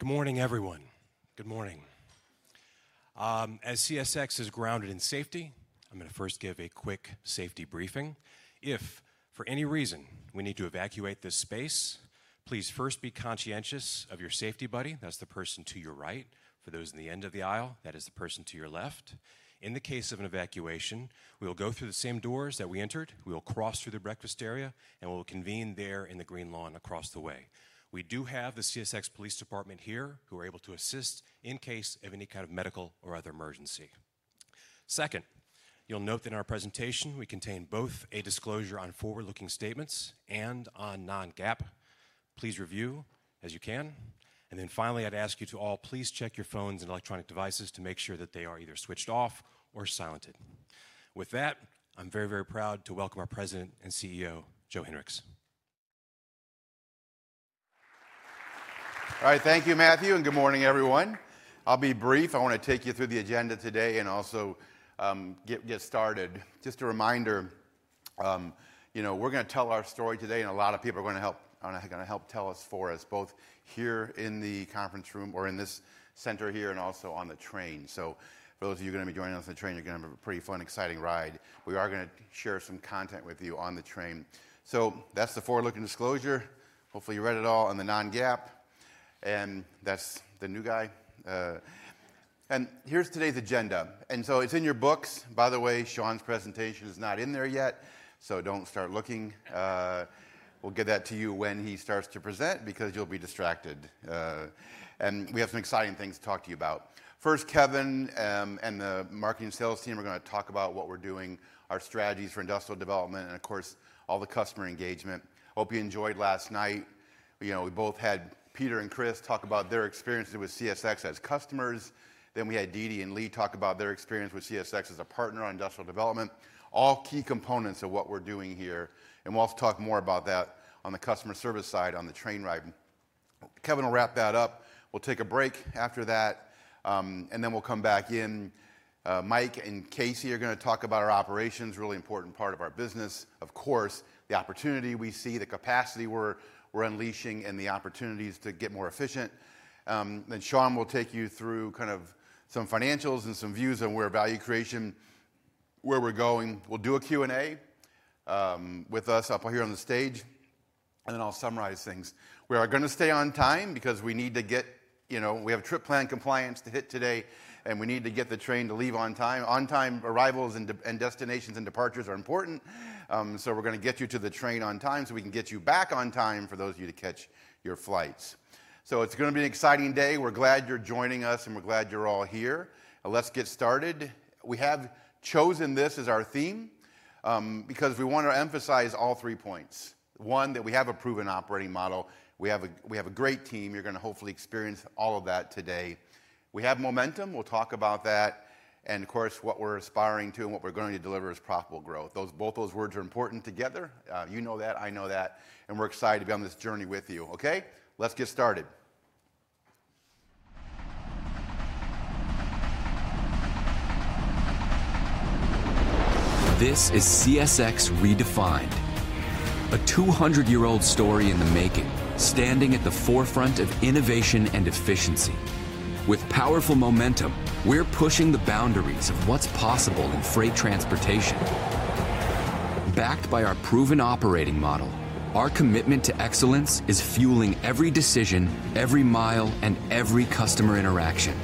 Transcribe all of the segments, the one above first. Good morning, everyone. Good morning. As CSX is grounded in safety, I'm going to first give a quick safety briefing. If, for any reason, we need to evacuate this space, please first be conscientious of your safety buddy. That's the person to your right. For those in the end of the aisle, that is the person to your left. In the case of an evacuation, we will go through the same doors that we entered. We will cross through the breakfast area, and we'll convene there in the green lawn across the way. We do have the CSX Police Department here, who are able to assist in case of any kind of medical or other emergency. Second, you'll note that in our presentation, we contain both a disclosure on forward-looking statements and on Non-GAAP. Please review as you can. And then finally, I'd ask you to all please check your phones and electronic devices to make sure that they are either switched off or silenced. With that, I'm very, very proud to welcome our President and CEO, Joe Hinrichs. All right. Thank you, Matthew. And good morning, everyone. I'll be brief. I want to take you through the agenda today and also get started. Just a reminder, you know, we're going to tell our story today, and a lot of people are going to help tell it for us, both here in the conference room or in this center here and also on the train. So for those of you going to be joining us on the train, you're going to have a pretty fun, exciting ride. We are going to share some content with you on the train. So that's the forward-looking disclosure. Hopefully, you read it all on the Non-GAAP. And that's the Non-GAAP. And here's today's agenda. And so it's in your books. By the way, Sean's presentation is not in there yet, so don't start looking. We'll give that to you when he starts to present because you'll be distracted, and we have some exciting things to talk to you about. First, Kevin and the marketing and sales team are going to talk about what we're doing, our strategies for industrial development, and of course, all the customer engagement. I hope you enjoyed last night. You know, we both had Peter and Chris talk about their experiences with CSX as customers, then we had Didi and Lee talk about their experience with CSX as a partner on industrial development, all key components of what we're doing here, and we'll also talk more about that on the customer service side on the train ride. Kevin will wrap that up. We'll take a break after that, and then we'll come back in. Mike and Casey are going to talk about our operations, a really important part of our business, of course, the opportunity we see, the capacity we're unleashing, and the opportunities to get more efficient. Then Sean will take you through kind of some financials and some views on where value creation, where we're going. We'll do a Q&A with us up here on the stage, and then I'll summarize things. We are going to stay on time because we need to get, you know, we have trip plan compliance to hit today, and we need to get the train to leave on time. On-time arrivals and destinations and departures are important. So we're going to get you to the train on time so we can get you back on time for those of you to catch your flights. So it's going to be an exciting day. We're glad you're joining us, and we're glad you're all here. Let's get started. We have chosen this as our theme because we want to emphasize all three points. One, that we have a proven operating model. We have a great team. You're going to hopefully experience all of that today. We have momentum. We'll talk about that. And of course, what we're aspiring to and what we're going to deliver is profitable growth. Both those words are important together. You know that. I know that. And we're excited to be on this journey with you. Okay? Let's get started. This is CSX Redefined, a 200-year-old story in the making, standing at the forefront of innovation and efficiency. With powerful momentum, we're pushing the boundaries of what's possible in freight transportation. Backed by our proven operating model, our commitment to excellence is fueling every decision, every mile, and every customer interaction,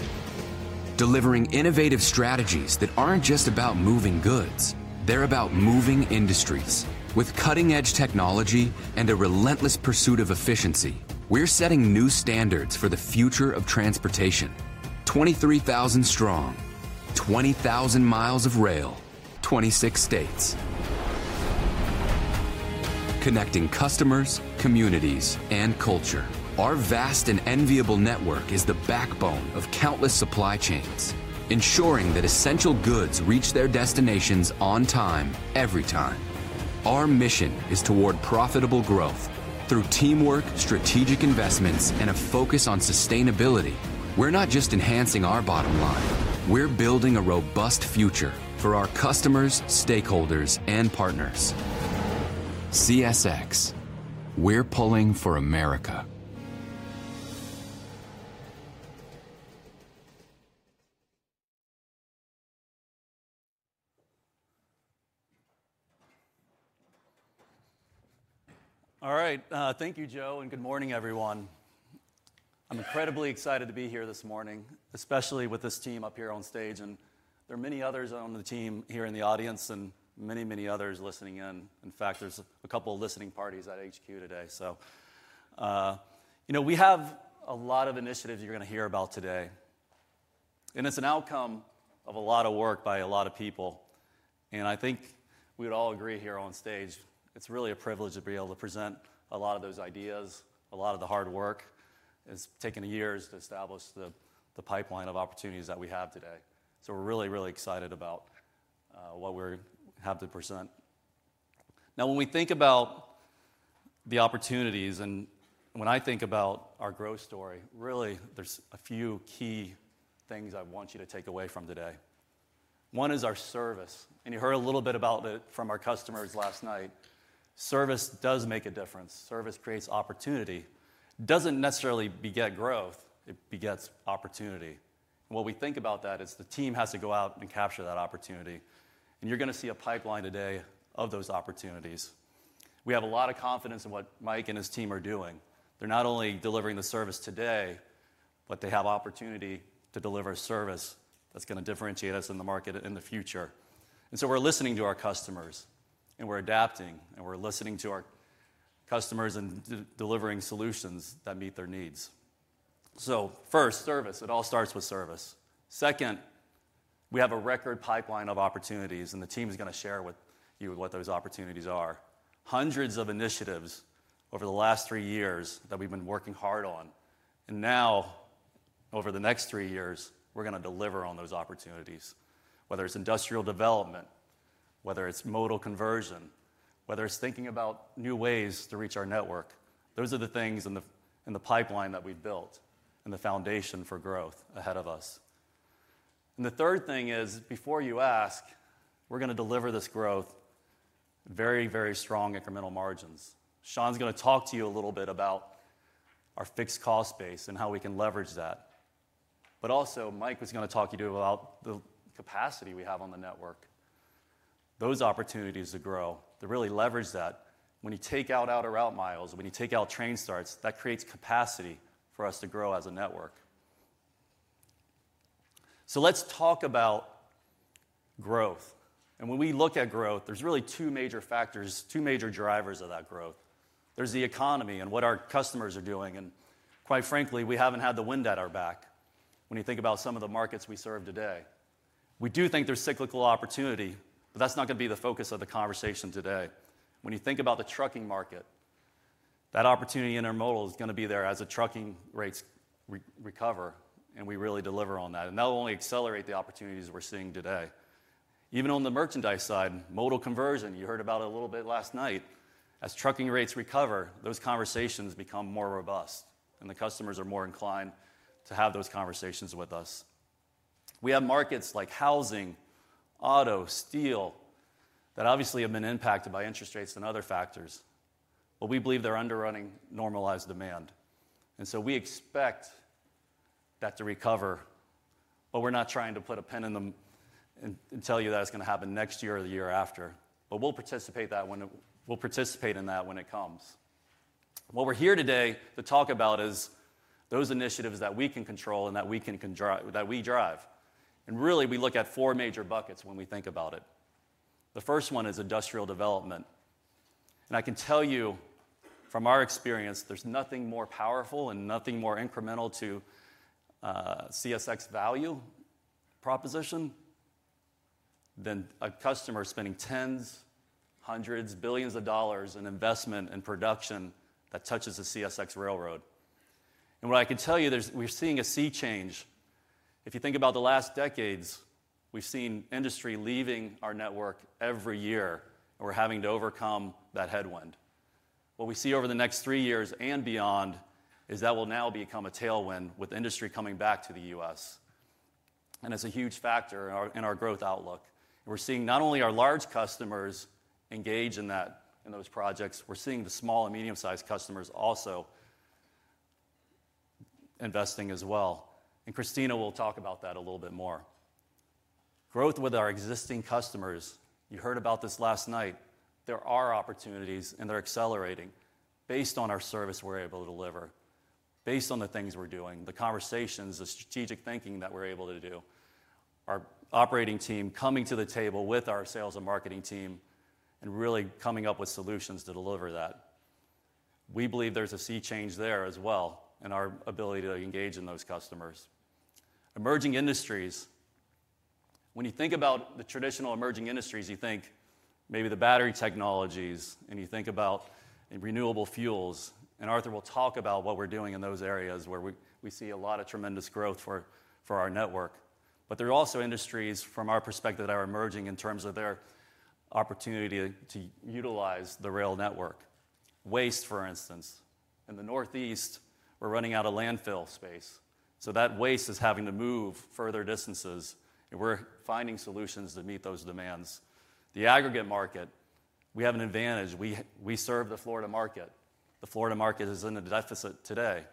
delivering innovative strategies that aren't just about moving goods. They're about moving industries. With cutting-edge technology and a relentless pursuit of efficiency, we're setting new standards for the future of transportation: 23,000 strong, 20,000 miles of rail, 26 states, connecting customers, communities, and culture. Our vast and enviable network is the backbone of countless supply chains, ensuring that essential goods reach their destinations on time, every time. Our mission is toward profitable growth through teamwork, strategic investments, and a focus on sustainability. We're not just enhancing our bottom line. We're building a robust future for our customers, stakeholders, and partners. CSX, we're pulling for America. All right. Thank you, Joe, and good morning, everyone. I'm incredibly excited to be here this morning, especially with this team up here on stage, and there are many others on the team here in the audience and many, many others listening in. In fact, there's a couple of listening parties at HQ today, so you know, we have a lot of initiatives you're going to hear about today, and it's an outcome of a lot of work by a lot of people, and I think we would all agree here on stage, it's really a privilege to be able to present a lot of those ideas. A lot of the hard work has taken years to establish the pipeline of opportunities that we have today, so we're really, really excited about what we have to present. Now, when we think about the opportunities and when I think about our growth story, really, there's a few key things I want you to take away from today. One is our service. And you heard a little bit about it from our customers last night. Service does make a difference. Service creates opportunity. It doesn't necessarily beget growth. It begets opportunity. And what we think about that is the team has to go out and capture that opportunity. And you're going to see a pipeline today of those opportunities. We have a lot of confidence in what Mike and his team are doing. They're not only delivering the service today, but they have opportunity to deliver service that's going to differentiate us in the market in the future. And so we're listening to our customers, and we're adapting, and we're listening to our customers and delivering solutions that meet their needs. So first, service. It all starts with service. Second, we have a record pipeline of opportunities, and the team is going to share with you what those opportunities are. Hundreds of initiatives over the last three years that we've been working hard on. And now, over the next three years, we're going to deliver on those opportunities, whether it's industrial development, whether it's modal conversion, whether it's thinking about new ways to reach our network. Those are the things in the pipeline that we've built and the foundation for growth ahead of us. And the third thing is, before you ask, we're going to deliver this growth very, very strong incremental margins. Sean's going to talk to you a little bit about our fixed cost base and how we can leverage that. But also, Mike was going to talk to you about the capacity we have on the network, those opportunities to grow, to really leverage that. When you take out out-of-route miles, when you take out train starts, that creates capacity for us to grow as a network. So let's talk about growth. And when we look at growth, there's really two major factors, two major drivers of that growth. There's the economy and what our customers are doing. And quite frankly, we haven't had the wind at our back when you think about some of the markets we serve today. We do think there's cyclical opportunity, but that's not going to be the focus of the conversation today. When you think about the trucking market, that opportunity in our modal is going to be there as the trucking rates recover and we really deliver on that. And that will only accelerate the opportunities we're seeing today. Even on the merchandise side, modal conversion, you heard about it a little bit last night. As trucking rates recover, those conversations become more robust, and the customers are more inclined to have those conversations with us. We have markets like housing, auto, steel that obviously have been impacted by interest rates and other factors, but we believe they're underrunning normalized demand. And so we expect that to recover. But we're not trying to put a pin in it and tell you that it's going to happen next year or the year after. But we'll participate in that when it comes. What we're here today to talk about is those initiatives that we can control and that we can drive. And really, we look at four major buckets when we think about it. The first one is industrial development. And I can tell you, from our experience, there's nothing more powerful and nothing more incremental to CSX value proposition than a customer spending tens, hundreds, billions of dollars in investment and production that touches a CSX railroad. And what I can tell you, we're seeing a sea change. If you think about the last decades, we've seen industry leaving our network every year, and we're having to overcome that headwind. What we see over the next three years and beyond is that will now become a tailwind with industry coming back to the U.S. And it's a huge factor in our growth outlook. We're seeing not only our large customers engage in those projects. We're seeing the small and medium-sized customers also investing as well, and Christina will talk about that a little bit more. Growth with our existing customers, you heard about this last night. There are opportunities, and they're accelerating based on our service we're able to deliver, based on the things we're doing, the conversations, the strategic thinking that we're able to do, our operating team coming to the table with our sales and marketing team and really coming up with solutions to deliver that. We believe there's a sea change there as well in our ability to engage in those customers. Emerging industries, when you think about the traditional emerging industries, you think maybe the battery technologies, and you think about renewable fuels. And Arthur will talk about what we're doing in those areas where we see a lot of tremendous growth for our network. But there are also industries, from our perspective, that are emerging in terms of their opportunity to utilize the rail network. Waste, for instance, in the Northeast. We're running out of landfill space. So that waste is having to move further distances. And we're finding solutions to meet those demands. The aggregate market. We have an advantage. We serve the Florida market. The Florida market is in a deficit today.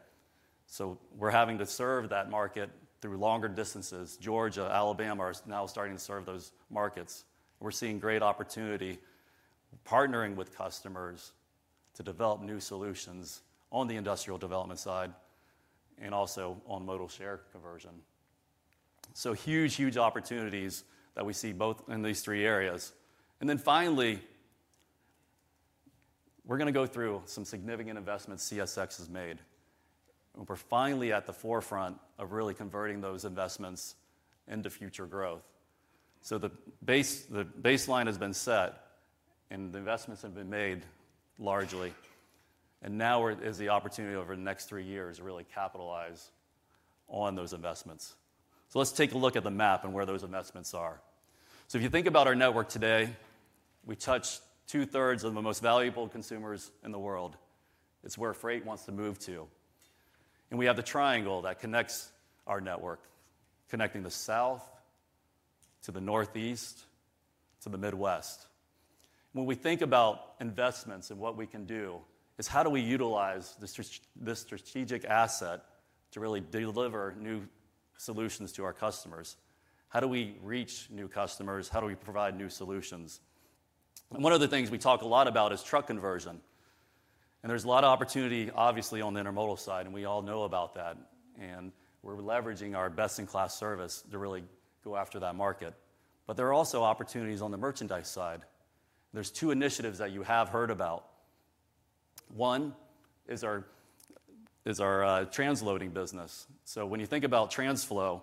So we're having to serve that market through longer distances. Georgia, Alabama are now starting to serve those markets. We're seeing great opportunity partnering with customers to develop new solutions on the industrial development side and also on modal share conversion. So huge, huge opportunities that we see both in these three areas. Then finally, we're going to go through some significant investments CSX has made. We're finally at the forefront of really converting those investments into future growth. The baseline has been set, and the investments have been made largely. Now is the opportunity over the next three years to really capitalize on those investments. Let's take a look at the map and where those investments are. If you think about our network today, we touch two-thirds of the most valuable consumers in the world. It's where freight wants to move to. We have the triangle that connects our network, connecting the South to the Northeast to the Midwest. When we think about investments and what we can do, it's how do we utilize this strategic asset to really deliver new solutions to our customers? How do we reach new customers? How do we provide new solutions? And one of the things we talk a lot about is truck conversion. And there's a lot of opportunity, obviously, on the intermodal side, and we all know about that. And we're leveraging our best-in-class service to really go after that market. But there are also opportunities on the merchandise side. There's two initiatives that you have heard about. One is our transloading business. So when you think about TRANSFLO,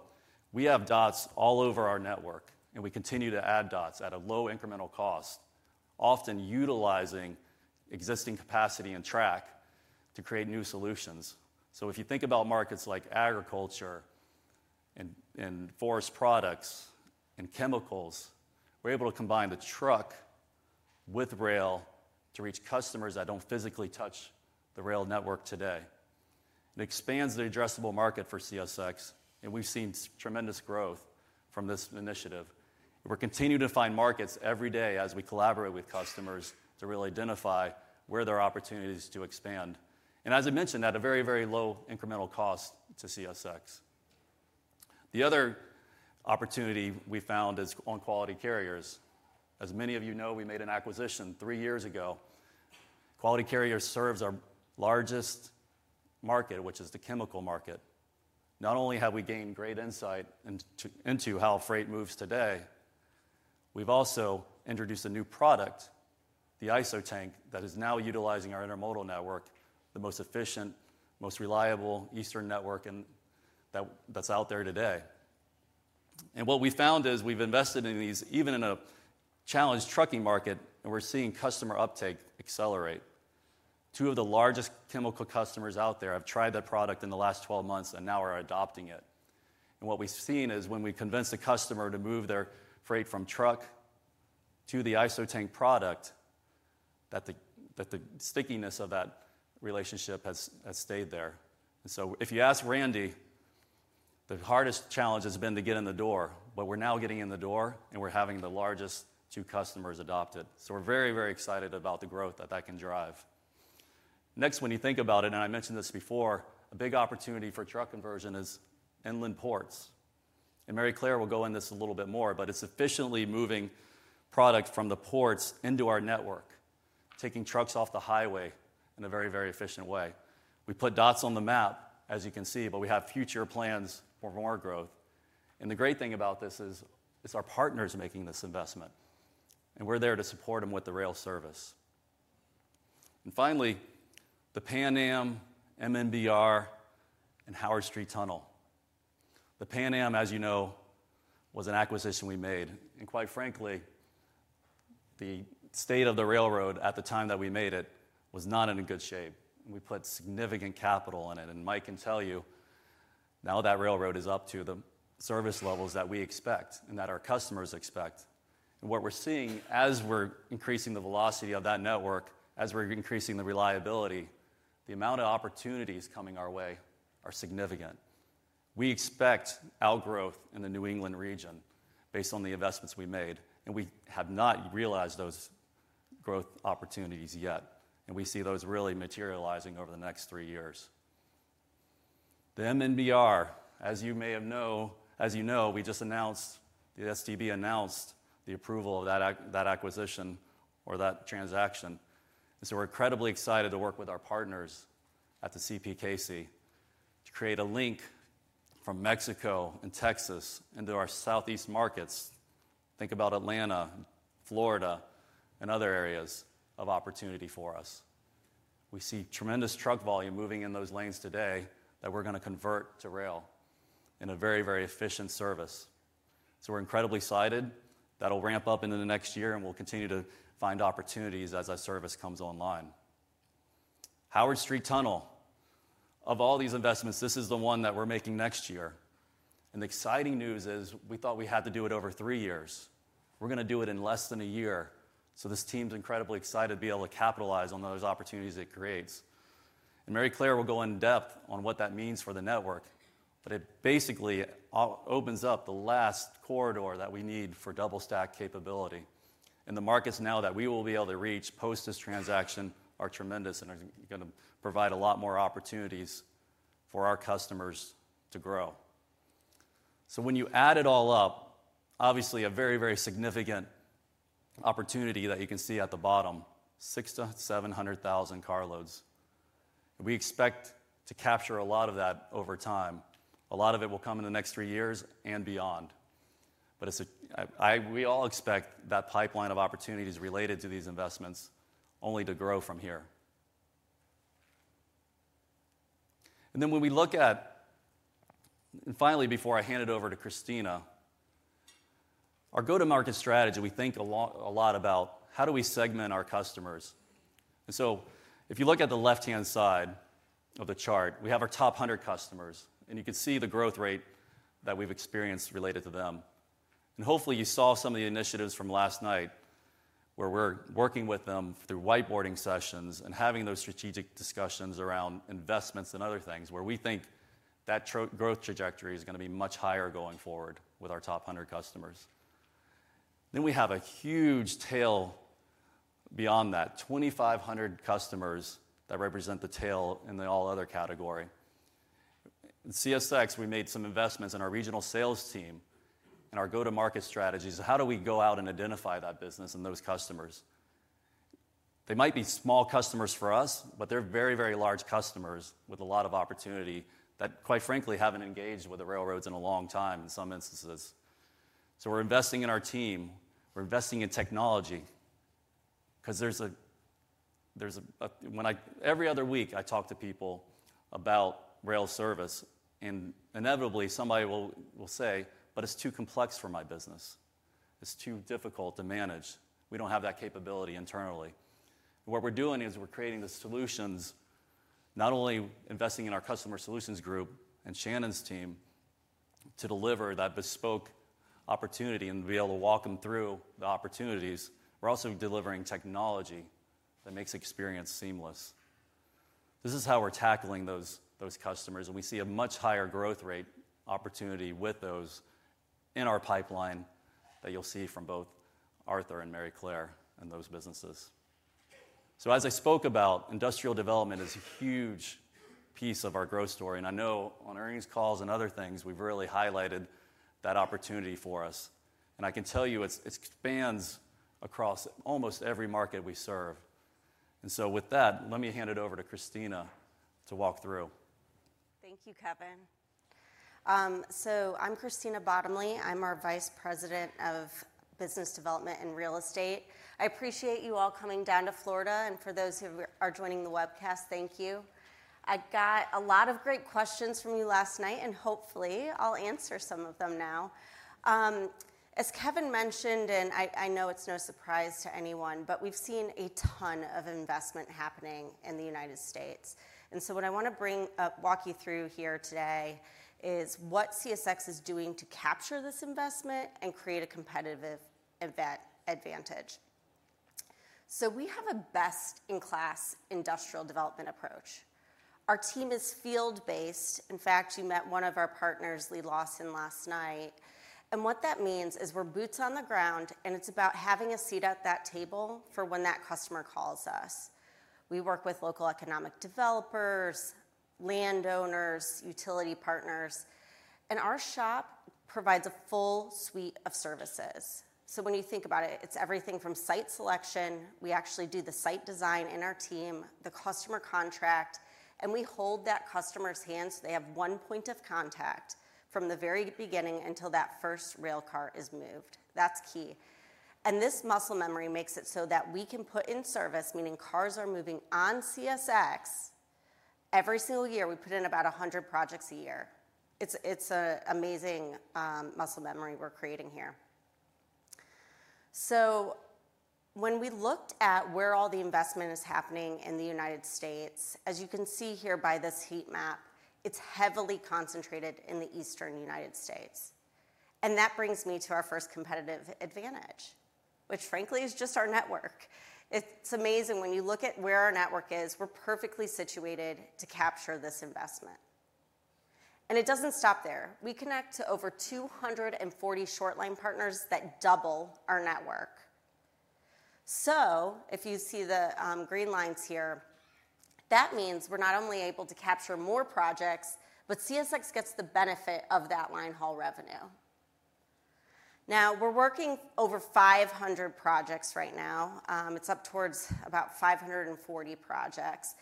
we have dots all over our network, and we continue to add dots at a low incremental cost, often utilizing existing capacity and track to create new solutions. So if you think about markets like agriculture and forest products and chemicals, we're able to combine the truck with rail to reach customers that don't physically touch the rail network today. It expands the addressable market for CSX, and we've seen tremendous growth from this initiative. We're continuing to find markets every day as we collaborate with customers to really identify where there are opportunities to expand, and as I mentioned, at a very, very low incremental cost to CSX. The other opportunity we found is on Quality Carriers. As many of you know, we made an acquisition three years ago. Quality Carriers serves our largest market, which is the chemical market. Not only have we gained great insight into how freight moves today, we've also introduced a new product, the ISO tank, that is now utilizing our intermodal network, the most efficient, most reliable Eastern network that's out there today, and what we found is we've invested in these, even in a challenged trucking market, and we're seeing customer uptake accelerate. Two of the largest chemical customers out there have tried that product in the last 12 months, and now we're adopting it. And what we've seen is when we convince a customer to move their freight from truck to the ISO tank product, that the stickiness of that relationship has stayed there. And so if you ask Randy, the hardest challenge has been to get in the door, but we're now getting in the door, and we're having the largest two customers adopt it. So we're very, very excited about the growth that that can drive. Next, when you think about it, and I mentioned this before, a big opportunity for truck conversion is inland ports. And Maryclare will go into this a little bit more, but it's efficiently moving product from the ports into our network, taking trucks off the highway in a very, very efficient way. We put dots on the map, as you can see, but we have future plans for more growth. And the great thing about this is it's our partners making this investment, and we're there to support them with the rail service. And finally, the Pan Am, MNBR, and Howard Street Tunnel. The Pan Am, as you know, was an acquisition we made. And quite frankly, the state of the railroad at the time that we made it was not in good shape. And we put significant capital in it. And Mike can tell you now that railroad is up to the service levels that we expect and that our customers expect. And what we're seeing as we're increasing the velocity of that network, as we're increasing the reliability, the amount of opportunities coming our way are significant. We expect outgrowth in the New England region based on the investments we made. We have not realized those growth opportunities yet, and we see those really materializing over the next three years. The MNBR, as you may know, as you know, we just announced, the STB announced the approval of that acquisition or that transaction, so we're incredibly excited to work with our partners at the CPKC to create a link from Mexico and Texas into our Southeast markets. Think about Atlanta, Florida, and other areas of opportunity for us. We see tremendous truck volume moving in those lanes today that we're going to convert to rail in a very, very efficient service, so we're incredibly excited. That'll ramp up into the next year, and we'll continue to find opportunities as that service comes online. Howard Street Tunnel, of all these investments, this is the one that we're making next year. And the exciting news is we thought we had to do it over three years. We're going to do it in less than a year. So this team's incredibly excited to be able to capitalize on those opportunities it creates. And Maryclare will go in depth on what that means for the network. But it basically opens up the last corridor that we need for double-stack capability. And the markets now that we will be able to reach post this transaction are tremendous and are going to provide a lot more opportunities for our customers to grow. So when you add it all up, obviously a very, very significant opportunity that you can see at the bottom, 600-700,000 carloads. We expect to capture a lot of that over time. A lot of it will come in the next three years and beyond, but we all expect that pipeline of opportunities related to these investments only to grow from here, and then when we look at, and finally, before I hand it over to Christina, our go-to-market strategy, we think a lot about how do we segment our customers, so if you look at the left-hand side of the chart, we have our top 100 customers, and you can see the growth rate that we've experienced related to them, and hopefully, you saw some of the initiatives from last night where we're working with them through whiteboarding sessions and having those strategic discussions around investments and other things where we think that growth trajectory is going to be much higher going forward with our top 100 customers. Then we have a huge tail beyond that, 2,500 customers that represent the tail in the all-other category. In CSX, we made some investments in our regional sales team and our go-to-market strategies. How do we go out and identify that business and those customers? They might be small customers for us, but they're very, very large customers with a lot of opportunity that, quite frankly, haven't engaged with the railroads in a long time in some instances. So we're investing in our team. We're investing in technology because when I, every other week, I talk to people about rail service. And inevitably, somebody will say, "But it's too complex for my business. It's too difficult to manage. We don't have that capability internally." What we're doing is we're creating the solutions, not only investing in our Customer Solutions Group and Shannon's team to deliver that bespoke opportunity and be able to walk them through the opportunities. We're also delivering technology that makes experience seamless. This is how we're tackling those customers. And we see a much higher growth rate opportunity with those in our pipeline that you'll see from both Arthur and Maryclare and those businesses. So as I spoke about, industrial development is a huge piece of our growth story. And I know on earnings calls and other things, we've really highlighted that opportunity for us. And so with that, let me hand it over to Christina to walk through. Thank you, Kevin. So I'm Christina Bottomley. I'm our Vice President of Business Development and Real Estate. I appreciate you all coming down to Florida, and for those who are joining the webcast, thank you. I got a lot of great questions from you last night, and hopefully, I'll answer some of them now. As Kevin mentioned, and I know it's no surprise to anyone, but we've seen a ton of investment happening in the United States, and so what I want to bring up, walk you through here today is what CSX is doing to capture this investment and create a competitive advantage, so we have a best-in-class industrial development approach. Our team is field-based. In fact, you met one of our partners, Lee Lawson, last night, and what that means is we're boots on the ground, and it's about having a seat at that table for when that customer calls us. We work with local economic developers, landowners, utility partners, and our shop provides a full suite of services, so when you think about it, it's everything from site selection, we actually do the site design in our team, the customer contract, and we hold that customer's hand so they have one point of contact from the very beginning until that first rail car is moved. That's key, and this muscle memory makes it so that we can put in service, meaning cars are moving on CSX every single year. We put in about 100 projects a year. It's an amazing muscle memory we're creating here, so when we looked at where all the investment is happening in the United States, as you can see here by this heat map, it's heavily concentrated in the Eastern United States. That brings me to our first competitive advantage, which frankly is just our network. It's amazing when you look at where our network is. We're perfectly situated to capture this investment. It doesn't stop there. We connect to over 240 short-line partners that double our network. If you see the green lines here, that means we're not only able to capture more projects, but CSX gets the benefit of that line haul revenue. Now, we're working over 500 projects right now. It's up towards about 540 projects.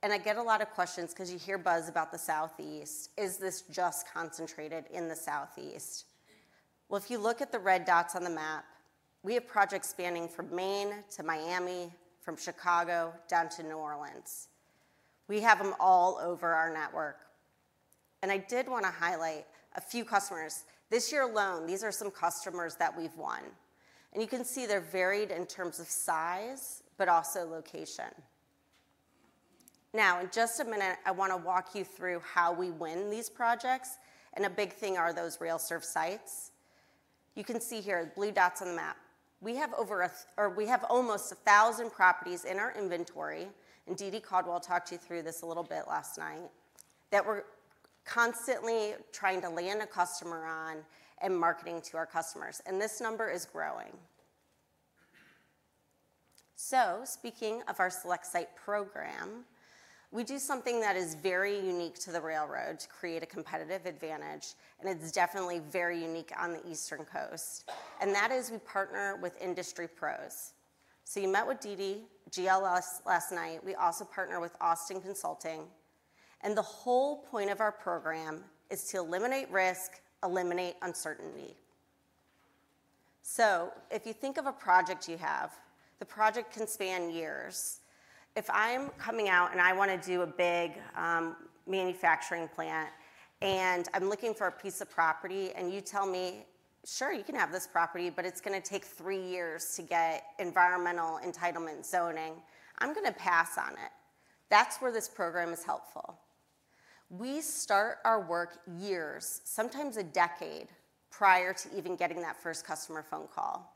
I get a lot of questions because you hear buzz about the Southeast. Is this just concentrated in the Southeast? If you look at the red dots on the map, we have projects spanning from Maine to Miami, from Chicago down to New Orleans. We have them all over our network. I did want to highlight a few customers. This year alone, these are some customers that we've won. And you can see they're varied in terms of size, but also location. Now, in just a minute, I want to walk you through how we win these projects. And a big thing are those rail serve sites. You can see here, blue dots on the map. We have almost 1,000 properties in our inventory. And Didi Caldwell talked to you through this a little bit last night that we're constantly trying to land a customer on and marketing to our customers. And this number is growing. So speaking of our Select Site program, we do something that is very unique to the railroad to create a competitive advantage. And it's definitely very unique on the Eastern Coast. And that is we partner with industry pros. So you met with Didi GLS last night. We also partner with Austin Consulting. And the whole point of our program is to eliminate risk, eliminate uncertainty. So if you think of a project you have, the project can span years. If I'm coming out and I want to do a big manufacturing plant and I'm looking for a piece of property and you tell me, "Sure, you can have this property, but it's going to take three years to get environmental entitlement zoning," I'm going to pass on it. That's where this program is helpful. We start our work years, sometimes a decade, prior to even getting that first customer phone call.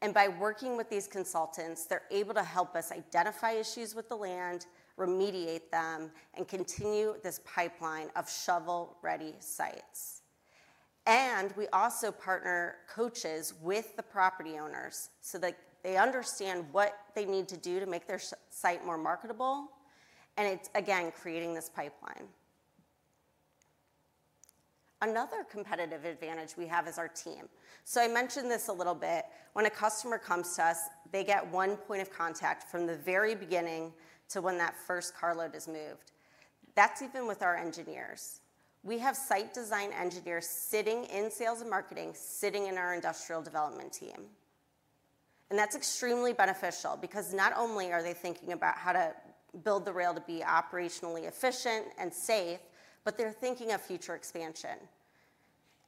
And by working with these consultants, they're able to help us identify issues with the land, remediate them, and continue this pipeline of shovel-ready sites. And we also partner coaches with the property owners so that they understand what they need to do to make their site more marketable. And it's, again, creating this pipeline. Another competitive advantage we have is our team. So I mentioned this a little bit. When a customer comes to us, they get one point of contact from the very beginning to when that first carload is moved. That's even with our engineers. We have site design engineers sitting in sales and marketing, sitting in our industrial development team. And that's extremely beneficial because not only are they thinking about how to build the rail to be operationally efficient and safe, but they're thinking of future expansion.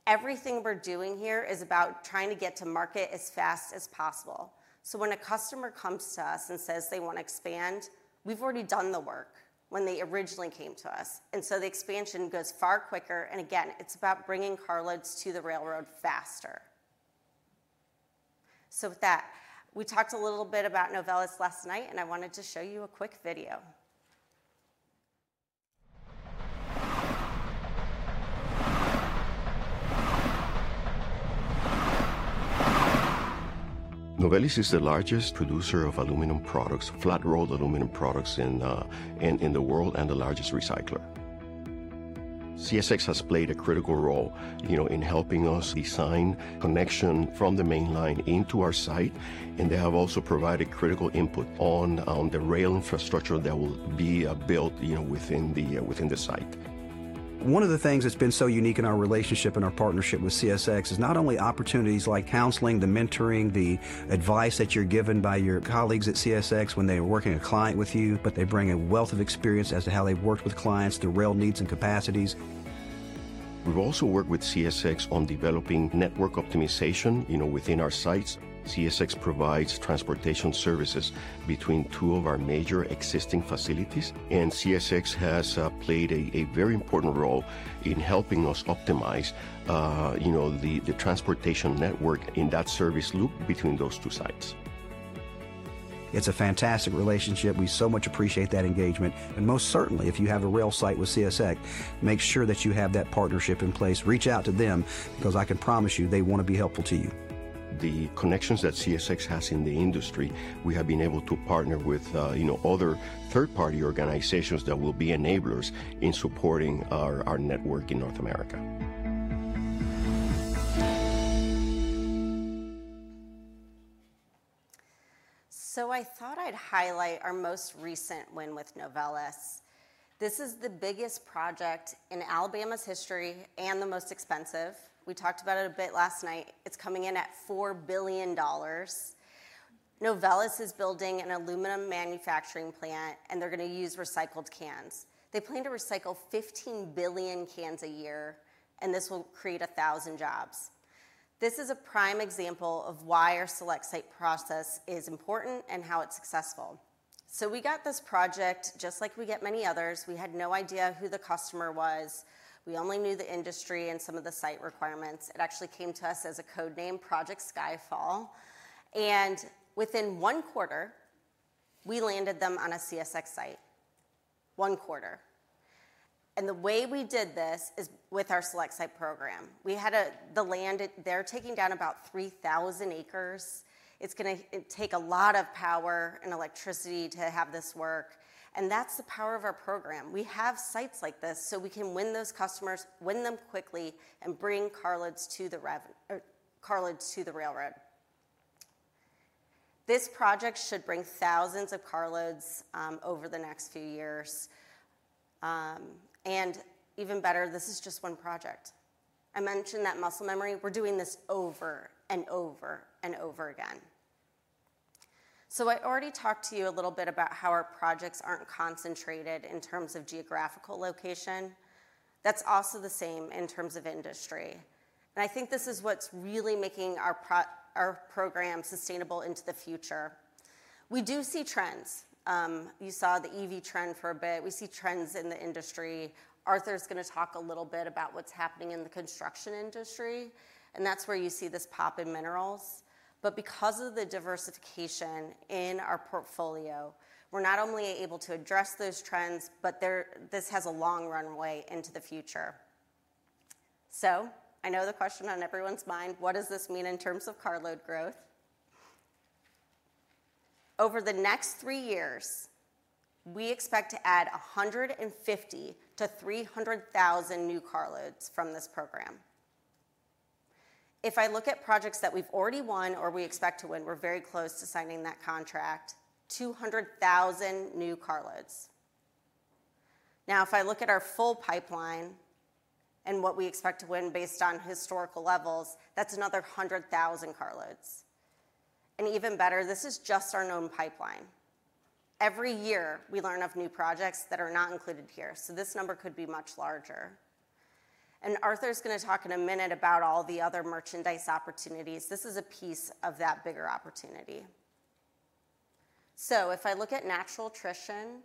Everything we're doing here is about trying to get to market as fast as possible. So when a customer comes to us and says they want to expand, we've already done the work when they originally came to us. And so the expansion goes far quicker. And again, it's about bringing carloads to the railroad faster. So with that, we talked a little bit about Novelis last night, and I wanted to show you a quick video. Novelis is the largest producer of aluminum products, flat rolled aluminum products in the world, and the largest recycler. CSX has played a critical role in helping us design a connection from the main line into our site. And they have also provided critical input on the rail infrastructure that will be built within the site. One of the things that's been so unique in our relationship and our partnership with CSX is not only opportunities like counseling, the mentoring, the advice that you're given by your colleagues at CSX when they are working a client with you, but they bring a wealth of experience as to how they've worked with clients, the rail needs and capacities. We've also worked with CSX on developing network optimization within our sites. CSX provides transportation services between two of our major existing facilities, and CSX has played a very important role in helping us optimize the transportation network in that service loop between those two sites. It's a fantastic relationship. We so much appreciate that engagement, and most certainly, if you have a rail site with CSX, make sure that you have that partnership in place. Reach out to them because I can promise you they want to be helpful to you. The connections that CSX has in the industry, we have been able to partner with other third-party organizations that will be enablers in supporting our network in North America. So I thought I'd highlight our most recent win with Novelis. This is the biggest project in Alabama's history and the most expensive. We talked about it a bit last night. It's coming in at $4 billion. Novelis is building an aluminum manufacturing plant, and they're going to use recycled cans. They plan to recycle 15 billion cans a year, and this will create 1,000 jobs. This is a prime example of why our Select Site process is important and how it's successful. So we got this project just like we get many others. We had no idea who the customer was. We only knew the industry and some of the site requirements. It actually came to us as a code name, Project Skyfall, and within one quarter, we landed them on a CSX site. One quarter, and the way we did this is with our Select Site program. We had the land. They're taking down about 3,000 acres. It's going to take a lot of power and electricity to have this work, and that's the power of our program. We have sites like this so we can win those customers, win them quickly, and bring carloads to the railroad. This project should bring thousands of carloads over the next few years, and even better, this is just one project. I mentioned that muscle memory. We're doing this over and over and over again. So I already talked to you a little bit about how our projects aren't concentrated in terms of geographical location. That's also the same in terms of industry. And I think this is what's really making our program sustainable into the future. We do see trends. You saw the EV trend for a bit. We see trends in the industry. Arthur's going to talk a little bit about what's happening in the construction industry. And that's where you see this pop in minerals. But because of the diversification in our portfolio, we're not only able to address those trends, but this has a long runway into the future. So I know the question on everyone's mind, what does this mean in terms of carload growth? Over the next three years, we expect to add 150-300,000 new carloads from this program. If I look at projects that we've already won or we expect to win, we're very close to signing that contract, 200,000 new carloads. Now, if I look at our full pipeline and what we expect to win based on historical levels, that's another 100,000 carloads. And even better, this is just our known pipeline. Every year, we learn of new projects that are not included here. So this number could be much larger. And Arthur's going to talk in a minute about all the other merchandise opportunities. This is a piece of that bigger opportunity. So if I look at natural attrition,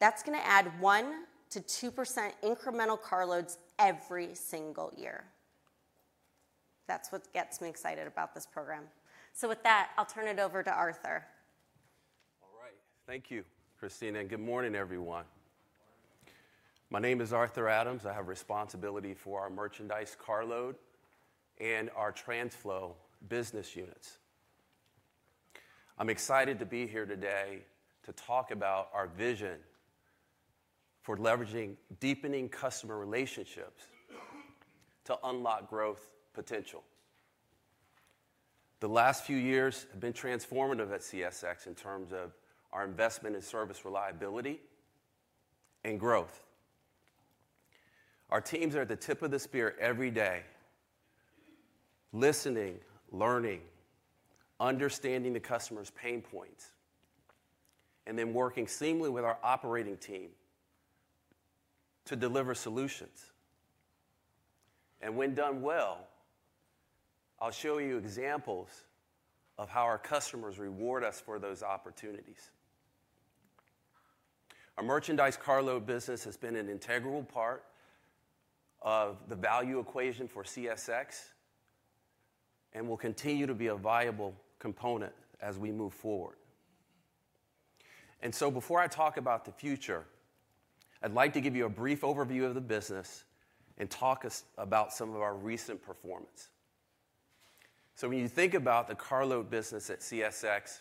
that's going to add 1%-2% incremental carloads every single year. That's what gets me excited about this program. So with that, I'll turn it over to Arthur. All right. Thank you, Christina. And good morning, everyone. My name is Arthur Adams. I have responsibility for our merchandise carload and our TRANSFLO business units. I'm excited to be here today to talk about our vision for leveraging deepening customer relationships to unlock growth potential. The last few years have been transformative at CSX in terms of our investment in service reliability and growth. Our teams are at the tip of the spear every day, listening, learning, understanding the customer's pain points, and then working seamlessly with our operating team to deliver solutions, and when done well, I'll show you examples of how our customers reward us for those opportunities. Our merchandise carload business has been an integral part of the value equation for CSX and will continue to be a viable component as we move forward. Before I talk about the future, I'd like to give you a brief overview of the business and talk about some of our recent performance. When you think about the carload business at CSX,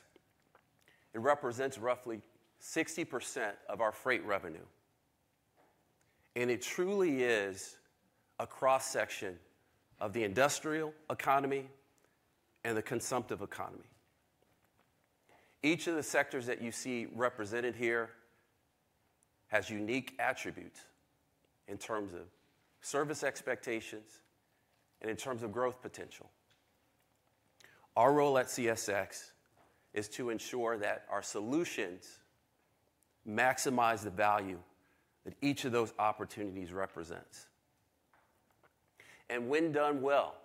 it represents roughly 60% of our freight revenue. It truly is a cross-section of the industrial economy and the consumptive economy. Each of the sectors that you see represented here has unique attributes in terms of service expectations and in terms of growth potential. Our role at CSX is to ensure that our solutions maximize the value that each of those opportunities represents. When done well,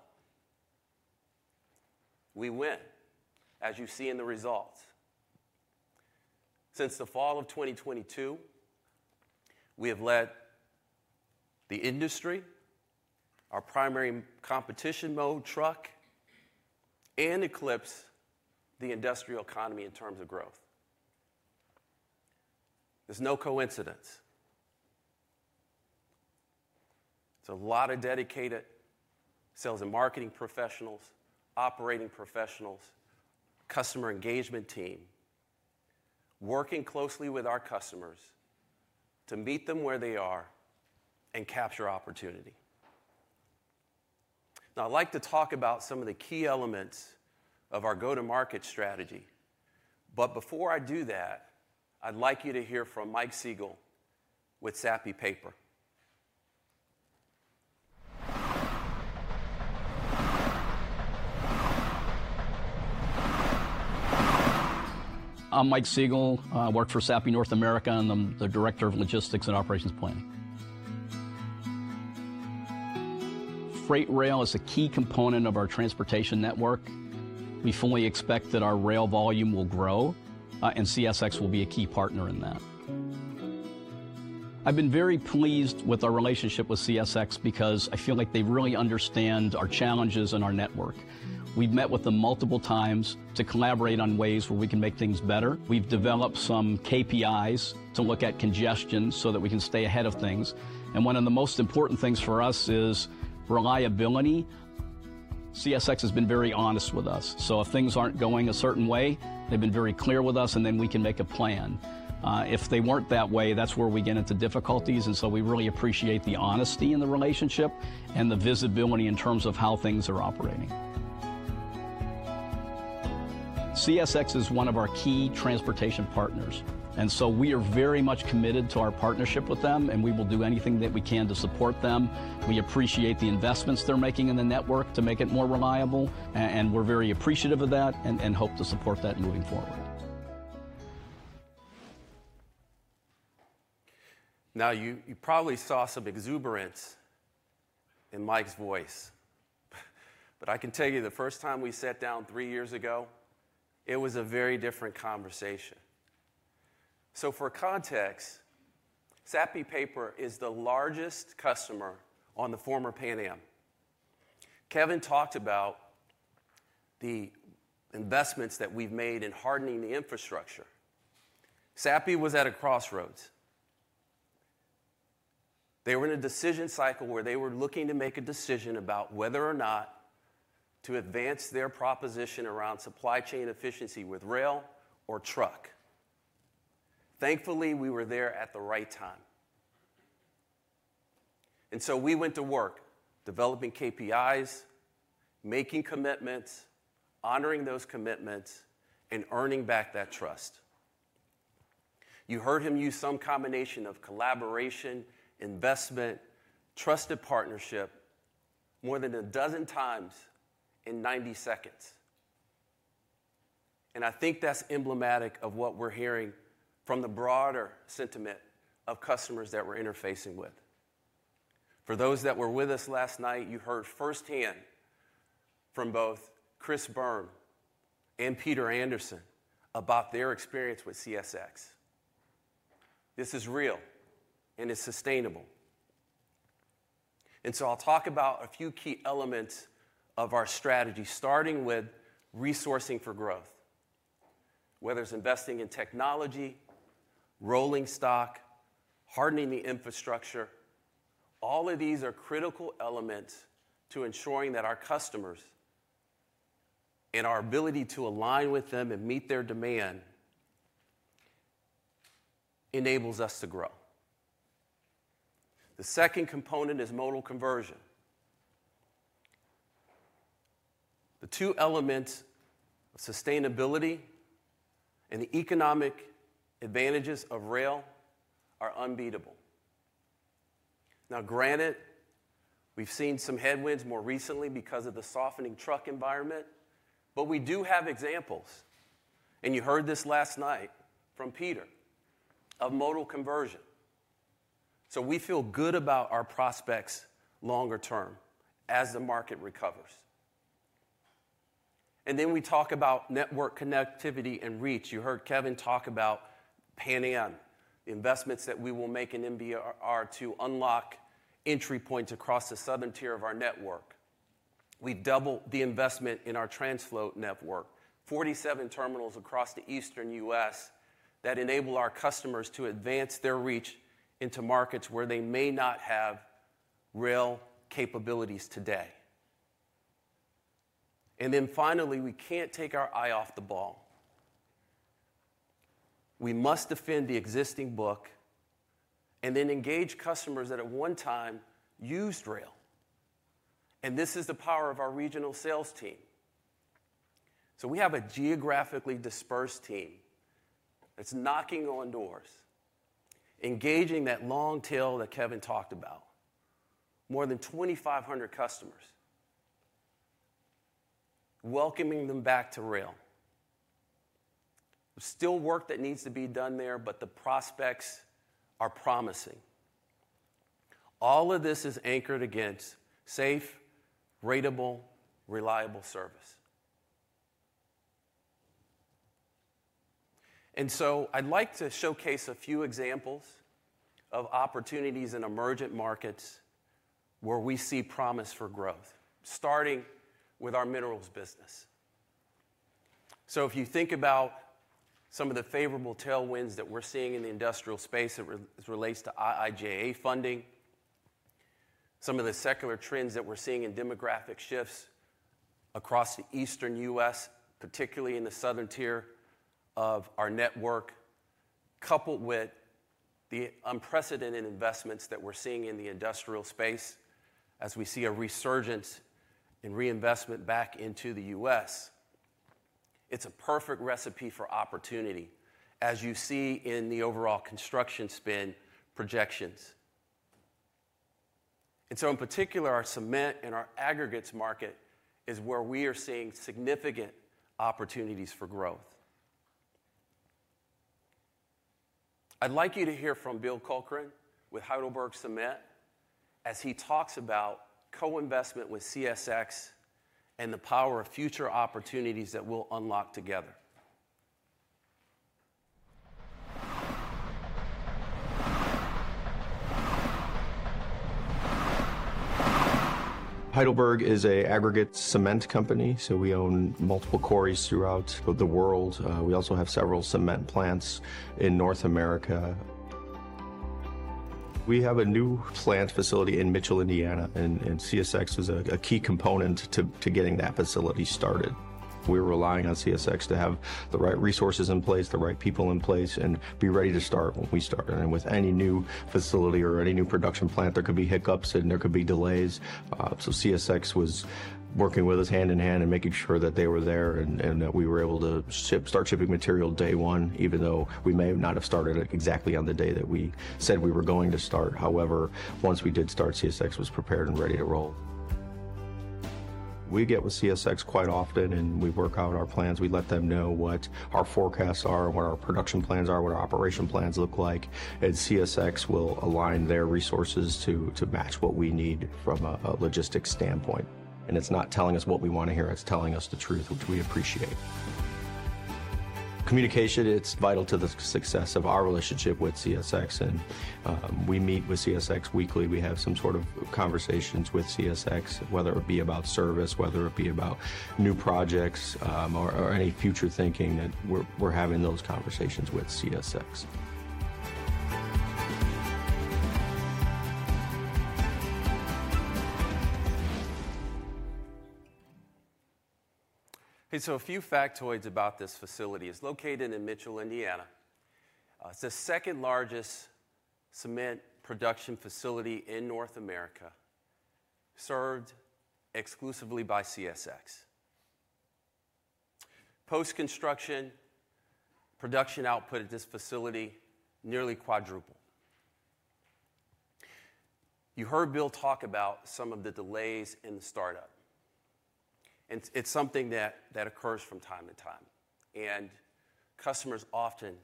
we win, as you see in the results. Since the fall of 2022, we have led the industry, our primary competition, truck mode, and eclipsed the industrial economy in terms of growth. There's no coincidence. It's a lot of dedicated sales and marketing professionals, operating professionals, customer engagement team, working closely with our customers to meet them where they are and capture opportunity. Now, I'd like to talk about some of the key elements of our go-to-market strategy. But before I do that, I'd like you to hear from Mike Siegel with Sappi Paper. I'm Mike Siegel. I work for Sappi North America and I'm the Director of Logistics and Operations Planning. Freight rail is a key component of our transportation network. We fully expect that our rail volume will grow, and CSX will be a key partner in that. I've been very pleased with our relationship with CSX because I feel like they really understand our challenges and our network. We've met with them multiple times to collaborate on ways where we can make things better. We've developed some KPIs to look at congestion so that we can stay ahead of things. And one of the most important things for us is reliability. CSX has been very honest with us. So if things aren't going a certain way, they've been very clear with us, and then we can make a plan. If they weren't that way, that's where we get into difficulties. And so we really appreciate the honesty in the relationship and the visibility in terms of how things are operating. CSX is one of our key transportation partners. And so we are very much committed to our partnership with them, and we will do anything that we can to support them. We appreciate the investments they're making in the network to make it more reliable, and we're very appreciative of that and hope to support that moving forward. Now, you probably saw some exuberance in Mike's voice, but I can tell you the first time we sat down three years ago, it was a very different conversation. So for context, Sappi is the largest customer on the former Pan Am. Kevin talked about the investments that we've made in hardening the infrastructure. Sappi was at a crossroads. They were in a decision cycle where they were looking to make a decision about whether or not to advance their proposition around supply chain efficiency with rail or truck. Thankfully, we were there at the right time. And so we went to work developing KPIs, making commitments, honoring those commitments, and earning back that trust. You heard him use some combination of collaboration, investment, trusted partnership more than a dozen times in 90 seconds. I think that's emblematic of what we're hearing from the broader sentiment of customers that we're interfacing with. For those that were with us last night, you heard firsthand from both Chris Bohn and Peter Anderson about their experience with CSX. This is real, and it's sustainable, so I'll talk about a few key elements of our strategy, starting with resourcing for growth, whether it's investing in technology, rolling stock, hardening the infrastructure. All of these are critical elements to ensuring that our customers and our ability to align with them and meet their demand enables us to grow. The second component is modal conversion. The two elements of sustainability and the economic advantages of rail are unbeatable. Now, granted, we've seen some headwinds more recently because of the softening truck environment, but we do have examples. You heard this last night from Peter of modal conversion. So we feel good about our prospects longer term as the market recovers. And then we talk about network connectivity and reach. You heard Kevin talk about Pan Am, the investments that we will make in MBR to unlock entry points across the southern tier of our network. We doubled the investment in our TRANSFLO network, 47 terminals across the Eastern U.S. that enable our customers to advance their reach into markets where they may not have rail capabilities today. And then finally, we can't take our eye off the ball. We must defend the existing book and then engage customers that at one time used rail. And this is the power of our regional sales team. So we have a geographically dispersed team that's knocking on doors, engaging that long tail that Kevin talked about, more than 2,500 customers, welcoming them back to rail. There's still work that needs to be done there, but the prospects are promising. All of this is anchored against safe, ratable, reliable service. And so I'd like to showcase a few examples of opportunities in emergent markets where we see promise for growth, starting with our minerals business. So if you think about some of the favorable tailwinds that we're seeing in the industrial space as it relates to IIJA funding, some of the secular trends that we're seeing in demographic shifts across the Eastern U.S., particularly in the southern tier of our network, coupled with the unprecedented investments that we're seeing in the industrial space as we see a resurgence in reinvestment back into the U.S., it's a perfect recipe for opportunity, as you see in the overall construction spend projections. And so in particular, our cement and our aggregates market is where we are seeing significant opportunities for growth. I'd like you to hear from Bill Corcoran with Heidelberg Materials as he talks about co-investment with CSX and the power of future opportunities that we'll unlock together. Heidelberg is an aggregate cement company, so we own multiple quarries throughout the world. We also have several cement plants in North America. We have a new plant facility in Mitchell, Indiana, and CSX was a key component to getting that facility started. We're relying on CSX to have the right resources in place, the right people in place, and be ready to start when we start. And with any new facility or any new production plant, there could be hiccups and there could be delays. So CSX was working with us hand in hand and making sure that they were there and that we were able to start shipping material day one, even though we may have not started exactly on the day that we said we were going to start. However, once we did start, CSX was prepared and ready to roll. We get with CSX quite often, and we work out our plans. We let them know what our forecasts are, what our production plans are, what our operation plans look like. And CSX will align their resources to match what we need from a logistics standpoint. And it's not telling us what we want to hear. It's telling us the truth, which we appreciate. Communication, it's vital to the success of our relationship with CSX. And we meet with CSX weekly. We have some sort of conversations with CSX, whether it be about service, whether it be about new projects, or any future thinking that we're having those conversations with CSX. Okay, so a few factoids about this facility. It's located in Mitchell, Indiana. It's the second largest cement production facility in North America, served exclusively by CSX. Post-construction, production output at this facility nearly quadrupled. You heard Bill talk about some of the delays in the startup. It's something that occurs from time to time. And customers often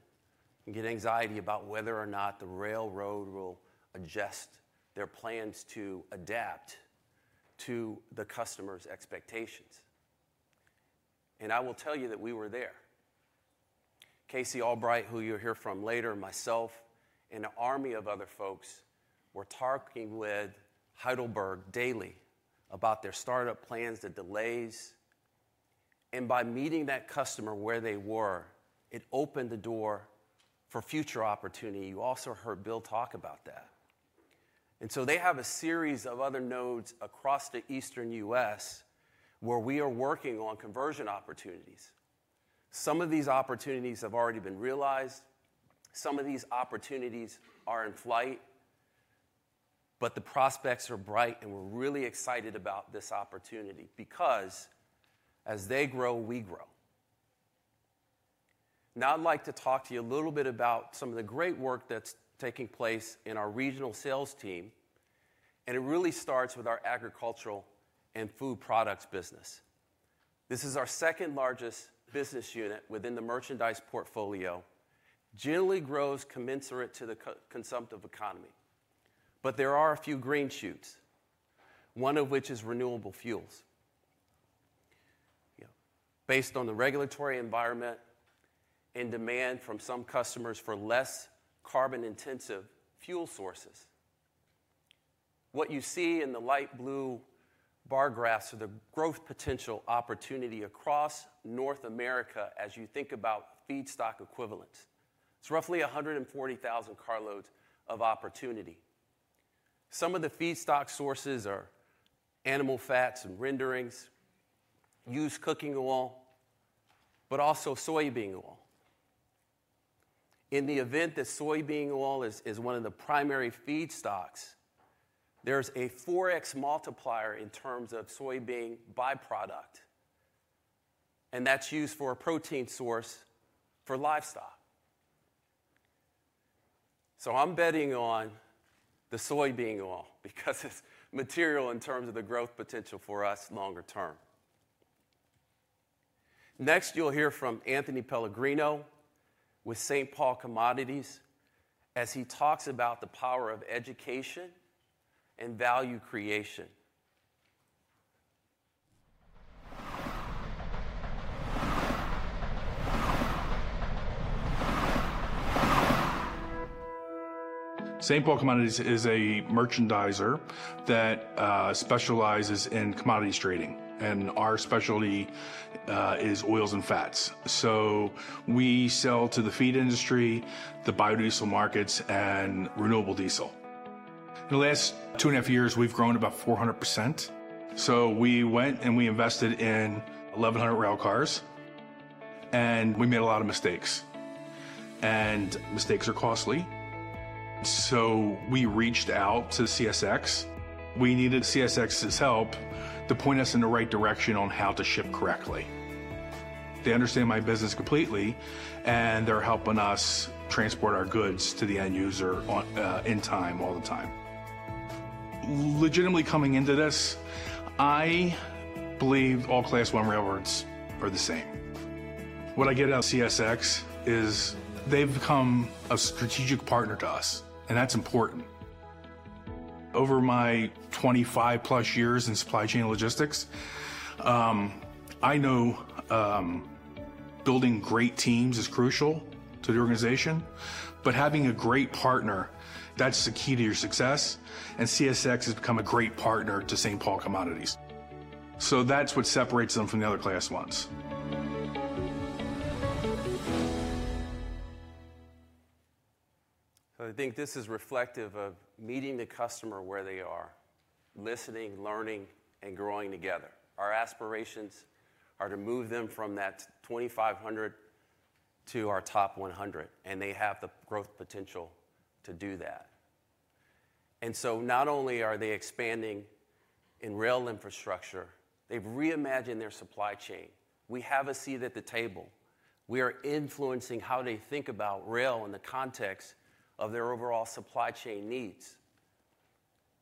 get anxiety about whether or not the railroad will adjust their plans to adapt to the customer's expectations. And I will tell you that we were there. Casey Albright, who you'll hear from later, myself, and an army of other folks were talking with Heidelberg daily about their startup plans, the delays. And by meeting that customer where they were, it opened the door for future opportunity. You also heard Bill talk about that. And so they have a series of other nodes across the Eastern U.S. where we are working on conversion opportunities. Some of these opportunities have already been realized. Some of these opportunities are in flight, but the prospects are bright, and we're really excited about this opportunity because as they grow, we grow. Now, I'd like to talk to you a little bit about some of the great work that's taking place in our regional sales team. And it really starts with our agricultural and food products business. This is our second largest business unit within the merchandise portfolio. Generally grows commensurate to the consumptive economy. But there are a few green shoots, one of which is renewable fuels. Based on the regulatory environment and demand from some customers for less carbon-intensive fuel sources, what you see in the light blue bar graphs are the growth potential opportunity across North America as you think about feedstock equivalents. It's roughly 140,000 carloads of opportunity. Some of the feedstock sources are animal fats and renderings, used cooking oil, but also soybean oil. In the event that soybean oil is one of the primary feedstocks, there's a 4x multiplier in terms of soybean byproduct, and that's used for a protein source for livestock. So I'm betting on the soybean oil because it's material in terms of the growth potential for us longer term. Next, you'll hear from Anthony Pellegrino with Saint Paul Commodities as he talks about the power of education and value creation. Saint Paul Commodities is a merchandiser that specializes in commodity trading, and our specialty is oils and fats. So we sell to the feed industry, the biodiesel markets, and renewable diesel. In the last two and a half years, we've grown about 400%. So we went and we invested in 1,100 rail cars, and we made a lot of mistakes. And mistakes are costly. So we reached out to CSX. We needed CSX's help to point us in the right direction on how to ship correctly. They understand my business completely, and they're helping us transport our goods to the end user in time, all the time. Legitimately coming into this, I believe all class one railroads are the same. What I get out of CSX is they've become a strategic partner to us, and that's important. Over my 25+ years in supply chain logistics, I know building great teams is crucial to the organization, but having a great partner, that's the key to your success. CSX has become a great partner to Saint Paul Commodities. So that's what separates them from the other Class I. So I think this is reflective of meeting the customer where they are, listening, learning, and growing together. Our aspirations are to move them from that 2,500 to our top 100, and they have the growth potential to do that. And so not only are they expanding in rail infrastructure, they've reimagined their supply chain. We have a seat at the table. We are influencing how they think about rail in the context of their overall supply chain needs.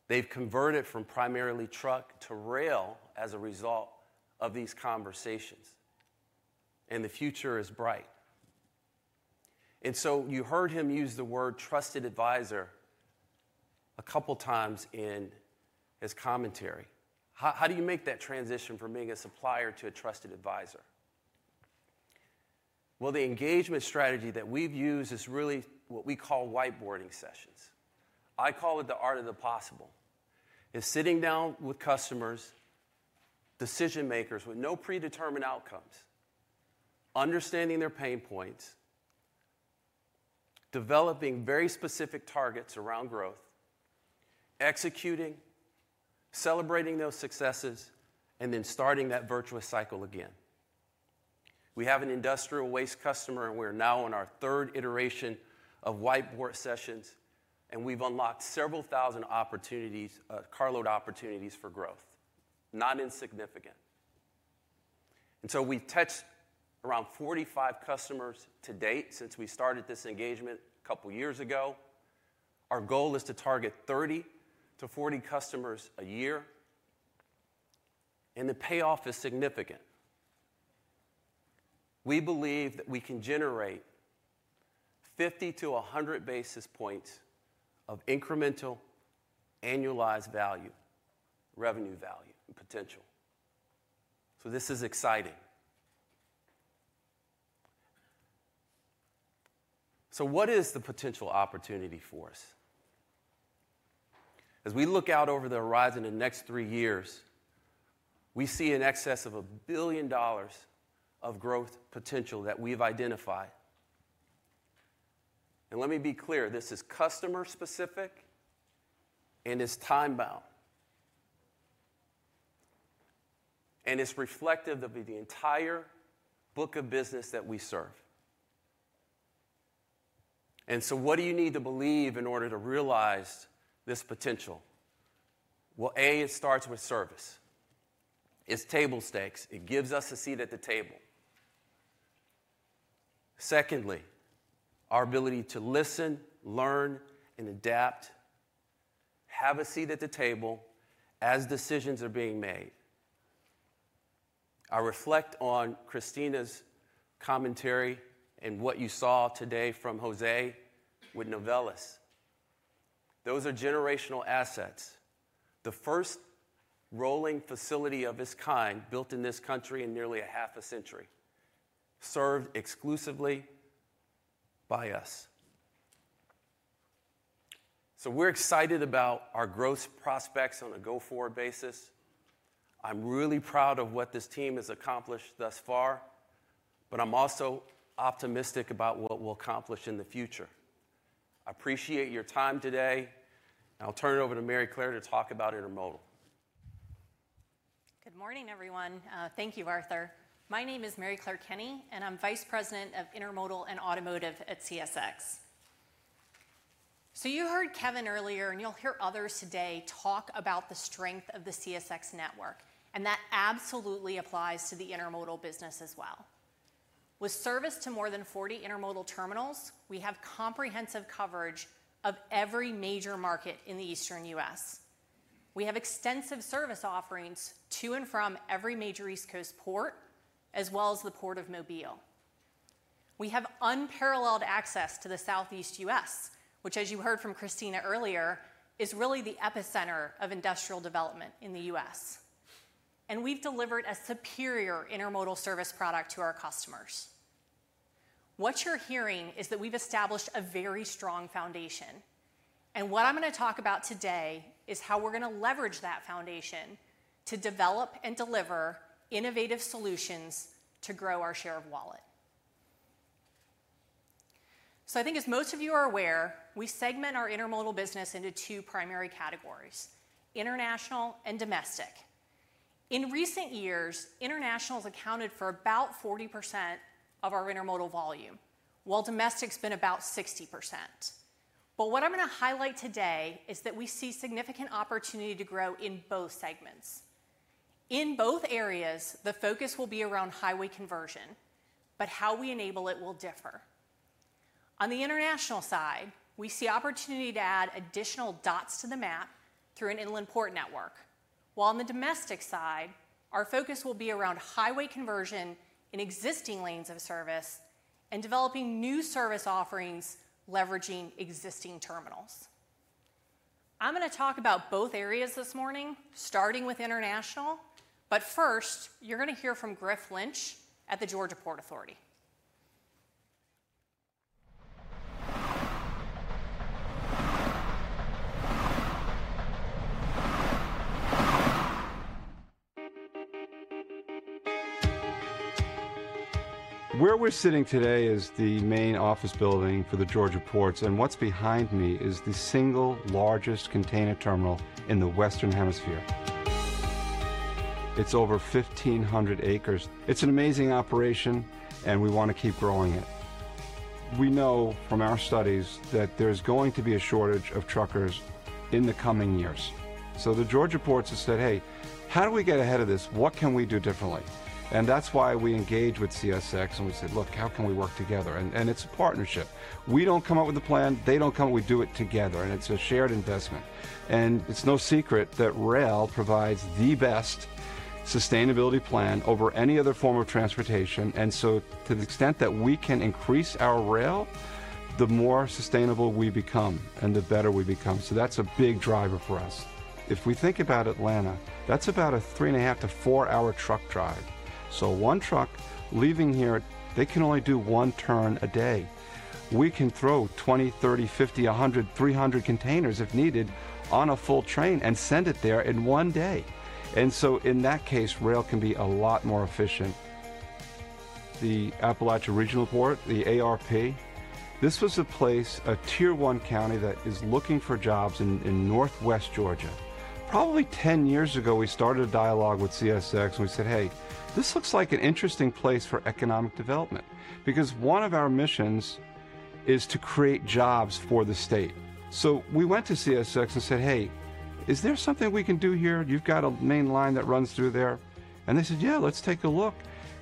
They've converted from primarily truck to rail as a result of these conversations. And the future is bright. And so you heard him use the word trusted advisor a couple of times in his commentary. How do you make that transition from being a supplier to a trusted advisor? The engagement strategy that we've used is really what we call whiteboarding sessions. I call it the art of the possible. It's sitting down with customers, decision-makers with no predetermined outcomes, understanding their pain points, developing very specific targets around growth, executing, celebrating those successes, and then starting that virtuous cycle again. We have an industrial waste customer, and we're now in our third iteration of whiteboard sessions, and we've unlocked several thousand carload opportunities for growth, not insignificant. We've touched around 45 customers to date since we started this engagement a couple of years ago. Our goal is to target 30-40 customers a year, and the payoff is significant. We believe that we can generate 50-100 basis points of incremental annualized value, revenue value, and potential. This is exciting. What is the potential opportunity for us? As we look out over the horizon in the next three years, we see an excess of $1 billion of growth potential that we've identified. Let me be clear, this is customer-specific and is time-bound. It's reflective of the entire book of business that we serve. What do you need to believe in order to realize this potential? Well, A, it starts with service. It's table stakes. It gives us a seat at the table. Secondly, our ability to listen, learn, and adapt, have a seat at the table as decisions are being made. I reflect on Christina's commentary and what you saw today from José with Novelis. Those are generational assets. The first rolling facility of its kind built in this country in nearly a half a century served exclusively by us. We're excited about our growth prospects on a go-forward basis. I'm really proud of what this team has accomplished thus far, but I'm also optimistic about what we'll accomplish in the future. I appreciate your time today. I'll turn it over to Maryclare to talk about Intermodal. Good morning, everyone. Thank you, Arthur. My name is Maryclare Kenney, and I'm Vice President of Intermodal and Automotive at CSX. So you heard Kevin earlier, and you'll hear others today talk about the strength of the CSX network, and that absolutely applies to the Intermodal business as well. With service to more than 40 Intermodal terminals, we have comprehensive coverage of every major market in the Eastern U.S. We have extensive service offerings to and from every major East Coast port, as well as the Port of Mobile. We have unparalleled access to the Southeast U.S., which, as you heard from Christina earlier, is really the epicenter of industrial development in the U.S. And we've delivered a superior Intermodal service product to our customers. What you're hearing is that we've established a very strong foundation. And what I'm going to talk about today is how we're going to leverage that foundation to develop and deliver innovative solutions to grow our share of wallet. So I think, as most of you are aware, we segment our Intermodal business into two primary categories: international and domestic. In recent years, international has accounted for about 40% of our Intermodal volume, while domestic has been about 60%. But what I'm going to highlight today is that we see significant opportunity to grow in both segments. In both areas, the focus will be around highway conversion, but how we enable it will differ. On the international side, we see opportunity to add additional dots to the map through an inland port network. While on the domestic side, our focus will be around highway conversion in existing lanes of service and developing new service offerings leveraging existing terminals. I'm going to talk about both areas this morning, starting with international. But first, you're going to hear from Griff Lynch at the Georgia Ports Authority. Where we're sitting today is the main office building for the Georgia Ports, and what's behind me is the single largest container terminal in the Western Hemisphere. It's over 1,500 acres. It's an amazing operation, and we want to keep growing it. We know from our studies that there's going to be a shortage of truckers in the coming years. So the Georgia Ports have said, "Hey, how do we get ahead of this? What can we do differently?" And that's why we engage with CSX, and we said, "Look, how can we work together?" And it's a partnership. We don't come up with the plan. They don't come up. We do it together. And it's a shared investment. And it's no secret that rail provides the best sustainability plan over any other form of transportation. And so to the extent that we can increase our rail, the more sustainable we become and the better we become. So that's a big driver for us. If we think about Atlanta, that's about a three-and-a-half to four-hour truck drive. So one truck leaving here, they can only do one turn a day. We can throw 20, 30, 50, 100, 300 containers if needed on a full train and send it there in one day. And so in that case, rail can be a lot more efficient. The Appalachia Regional Port, the ARP, this was a place, a tier-one county that is looking for jobs in northwest Georgia. Probably 10 years ago, we started a dialogue with CSX, and we said, "Hey, this looks like an interesting place for economic development because one of our missions is to create jobs for the state." So we went to CSX and said, "Hey, is there something we can do here? You've got a main line that runs through there." And they said, "Yeah, let's take a look."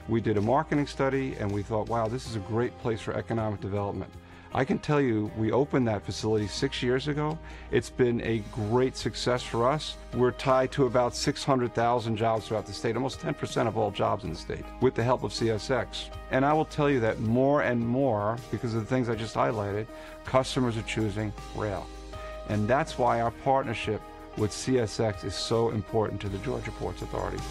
We did a marketing study, and we thought, "Wow, this is a great place for economic development." I can tell you, we opened that facility six years ago. It's been a great success for us. We're tied to about 600,000 jobs throughout the state, almost 10% of all jobs in the state with the help of CSX. I will tell you that more and more, because of the things I just highlighted, customers are choosing rail. That's why our partnership with CSX is so important to the Georgia Ports Authority.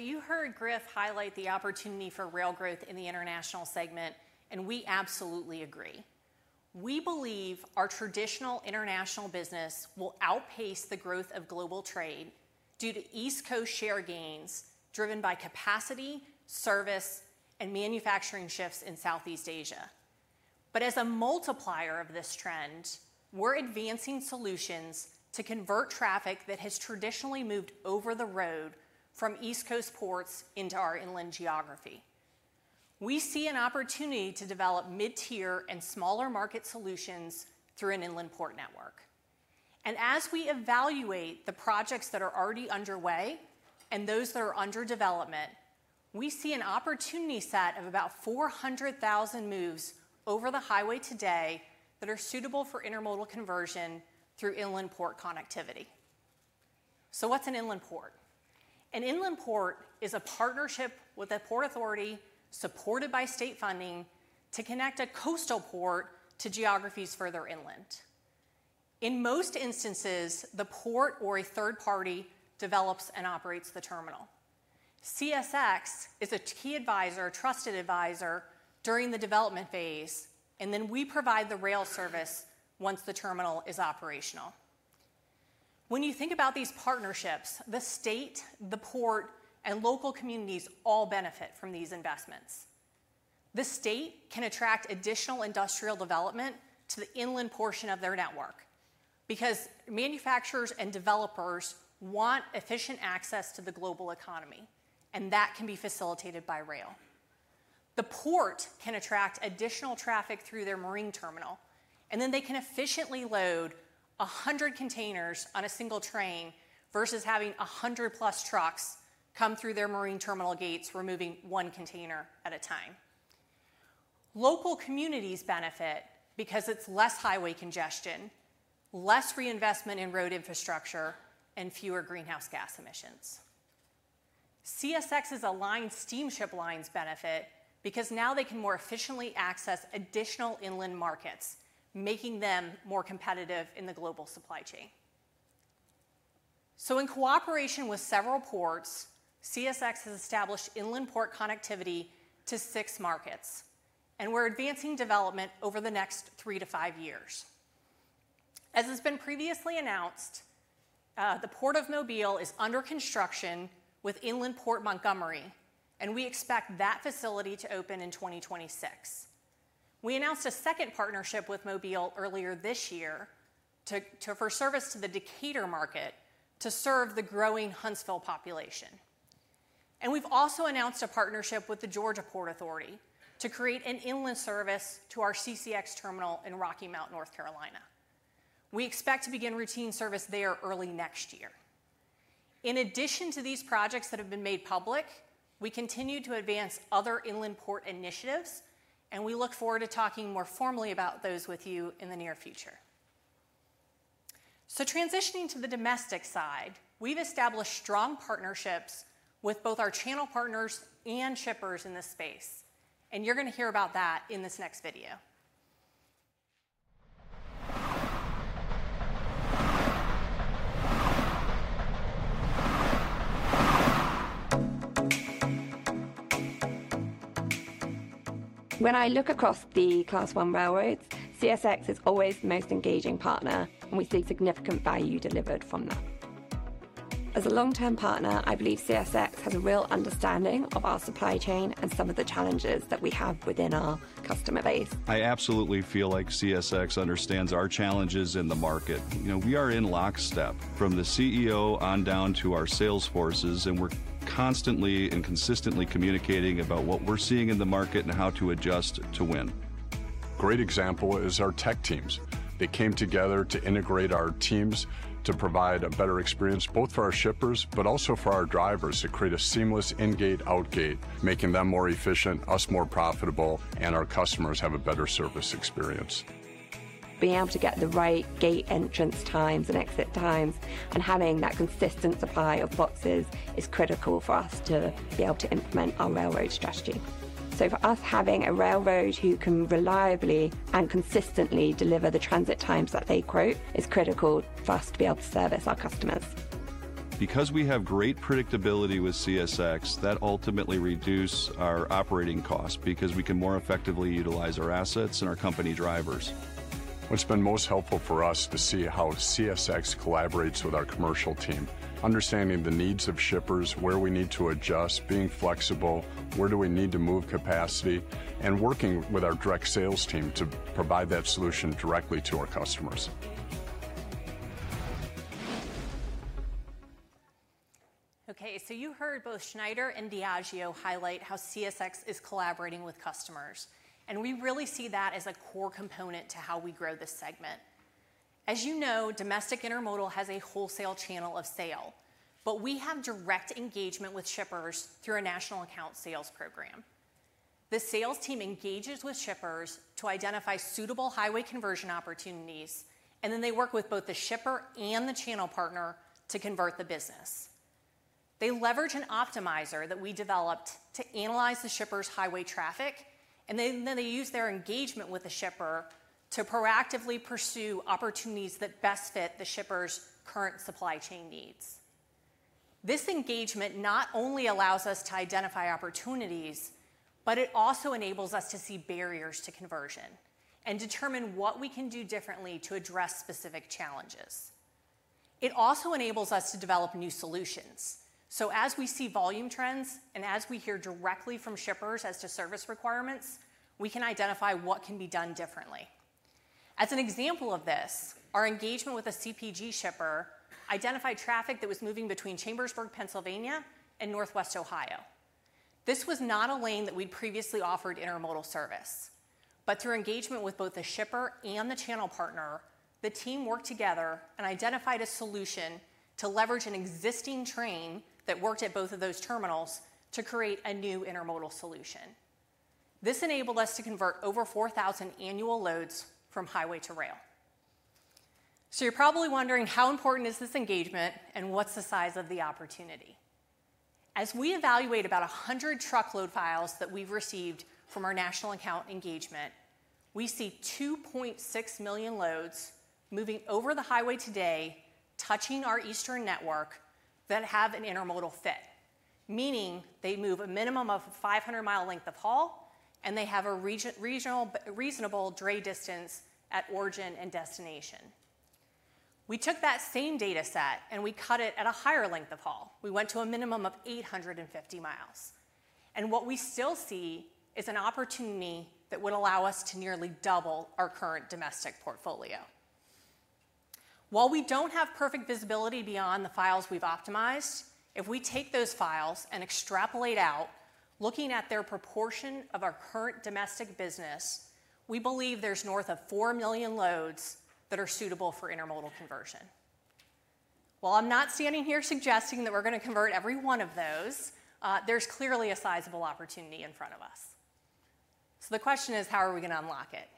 You heard Griff highlight the opportunity for rail growth in the international segment, and we absolutely agree. We believe our traditional international business will outpace the growth of global trade due to East Coast share gains driven by capacity, service, and manufacturing shifts in Southeast Asia. As a multiplier of this trend, we're advancing solutions to convert traffic that has traditionally moved over the road from East Coast ports into our inland geography. We see an opportunity to develop mid-tier and smaller market solutions through an inland port network. As we evaluate the projects that are already underway and those that are under development, we see an opportunity set of about 400,000 moves over the highway today that are suitable for intermodal conversion through inland port connectivity. What's an inland port? An inland port is a partnership with a port authority supported by state funding to connect a coastal port to geographies further inland. In most instances, the port or a third party develops and operates the terminal. CSX is a key advisor, a trusted advisor during the development phase, and then we provide the rail service once the terminal is operational. When you think about these partnerships, the state, the port, and local communities all benefit from these investments. The state can attract additional industrial development to the inland portion of their network because manufacturers and developers want efficient access to the global economy, and that can be facilitated by rail. The port can attract additional traffic through their marine terminal, and then they can efficiently load 100 containers on a single train versus having 100+ trucks come through their marine terminal gates, removing one container at a time. Local communities benefit because it's less highway congestion, less reinvestment in road infrastructure, and fewer greenhouse gas emissions. CSX's aligned steamship lines benefit because now they can more efficiently access additional inland markets, making them more competitive in the global supply chain. So in cooperation with several ports, CSX has established inland port connectivity to six markets, and we're advancing development over the next three to five years. As has been previously announced, the Port of Mobile is under construction with Inland Port Montgomery, and we expect that facility to open in 2026. We announced a second partnership with Mobile earlier this year for service to the Decatur market to serve the growing Huntsville population. And we've also announced a partnership with the Georgia Ports Authority to create an inland service to our CCX terminal in Rocky Mount, North Carolina. We expect to begin routine service there early next year. In addition to these projects that have been made public, we continue to advance other inland port initiatives, and we look forward to talking more formally about those with you in the near future. So transitioning to the domestic side, we've established strong partnerships with both our channel partners and shippers in this space, and you're going to hear about that in this next video. When I look across the Class I railroads, CSX is always the most engaging partner, and we see significant value delivered from that. As a long-term partner, I believe CSX has a real understanding of our supply chain and some of the challenges that we have within our customer base. I absolutely feel like CSX understands our challenges in the market. We are in lockstep from the CEO on down to our sales forces, and we're constantly and consistently communicating about what we're seeing in the market and how to adjust to win. A great example is our tech teams. They came together to integrate our teams to provide a better experience both for our shippers, but also for our drivers to create a seamless in-gate/out-gate, making them more efficient, us more profitable, and our customers have a better service experience. Being able to get the right gate entrance times and exit times and having that consistent supply of boxes is critical for us to be able to implement our railroad strategy. So for us, having a railroad who can reliably and consistently deliver the transit times that they quote is critical for us to be able to service our customers. Because we have great predictability with CSX, that ultimately reduces our operating costs because we can more effectively utilize our assets and our company drivers. What's been most helpful for us is to see how CSX collaborates with our commercial team, understanding the needs of shippers, where we need to adjust, being flexible, where do we need to move capacity, and working with our direct sales team to provide that solution directly to our customers. Okay, so you heard both Schneider and Diageo highlight how CSX is collaborating with customers, and we really see that as a core component to how we grow this segment. As you know, domestic intermodal has a wholesale channel of sale, but we have direct engagement with shippers through a national account sales program. The sales team engages with shippers to identify suitable highway conversion opportunities, and then they work with both the shipper and the channel partner to convert the business. They leverage an optimizer that we developed to analyze the shipper's highway traffic, and then they use their engagement with the shipper to proactively pursue opportunities that best fit the shipper's current supply chain needs. This engagement not only allows us to identify opportunities, but it also enables us to see barriers to conversion and determine what we can do differently to address specific challenges. It also enables us to develop new solutions. So as we see volume trends and as we hear directly from shippers as to service requirements, we can identify what can be done differently. As an example of this, our engagement with a CPG shipper identified traffic that was moving between Chambersburg, Pennsylvania, and northwest Ohio. This was not a lane that we'd previously offered intermodal service, but through engagement with both the shipper and the channel partner, the team worked together and identified a solution to leverage an existing train that worked at both of those terminals to create a new intermodal solution. This enabled us to convert over 4,000 annual loads from highway to rail. So you're probably wondering how important is this engagement and what's the size of the opportunity? As we evaluate about 100 truck load files that we've received from our national account engagement, we see 2.6 million loads moving over the highway today, touching our eastern network that have an intermodal fit, meaning they move a minimum of 500-mile length of haul, and they have a reasonable dray distance at origin and destination. We took that same dataset and we cut it at a higher length of haul. We went to a minimum of 850 miles, and what we still see is an opportunity that would allow us to nearly double our current domestic portfolio. While we don't have perfect visibility beyond the files we've optimized, if we take those files and extrapolate out, looking at their proportion of our current domestic business, we believe there's north of 4 million loads that are suitable for intermodal conversion. While I'm not standing here suggesting that we're going to convert every one of those, there's clearly a sizable opportunity in front of us. So the question is, how are we going to unlock it?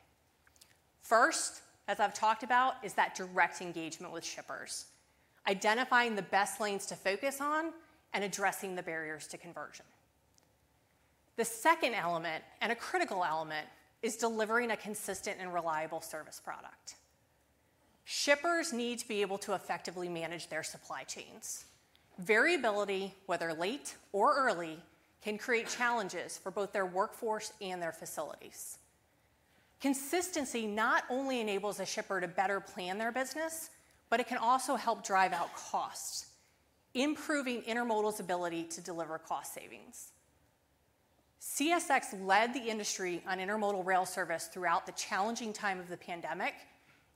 First, as I've talked about, is that direct engagement with shippers, identifying the best lanes to focus on and addressing the barriers to conversion. The second element, and a critical element, is delivering a consistent and reliable service product. Shippers need to be able to effectively manage their supply chains. Variability, whether late or early, can create challenges for both their workforce and their facilities. Consistency not only enables a shipper to better plan their business, but it can also help drive out costs, improving intermodal's ability to deliver cost savings. CSX led the industry on intermodal rail service throughout the challenging time of the pandemic,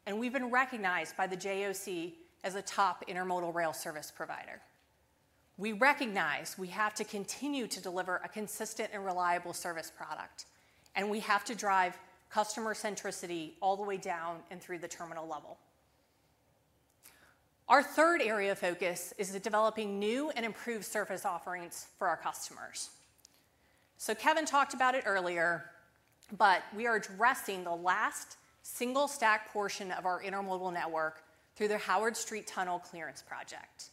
and we've been recognized by the JOC as a top intermodal rail service provider. We recognize we have to continue to deliver a consistent and reliable service product, and we have to drive customer centricity all the way down and through the terminal level. Our third area of focus is developing new and improved service offerings for our customers. So Kevin talked about it earlier, but we are addressing the last single-stack portion of our intermodal network through the Howard Street Tunnel clearance project.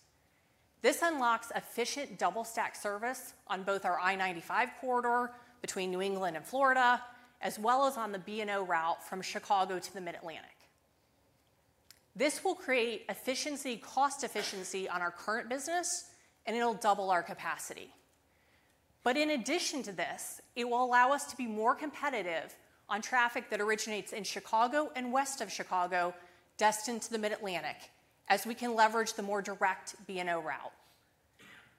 This unlocks efficient double-stack service on both our I-95 corridor between New England and Florida, as well as on the B&O route from Chicago to the Mid-Atlantic. This will create cost efficiency on our current business, and it'll double our capacity. But in addition to this, it will allow us to be more competitive on traffic that originates in Chicago and west of Chicago destined to the Mid-Atlantic, as we can leverage the more direct B&O route.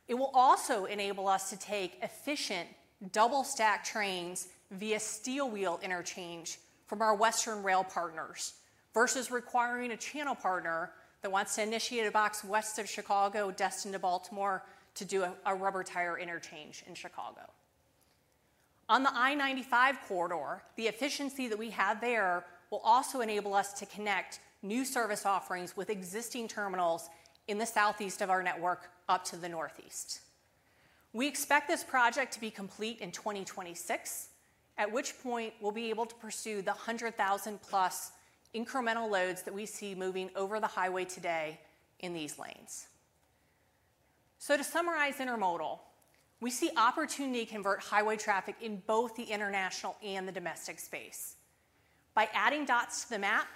It will also enable us to take efficient double-stack trains via steel wheel interchange from our western rail partners versus requiring a channel partner that wants to initiate a box west of Chicago destined to Baltimore to do a rubber tire interchange in Chicago. On the I-95 corridor, the efficiency that we have there will also enable us to connect new service offerings with existing terminals in the southeast of our network up to the northeast. We expect this project to be complete in 2026, at which point we'll be able to pursue the 100,000+ incremental loads that we see moving over the highway today in these lanes. To summarize intermodal, we see opportunity to convert highway traffic in both the international and the domestic space. By adding dots to the map,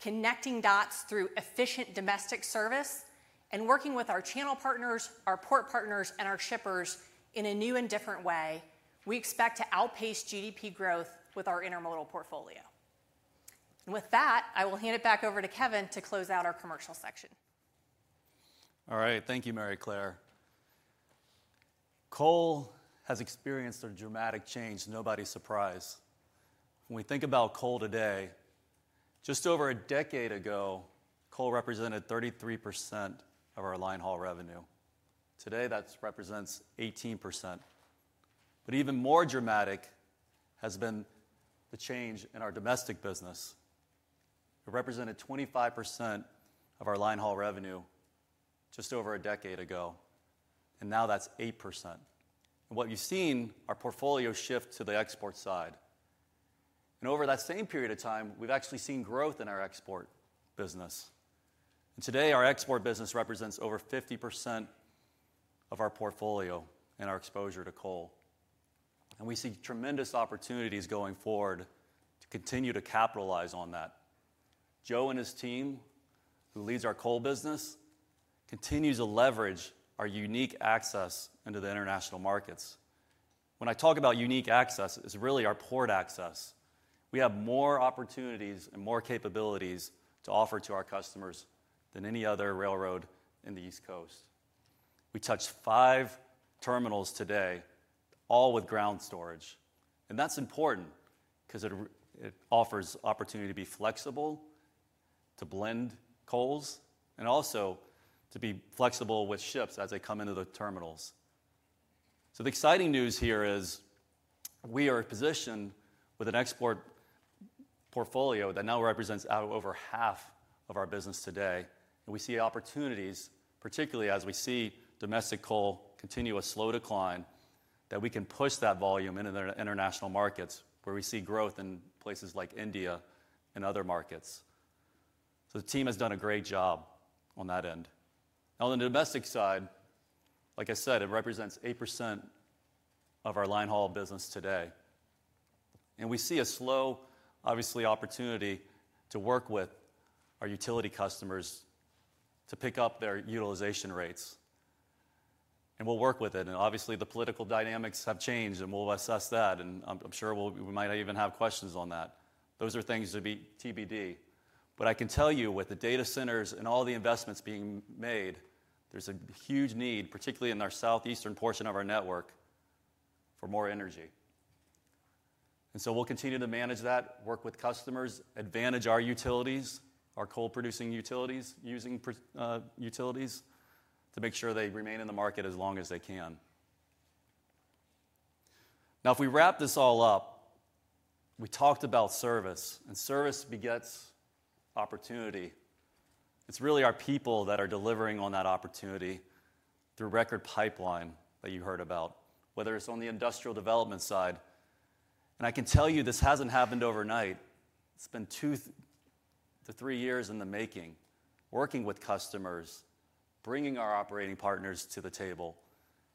connecting dots through efficient domestic service, and working with our channel partners, our port partners, and our shippers in a new and different way, we expect to outpace GDP growth with our intermodal portfolio. With that, I will hand it back over to Kevin to close out our commercial section. All right, thank you, Maryclare. Coal has experienced a dramatic change, to no one's surprise. When we think about coal today, just over a decade ago, coal represented 33% of our linehaul revenue. Today, that represents 18%. Even more dramatic has been the change in our domestic business. It represented 25% of our linehaul revenue just over a decade ago, and now that's 8%. What you've seen is our portfolio shift to the export side. Over that same period of time, we've actually seen growth in our export business. Today, our export business represents over 50% of our portfolio and our exposure to coal. We see tremendous opportunities going forward to continue to capitalize on that. Joe and his team, who leads our coal business, continue to leverage our unique access into the international markets. When I talk about unique access, it's really our port access. We have more opportunities and more capabilities to offer to our customers than any other railroad in the East Coast. We touched five terminals today, all with ground storage. That's important because it offers the opportunity to be flexible, to blend coals, and also to be flexible with ships as they come into the terminals. So the exciting news here is we are positioned with an export portfolio that now represents over half of our business today. And we see opportunities, particularly as we see domestic coal continue a slow decline, that we can push that volume into the international markets where we see growth in places like India and other markets. So the team has done a great job on that end. Now, on the domestic side, like I said, it represents 8% of our linehaul business today. And we see a slow, obviously, opportunity to work with our utility customers to pick up their utilization rates. And we'll work with it. And obviously, the political dynamics have changed, and we'll assess that, and I'm sure we might even have questions on that. Those are things to be TBD. But I can tell you, with the data centers and all the investments being made, there's a huge need, particularly in our southeastern portion of our network, for more energy. And so we'll continue to manage that, work with customers, advantage our utilities, our coal-producing utilities, using utilities to make sure they remain in the market as long as they can. Now, if we wrap this all up, we talked about service, and service begets opportunity. It's really our people that are delivering on that opportunity through record pipeline that you heard about, whether it's on the industrial development side. And I can tell you this hasn't happened overnight. It's been two to three years in the making, working with customers, bringing our operating partners to the table,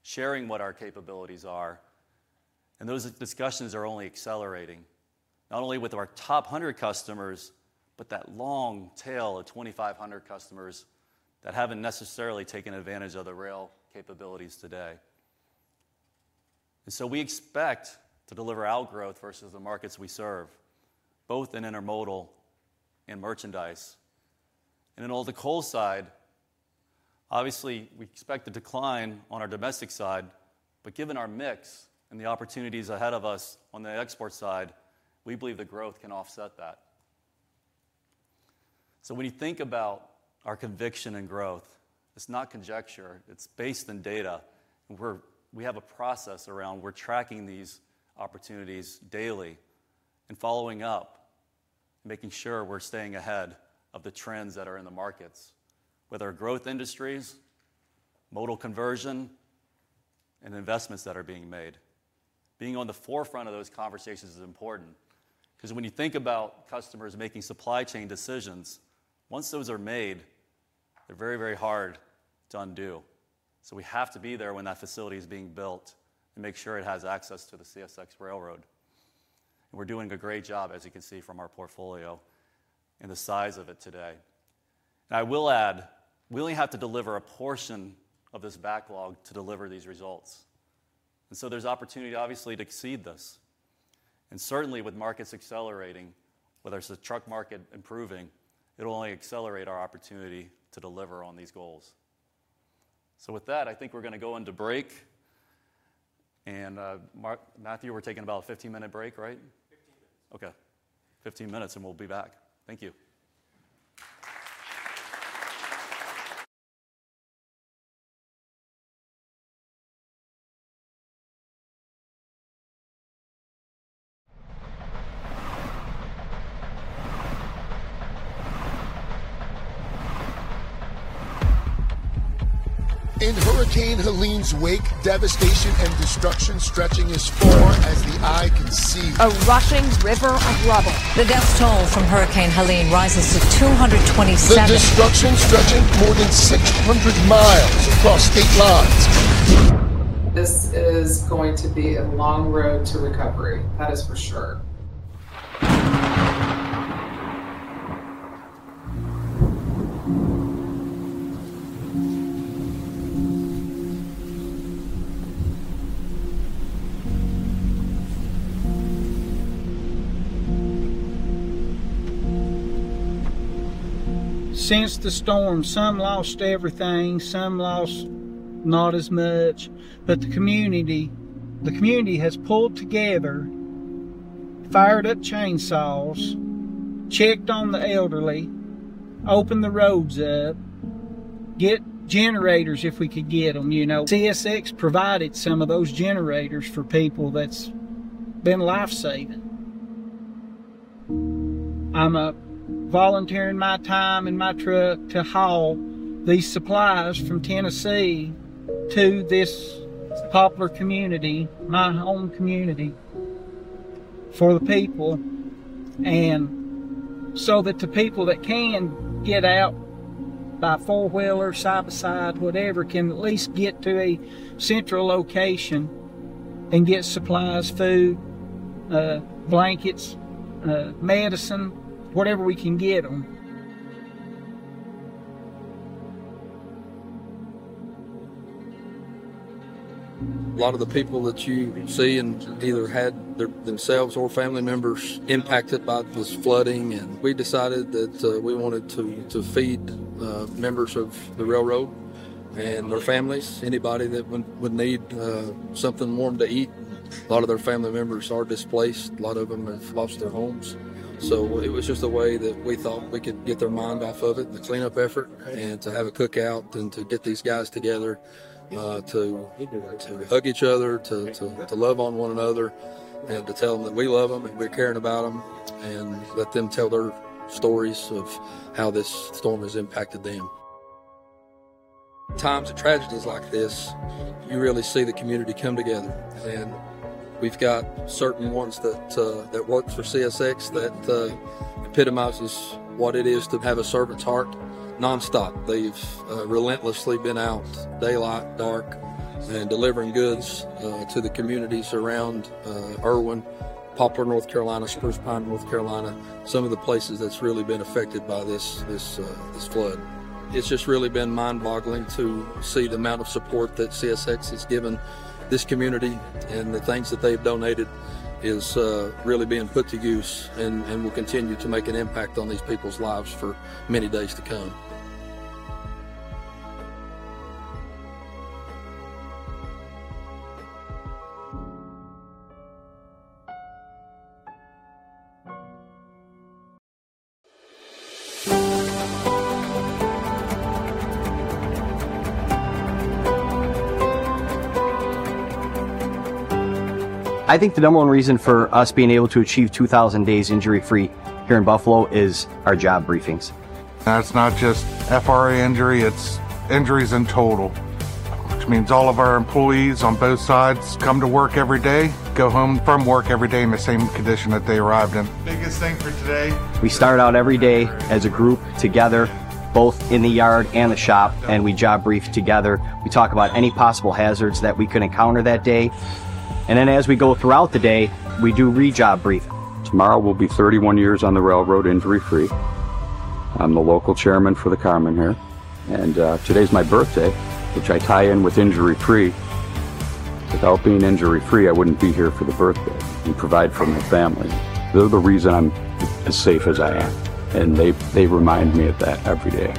sharing what our capabilities are. And those discussions are only accelerating, not only with our top 100 customers, but that long tail of 2,500 customers that haven't necessarily taken advantage of the rail capabilities today. And so we expect to deliver outgrowth versus the markets we serve, both in intermodal and merchandise. And on the coal side, obviously, we expect a decline on our domestic side, but given our mix and the opportunities ahead of us on the export side, we believe the growth can offset that. So when you think about our conviction and growth, it's not conjecture. It's based in data. We have a process around we're tracking these opportunities daily and following up, making sure we're staying ahead of the trends that are in the markets, whether growth industries, modal conversion, and investments that are being made. Being on the forefront of those conversations is important because when you think about customers making supply chain decisions, once those are made, they're very, very hard to undo. So we have to be there when that facility is being built and make sure it has access to the CSX railroad. And we're doing a great job, as you can see from our portfolio and the size of it today. And I will add, we only have to deliver a portion of this backlog to deliver these results. And so there's opportunity, obviously, to exceed this. And certainly, with markets accelerating, whether it's the truck market improving, it'll only accelerate our opportunity to deliver on these goals. So with that, I think we're going to go on break. And Matthew, we're taking a 15-minute break, right? 15 minutes. Okay. 15 minutes, and we'll be back. Thank you. In Hurricane Helene's wake, devastation and destruction stretching as far as the eye can see. A rushing river of rubble. The death toll from Hurricane Helene rises to 227. The destruction stretching more than 600 miles across state lines. This is going to be a long road to recovery. That is for sure. Since the storm, some lost everything, some lost not as much, but the community has pulled together, fired up chainsaws, checked on the elderly, opened the roads up, got generators if we could get them. CSX provided some of those generators for people. That's been life-saving. I'm volunteering my time in my truck to haul these supplies from Tennessee to this popular community, my home community, for the people. And so that the people that can get out by four-wheeler, side-by-side, whatever, can at least get to a central location and get supplies, food, blankets, medicine, whatever we can get them. A lot of the people that you see, and either had themselves or family members impacted by this flooding, and we decided that we wanted to feed members of the railroad and their families, anybody that would need something warm to eat. A lot of their family members are displaced. A lot of them have lost their homes. So it was just a way that we thought we could get their mind off of it, the cleanup effort, and to have a cookout and to get these guys together to hug each other, to love on one another, and to tell them that we love them and we're caring about them and let them tell their stories of how this storm has impacted them. Times of tragedies like this, you really see the community come together. And we've got certain ones that work for CSX that epitomize what it is to have a servant's heart nonstop. They've relentlessly been out, daylight, dark, and delivering goods to the communities around Erwin, Poplar, North Carolina, Spruce Pine, North Carolina, some of the places that's really been affected by this flood. It's just really been mind-boggling to see the amount of support that CSX has given this community and the things that they've donated is really being put to use and will continue to make an impact on these people's lives for many days to come. I think the number one reason for us being able to achieve 2,000 days injury-free here in Buffalo is our job briefings. That's not just FRA injury. It's injuries in total, which means all of our employees on both sides come to work every day, go home from work every day in the same condition that they arrived in. Biggest thing for today. We start out every day as a group together, both in the yard and the shop, and we job brief together. We talk about any possible hazards that we could encounter that day. Then as we go throughout the day, we do re-job brief. Tomorrow will be 31 years on the railroad injury-free. I'm the local chairman for the Carmen here. And today's my birthday, which I tie in with injury-free. Without being injury-free, I wouldn't be here for the birthday. We provide for my family. They're the reason I'm as safe as I am. And they remind me of that every day.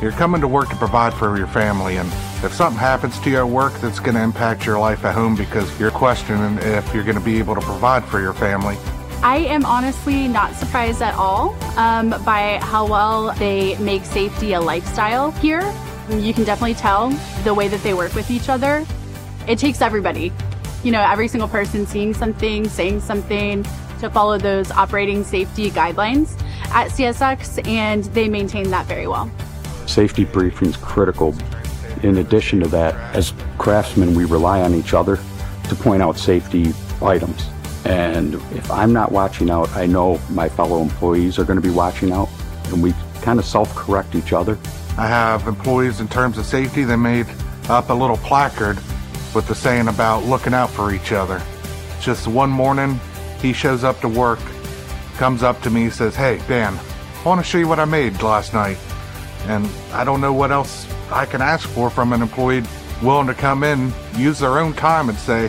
You're coming to work to provide for your family. And if something happens to your work, that's going to impact your life at home because you're questioning if you're going to be able to provide for your family. I am honestly not surprised at all by how well they make safety a lifestyle here. You can definitely tell the way that they work with each other. It takes everybody, you know, every single person seeing something, saying something to follow those operating safety guidelines at CSX, and they maintain that very well. Safety briefing is critical. In addition to that, as craftsmen, we rely on each other to point out safety items. And if I'm not watching out, I know my fellow employees are going to be watching out. And we kind of self-correct each other. I have employees, in terms of safety, they made up a little placard with the saying about looking out for each other. Just one morning, he shows up to work, comes up to me, says, "Hey, Dan, I want to show you what I made last night." And I don't know what else I can ask for from an employee willing to come in, use their own time, and say,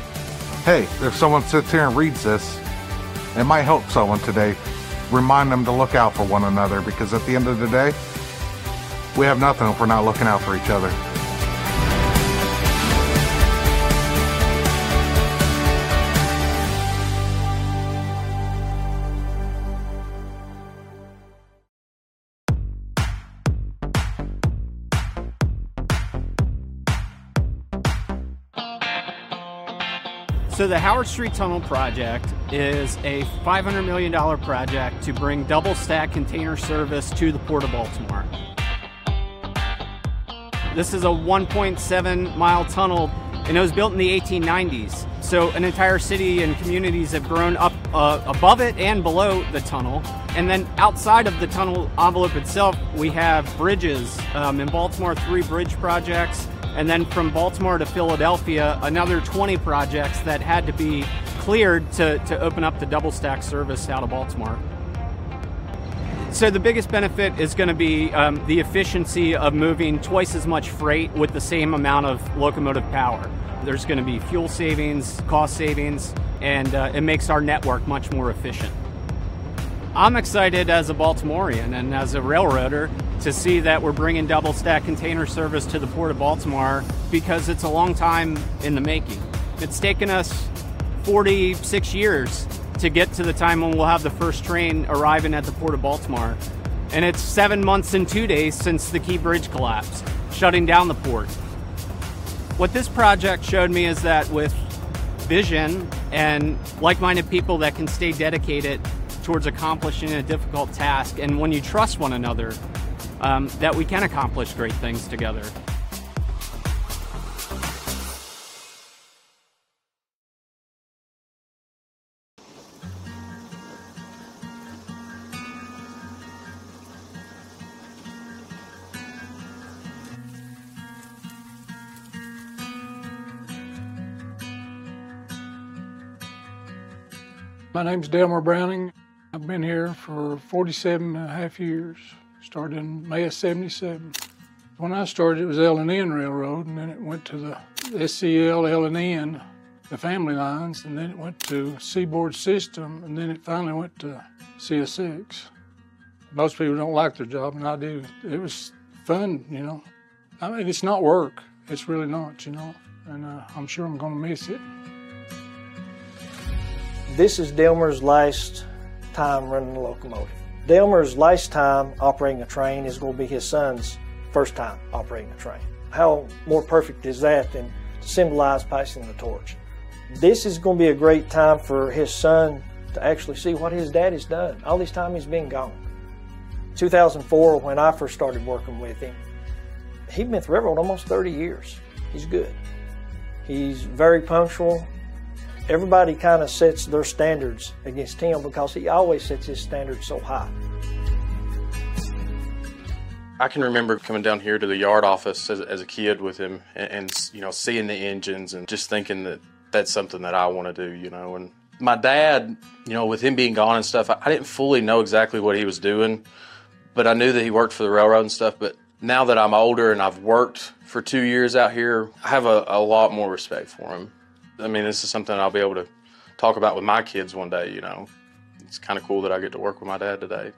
"Hey, if someone sits here and reads this, it might help someone today," remind them to look out for one another. Because at the end of the day, we have nothing if we're not looking out for each other. So the Howard Street Tunnel Project is a $500 million project to bring double-stack container service to the Port of Baltimore. This is a 1.7-mile tunnel, and it was built in the 1890s. So an entire city and communities have grown up above it and below the tunnel. And then outside of the tunnel envelope itself, we have bridges. In Baltimore, three bridge projects, and then from Baltimore to Philadelphia, another 20 projects that had to be cleared to open up the double-stack service out of Baltimore, so the biggest benefit is going to be the efficiency of moving twice as much freight with the same amount of locomotive power. There's going to be fuel savings, cost savings, and it makes our network much more efficient. I'm excited as a Baltimorean and as a railroader to see that we're bringing double-stack container service to the Port of Baltimore because it's a long time in the making. It's taken us 46 years to get to the time when we'll have the first train arriving at the Port of Baltimore, and it's seven months and two days since the Key Bridge collapsed, shutting down the port. What this project showed me is that with vision and like-minded people that can stay dedicated towards accomplishing a difficult task and when you trust one another, that we can accomplish great things together. My name's Dilmer Browning. I've been here for 47 and a half years, started in May of 1977. When I started, it was L&N Railroad, and then it went to the SCL, L&N, the Family Lines, and then it went to Seaboard System, and then it finally went to CSX. Most people don't like their job, and I do. It was fun, you know? I mean, it's not work. It's really not, you know? And I'm sure I'm going to miss it. This is Dilmer's last time running a locomotive. Dilmer's lifetime operating a train is going to be his son's first time operating a train. How much more perfect is that than to symbolize passing the torch? This is going to be a great time for his son to actually see what his dad has done. All this time he's been gone. In 2004, when I first started working with him, he'd been with the railroad almost 30 years. He's good. He's very punctual. Everybody kind of sets their standards against him because he always sets his standards so high. I can remember coming down here to the yard office as a kid with him and seeing the engines and just thinking that that's something that I want to do, you know? And my dad, you know, with him being gone and stuff, I didn't fully know exactly what he was doing, but I knew that he worked for the railroad and stuff. But now that I'm older and I've worked for two years out here, I have a lot more respect for him. I mean, this is something I'll be able to talk about with my kids one day, you know? It's kind of cool that I get to work with my dad today.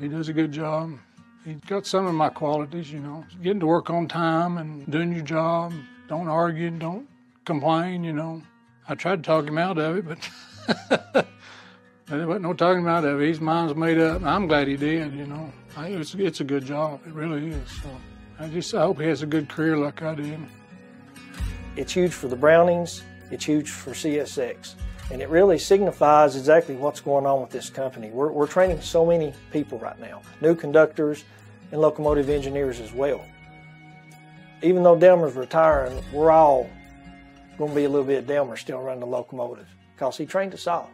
He does a good job. He's got some of my qualities, you know? Getting to work on time and doing your job. Don't argue and don't complain, you know? I tried to talk him out of it, but there wasn't no talking him out of it. His mind's made up, and I'm glad he did, you know? It's a good job. It really is. So I just hope he has a good career like I did. It's huge for the Brownings. It's huge for CSX. And it really signifies exactly what's going on with this company. We're training so many people right now, new conductors and locomotive engineers as well. Even though Dilmer's retiring, we're all going to be a little bit of Dilmer still running the locomotives because he trained us all.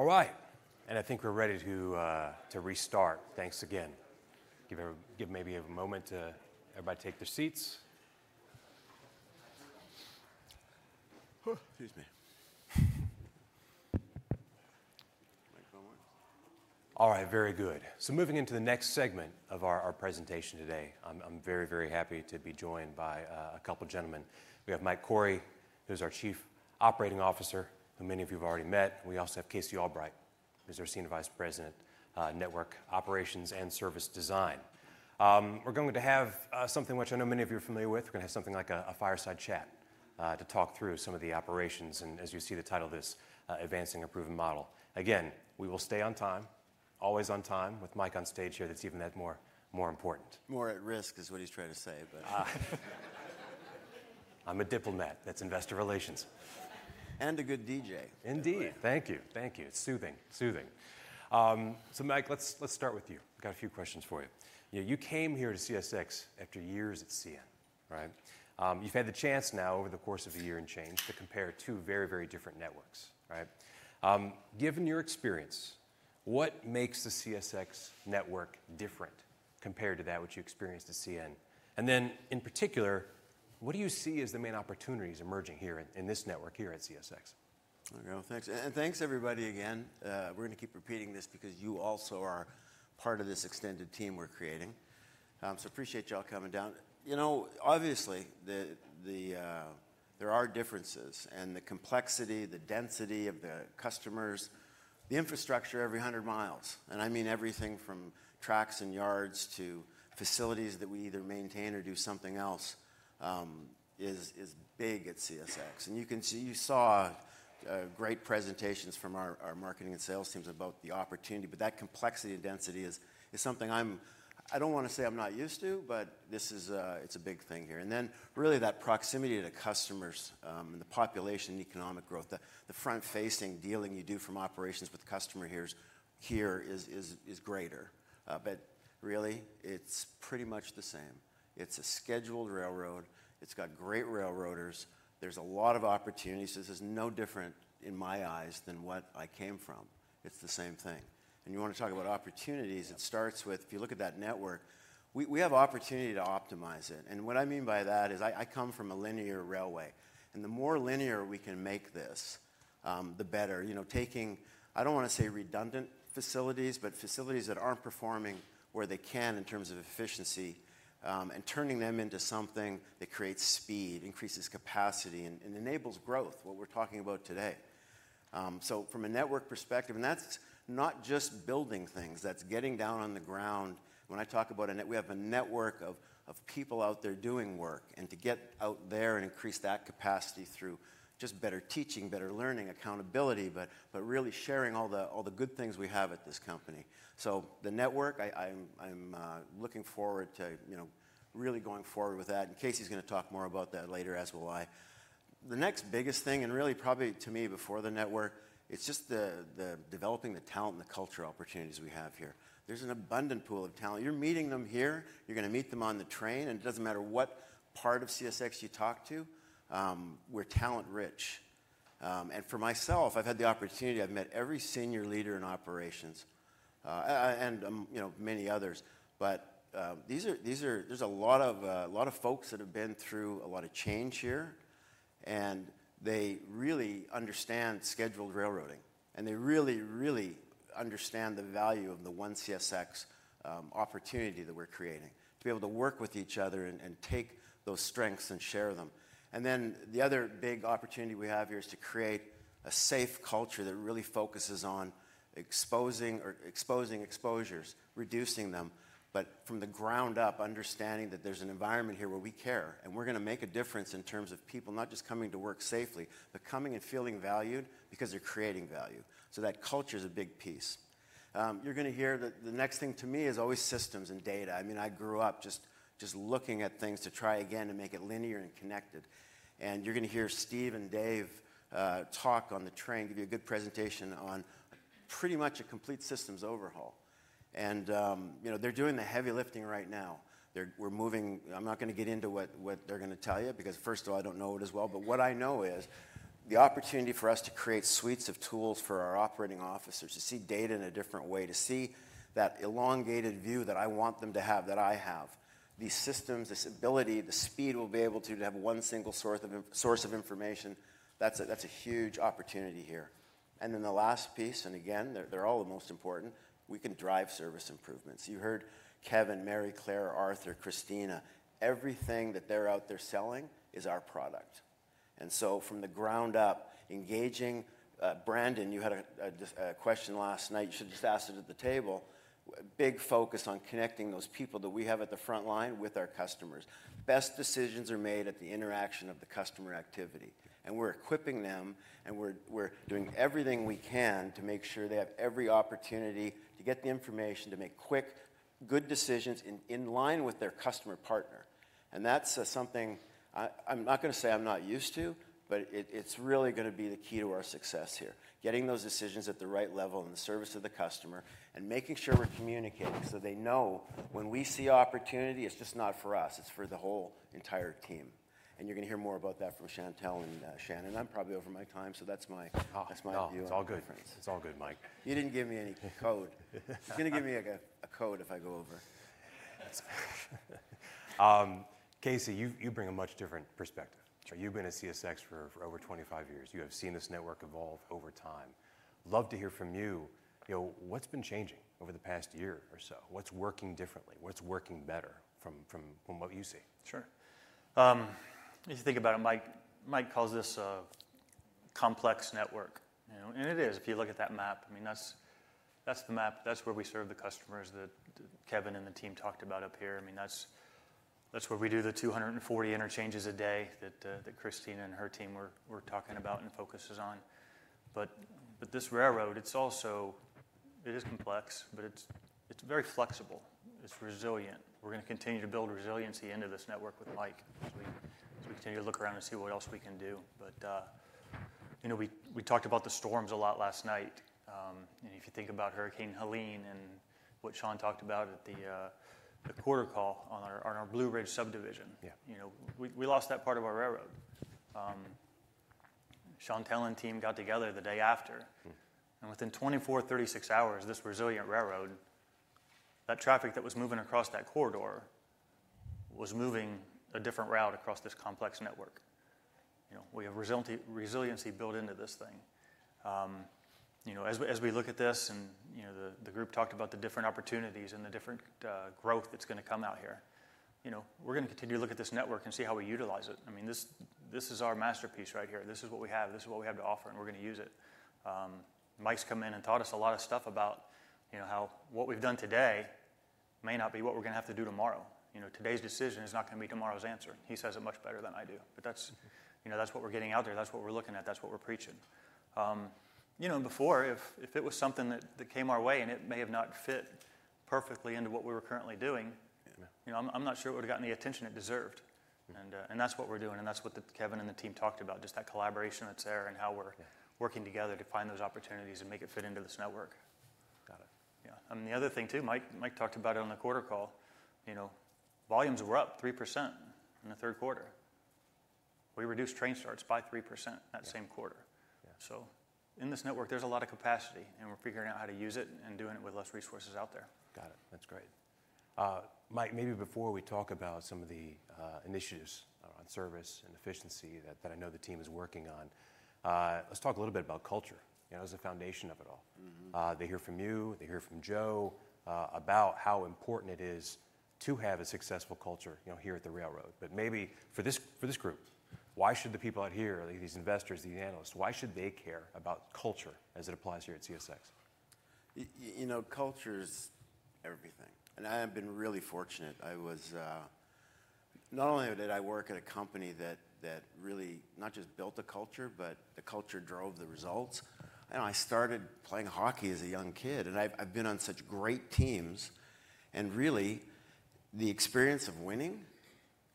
All right, and I think we're ready to restart. Thanks again. Give maybe a moment to everybody take their seats. Excuse me. All right, very good, so moving into the next segment of our presentation today, I'm very, very happy to be joined by a couple of gentlemen. We have Mike Cory, who's our Chief Operating Officer, who many of you have already met. We also have Casey Albright, who's our Senior Vice President, Network Operations and Service Design. We're going to have something which I know many of you are familiar with. We're going to have something like a fireside chat to talk through some of the operations. And as you see the title of this, Advancing a Proven Model. Again, we will stay on time, always on time, with Mike on stage here. That's even that more important. More at risk is what he's trying to say, but. I'm a diplomat. That's investor relations. And a good DJ. Indeed. Thank you. Thank you. It's soothing. So Mike, let's start with you. I've got a few questions for you. You came here to CSX after years at CN, right? You've had the chance now over the course of a year and change to compare two very, very different networks, right? Given your experience, what makes the CSX network different compared to that which you experienced at CN? And then in particular, what do you see as the main opportunities emerging here in this network here at CSX? Oh, yeah, thanks. And thanks, everybody, again. We're going to keep repeating this because you also are part of this extended team we're creating. So I appreciate y'all coming down. You know, obviously, there are differences in the complexity, the density of the customers, the infrastructure every 100 miles. And I mean everything from tracks and yards to facilities that we either maintain or do something else is big at CSX. And you saw great presentations from our marketing and sales teams about the opportunity. But that complexity and density is something I'm—I don't want to say I'm not used to, but it's a big thing here. And then really that proximity to customers and the population and economic growth, the front-facing dealing you do from operations with customers here is greater. But really, it's pretty much the same. It's a scheduled railroad. It's got great railroaders. There's a lot of opportunities. This is no different in my eyes than what I came from. It's the same thing. And you want to talk about opportunities, it starts with if you look at that network, we have opportunity to optimize it. And what I mean by that is I come from a linear railway. And the more linear we can make this, the better. You know, taking - I don't want to say redundant facilities, but facilities that aren't performing where they can in terms of efficiency and turning them into something that creates speed, increases capacity, and enables growth, what we're talking about today. So from a network perspective, and that's not just building things. That's getting down on the ground. When I talk about a network, we have a network of people out there doing work. And to get out there and increase that capacity through just better teaching, better learning, accountability, but really sharing all the good things we have at this company. So the network, I'm looking forward to really going forward with that. And Casey's going to talk more about that later, as will I. The next biggest thing, and really probably to me before the network, it's just developing the talent and the culture opportunities we have here. There's an abundant pool of talent. You're meeting them here. You're going to meet them on the train. And it doesn't matter what part of CSX you talk to. We're talent-rich. And for myself, I've had the opportunity. I've met every senior leader in operations and many others. But there's a lot of folks that have been through a lot of change here. And they really understand scheduled railroading. And they really, really understand the value of the 1CSX opportunity that we're creating to be able to work with each other and take those strengths and share them. And then the other big opportunity we have here is to create a safe culture that really focuses on exposing exposures, reducing them, but from the ground up, understanding that there's an environment here where we care. And we're going to make a difference in terms of people not just coming to work safely, but coming and feeling valued because they're creating value. So that culture is a big piece. You're going to hear that the next thing to me is always systems and data. I mean, I grew up just looking at things to try again to make it linear and connected. And you're going to hear Steve and Dave talk on the train, give you a good presentation on pretty much a complete systems overhaul. And they're doing the heavy lifting right now. I'm not going to get into what they're going to tell you because first of all, I don't know it as well. But what I know is the opportunity for us to create suites of tools for our operating officers to see data in a different way, to see that elongated view that I want them to have that I have. These systems, this ability, the speed we'll be able to have one single source of information. That's a huge opportunity here. And then the last piece, and again, they're all the most important, we can drive service improvements. You heard Kevin, Maryclare, Arthur, Christina. Everything that they're out there selling is our product. And so from the ground up, engaging Brandon, you had a question last night. You should have just asked it at the table. Big focus on connecting those people that we have at the front line with our customers. Best decisions are made at the interaction of the customer activity. And we're equipping them, and we're doing everything we can to make sure they have every opportunity to get the information to make quick, good decisions in line with their customer partner. And that's something I'm not going to say I'm not used to, but it's really going to be the key to our success here. Getting those decisions at the right level in the service of the customer and making sure we're communicating so they know when we see opportunity, it's just not for us. It's for the whole entire team. You're going to hear more about that from Chantel and Shannon. I'm probably over my time, so that's my view. Oh, it's all good, Mike. You didn't give me any code. He's going to give me a code if I go over. Casey, you bring a much different perspective. You've been at CSX for over 25 years. You have seen this network evolve over time. Love to hear from you. What's been changing over the past year or so? What's working differently? What's working better from what you see? Sure. As you think about it, Mike calls this a complex network. And it is if you look at that map. I mean, that's the map. That's where we serve the customers that Kevin and the team talked about up here. I mean, that's where we do the 240 interchanges a day that Christina and her team were talking about and focuses on. But this railroad, it's also complex, but it's very flexible. It's resilient. We're going to continue to build resiliency into this network with Mike as we continue to look around and see what else we can do. But we talked about the storms a lot last night. And if you think about Hurricane Helene and what Sean talked about at the quarter call on our Blue Ridge Subdivision, we lost that part of our railroad. Sean's team got together the day after. And within 24, 36 hours, this resilient railroad, that traffic that was moving across that corridor was moving a different route across this complex network. We have resiliency built into this thing. As we look at this and the group talked about the different opportunities and the different growth that's going to come out here, we're going to continue to look at this network and see how we utilize it. I mean, this is our masterpiece right here. This is what we have. This is what we have to offer, and we're going to use it. Mike's come in and taught us a lot of stuff about how what we've done today may not be what we're going to have to do tomorrow. Today's decision is not going to be tomorrow's answer. He says it much better than I do. But that's what we're getting out there. That's what we're looking at. That's what we're preaching. Before, if it was something that came our way and it may have not fit perfectly into what we were currently doing, I'm not sure it would have gotten the attention it deserved. And that's what we're doing. And that's what Kevin and the team talked about, just that collaboration that's there and how we're working together to find those opportunities and make it fit into this network. Yeah. And the other thing too, Mike talked about it on the quarter call. Volumes were up 3% in the third quarter. We reduced train starts by 3% that same quarter. So in this network, there's a lot of capacity, and we're figuring out how to use it and doing it with less resources out there. Got it. That's great. Mike, maybe before we talk about some of the initiatives on service and efficiency that I know the team is working on, let's talk a little bit about culture as the foundation of it all. They hear from you. They hear from Joe about how important it is to have a successful culture here at the railroad. But maybe for this group, why should the people out here, these investors, these analysts, why should they care about culture as it applies here at CSX? You know, culture is everything. And I have been really fortunate. Not only did I work at a company that really not just built a culture, but the culture drove the results. I started playing hockey as a young kid. And I've been on such great teams. And really, the experience of winning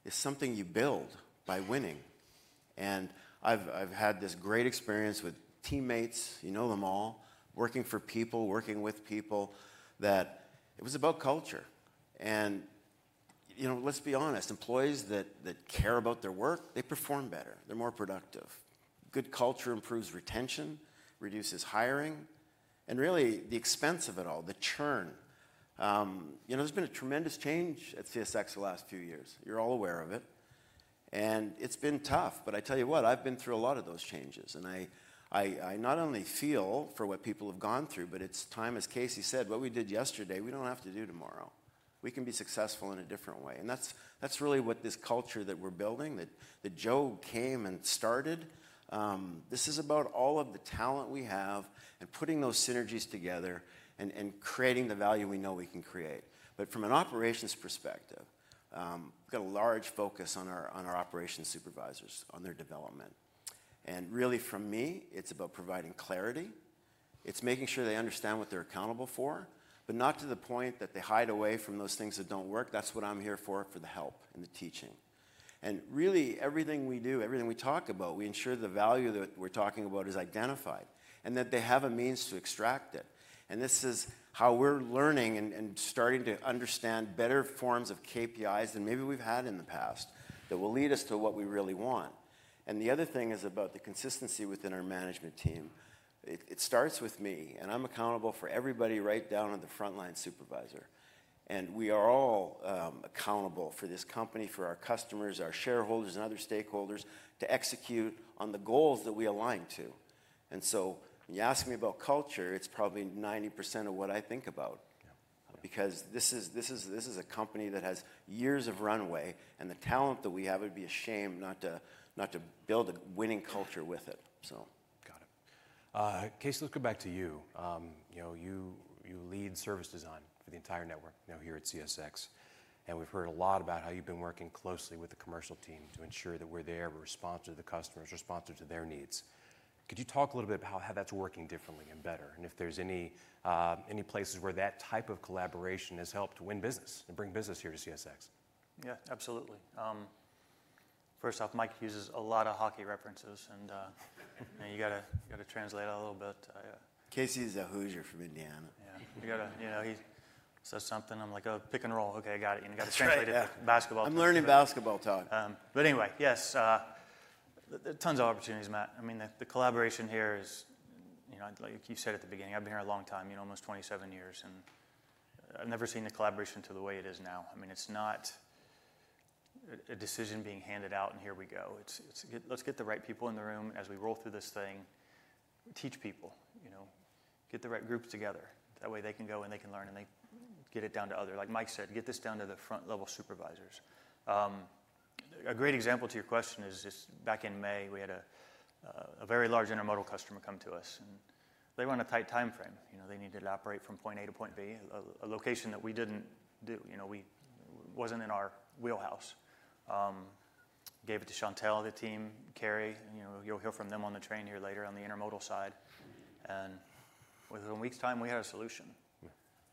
is something you build by winning. And I've had this great experience with teammates. You know them all. Working for people, working with people, that it was about culture. And let's be honest, employees that care about their work, they perform better. They're more productive. Good culture improves retention, reduces hiring. And really, the expense of it all, the churn. There's been a tremendous change at CSX the last few years. You're all aware of it. And it's been tough. But I tell you what, I've been through a lot of those changes. And I not only feel for what people have gone through, but it's time, as Casey said, what we did yesterday, we don't have to do tomorrow. We can be successful in a different way. And that's really what this culture that we're building, that Joe came and started. This is about all of the talent we have and putting those synergies together and creating the value we know we can create. But from an operations perspective, we've got a large focus on our operations supervisors, on their development. And really, for me, it's about providing clarity. It's making sure they understand what they're accountable for, but not to the point that they hide away from those things that don't work. That's what I'm here for, for the help and the teaching. And really, everything we do, everything we talk about, we ensure the value that we're talking about is identified and that they have a means to extract it. This is how we're learning and starting to understand better forms of KPIs than maybe we've had in the past that will lead us to what we really want. The other thing is about the consistency within our management team. It starts with me. I'm accountable for everybody right down at the front line supervisor. We are all accountable for this company, for our customers, our shareholders, and other stakeholders to execute on the goals that we align to. When you ask me about culture, it's probably 90% of what I think about. This is a company that has years of runway. The talent that we have, it would be a shame not to build a winning culture with it. Got it. Casey, let's go back to you. You lead service design for the entire network here at CSX. And we've heard a lot about how you've been working closely with the commercial team to ensure that we're there, we're responsive to the customers, we're responsive to their needs. Could you talk a little bit about how that's working differently and better? And if there's any places where that type of collaboration has helped win business and bring business here to CSX? Yeah, absolutely. First off, Mike uses a lot of hockey references. And you got to translate a little bit. Casey is a Hoosier from Indiana. Yeah. He says something, I'm like, "Oh, pick and roll." Okay, I got it. You got to translate it to basketball. I'm learning basketball talk. But anyway, yes. Tons of opportunities, Matt. I mean, the collaboration here is, like you said at the beginning, I've been here a long time, almost 27 years. I've never seen the collaboration to the way it is now. I mean, it's not a decision being handed out and here we go. Let's get the right people in the room as we roll through this thing. Teach people. Get the right groups together. That way they can go and they can learn and they get it down to other. Like Mike said, get this down to the front level supervisors. A great example to your question is back in May, we had a very large intermodal customer come to us. They were on a tight time frame. They needed to operate from point A to point B, a location that we didn't do. It wasn't in our wheelhouse. Gave it to Chantel, the team, Carrie. You'll hear from them on the panel here later on the intermodal side. Within a week's time, we had a solution.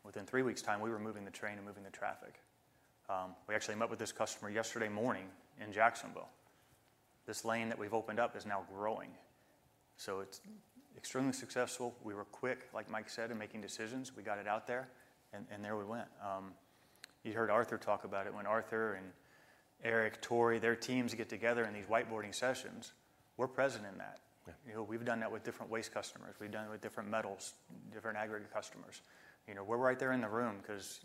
Within three weeks' time, we were moving the train and moving the traffic. We actually met with this customer yesterday morning in Jacksonville. This lane that we've opened up is now growing. So it's extremely successful. We were quick, like Mike said, in making decisions. We got it out there, and there we went. You heard Arthur talk about it. When Arthur and Eric, Torri, their teams get together in these whiteboarding sessions, we're present in that. We've done that with different waste customers. We've done it with different metals, different aggregate customers. We're right there in the room because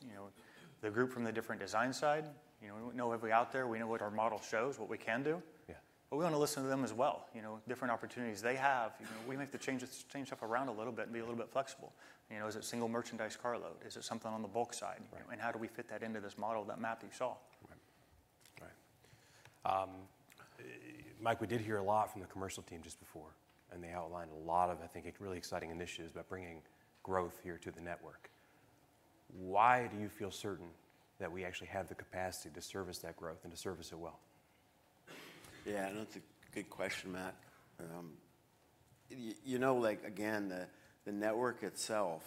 the group from the different design side, we know if we're out there, we know what our model shows, what we can do. But we want to listen to them as well. Different opportunities they have. We make the change stuff around a little bit and be a little bit flexible. Is it single merchandise carload? Is it something on the bulk side? And how do we fit that into this model that Matthew saw? Right. Mike, we did hear a lot from the commercial team just before, and they outlined a lot of, I think, really exciting initiatives about bringing growth here to the network. Why do you feel certain that we actually have the capacity to service that growth and to service it well? Yeah, that's a good question, Matt. You know, again, the network itself,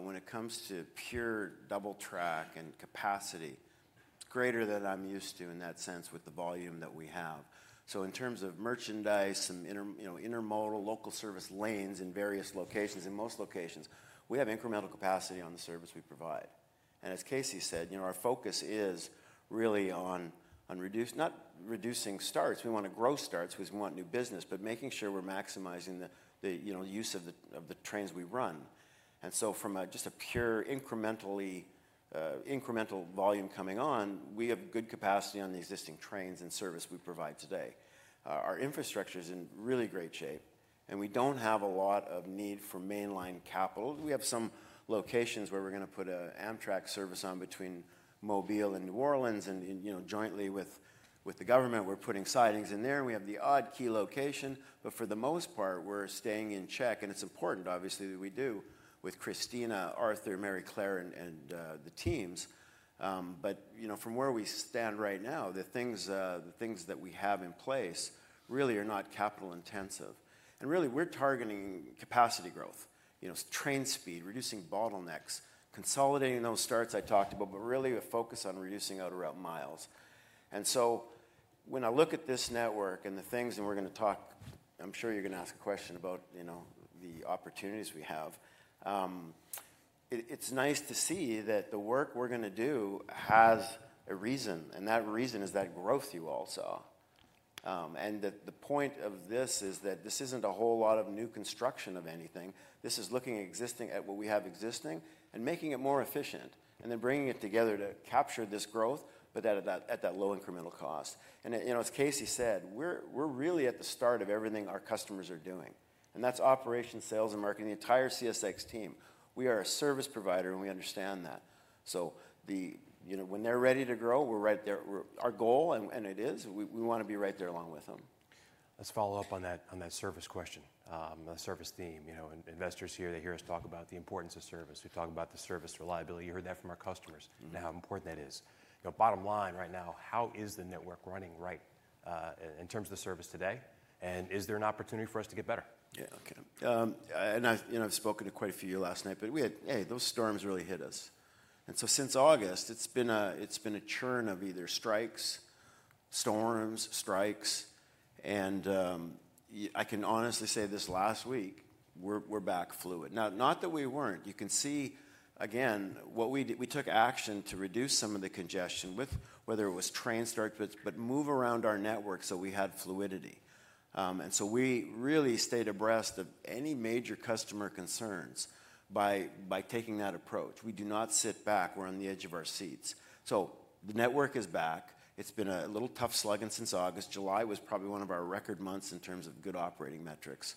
when it comes to pure double track and capacity, it's greater than I'm used to in that sense with the volume that we have. In terms of merchandise and intermodal local service lanes in various locations, in most locations, we have incremental capacity on the service we provide. And as Casey said, our focus is really on not reducing starts. We want to grow starts because we want new business, but making sure we're maximizing the use of the trains we run. And so from just a pure incremental volume coming on, we have good capacity on the existing trains and service we provide today. Our infrastructure is in really great shape. And we don't have a lot of need for mainline capital. We have some locations where we're going to put an Amtrak service on between Mobile and New Orleans. And jointly with the government, we're putting sidings in there. And we have the odd key location. But for the most part, we're staying in check. And it's important, obviously, that we do with Christina, Arthur, Maryclare, and the teams. But from where we stand right now, the things that we have in place really are not capital intensive. And really, we're targeting capacity growth, train speed, reducing bottlenecks, consolidating those starts I talked about, but really a focus on reducing out-of-route miles. And so when I look at this network and the things, and we're going to talk, I'm sure you're going to ask a question about the opportunities we have. It's nice to see that the work we're going to do has a reason. And that reason is that growth you all saw. And the point of this is that this isn't a whole lot of new construction of anything. This is looking at what we have existing and making it more efficient and then bringing it together to capture this growth, but at that low incremental cost. And as Casey said, we're really at the start of everything our customers are doing. And that's operations, sales, and marketing, the entire CSX team. We are a service provider, and we understand that. So when they're ready to grow, we're right there. Our goal, and it is, we want to be right there along with them. Let's follow up on that service question, the service theme. Investors here, they hear us talk about the importance of service. We talk about the service reliability. You heard that from our customers, how important that is. Bottom line right now, how is the network running right in terms of the service today? And is there an opportunity for us to get better? Yeah. And I've spoken to quite a few last night, but we had, hey, those storms really hit us. And so since August, it's been a churn of either strikes, storms, strikes. And I can honestly say this last week, we're back fluid. Not that we weren't. You can see, again, we took action to reduce some of the congestion, whether it was train starts, but move around our network so we had fluidity. And so we really stayed abreast of any major customer concerns by taking that approach. We do not sit back. We're on the edge of our seats. So the network is back. It's been a little tough slugging since August. July was probably one of our record months in terms of good operating metrics.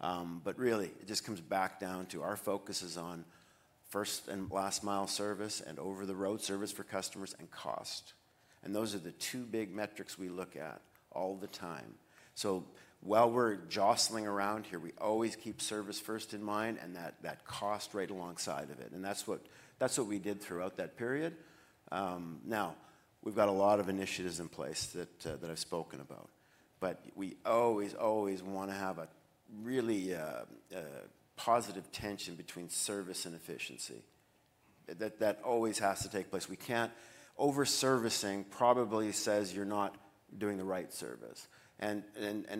But really, it just comes back down to our focus is on first and last mile service and over-the-road service for customers and cost. And those are the two big metrics we look at all the time. So while we're jostling around here, we always keep service first in mind and that cost right alongside of it. And that's what we did throughout that period. Now, we've got a lot of initiatives in place that I've spoken about. But we always, always want to have a really positive tension between service and efficiency. That always has to take place. Overservicing probably says you're not doing the right service. And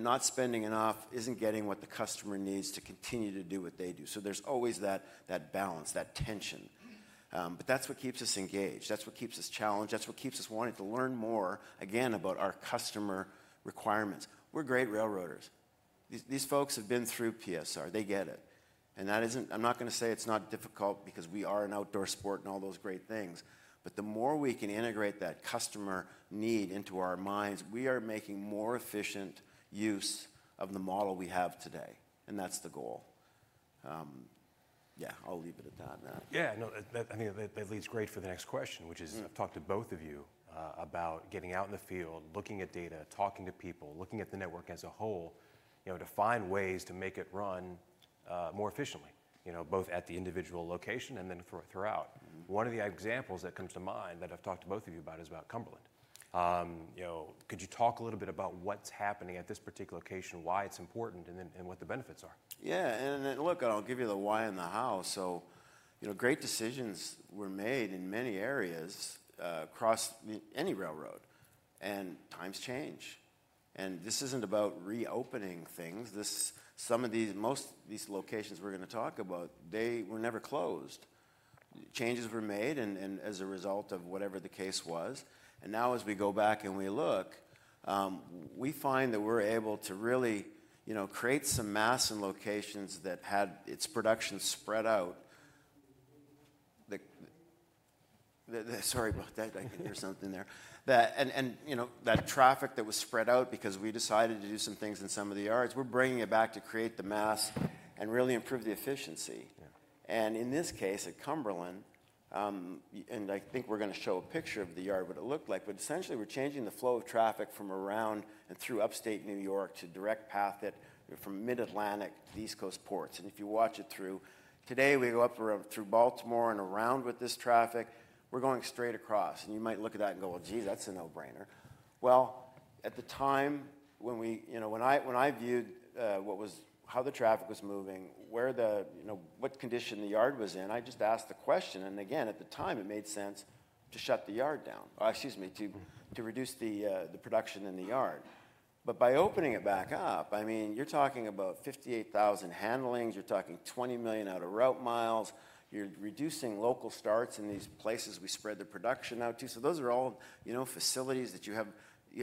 not spending enough isn't getting what the customer needs to continue to do what they do. So there's always that balance, that tension. But that's what keeps us engaged. That's what keeps us challenged. That's what keeps us wanting to learn more, again, about our customer requirements. We're great railroaders. These folks have been through PSR. They get it. And I'm not going to say it's not difficult because we are an outdoor sport and all those great things. But the more we can integrate that customer need into our minds, we are making more efficient use of the model we have today. And that's the goal. Yeah, I'll leave it at that. Yeah. I mean, that leads great for the next question, which is I've talked to both of you about getting out in the field, looking at data, talking to people, looking at the network as a whole to find ways to make it run more efficiently, both at the individual location and then throughout. One of the examples that comes to mind that I've talked to both of you about is about Cumberland. Could you talk a little bit about what's happening at this particular location, why it's important, and what the benefits are? Yeah. And look, I'll give you the why in the house. So great decisions were made in many areas across any railroad. And times change. And this isn't about reopening things. Some of these locations we're going to talk about, they were never closed. Changes were made as a result of whatever the case was. And now as we go back and we look, we find that we're able to really create some mass in locations that had its production spread out. Sorry, there's something there. And that traffic that was spread out because we decided to do some things in some of the yards, we're bringing it back to create the mass and really improve the efficiency. And in this case at Cumberland, and I think we're going to show a picture of the yard, what it looked like. But essentially, we're changing the flow of traffic from around and through upstate New York to direct path it from Mid-Atlantic to East Coast ports. And if you watch it through, today we go up through Baltimore and around with this traffic, we're going straight across. And you might look at that and go, "Well, geez, that's a no-brainer." Well, at the time when I viewed how the traffic was moving, what condition the yard was in, I just asked the question. And again, at the time, it made sense to shut the yard down. Excuse me, to reduce the production in the yard. But by opening it back up, I mean, you're talking about 58,000 handlings. You're talking 20 million out-of-route miles. You're reducing local starts in these places we spread the production out to. So those are all facilities that you have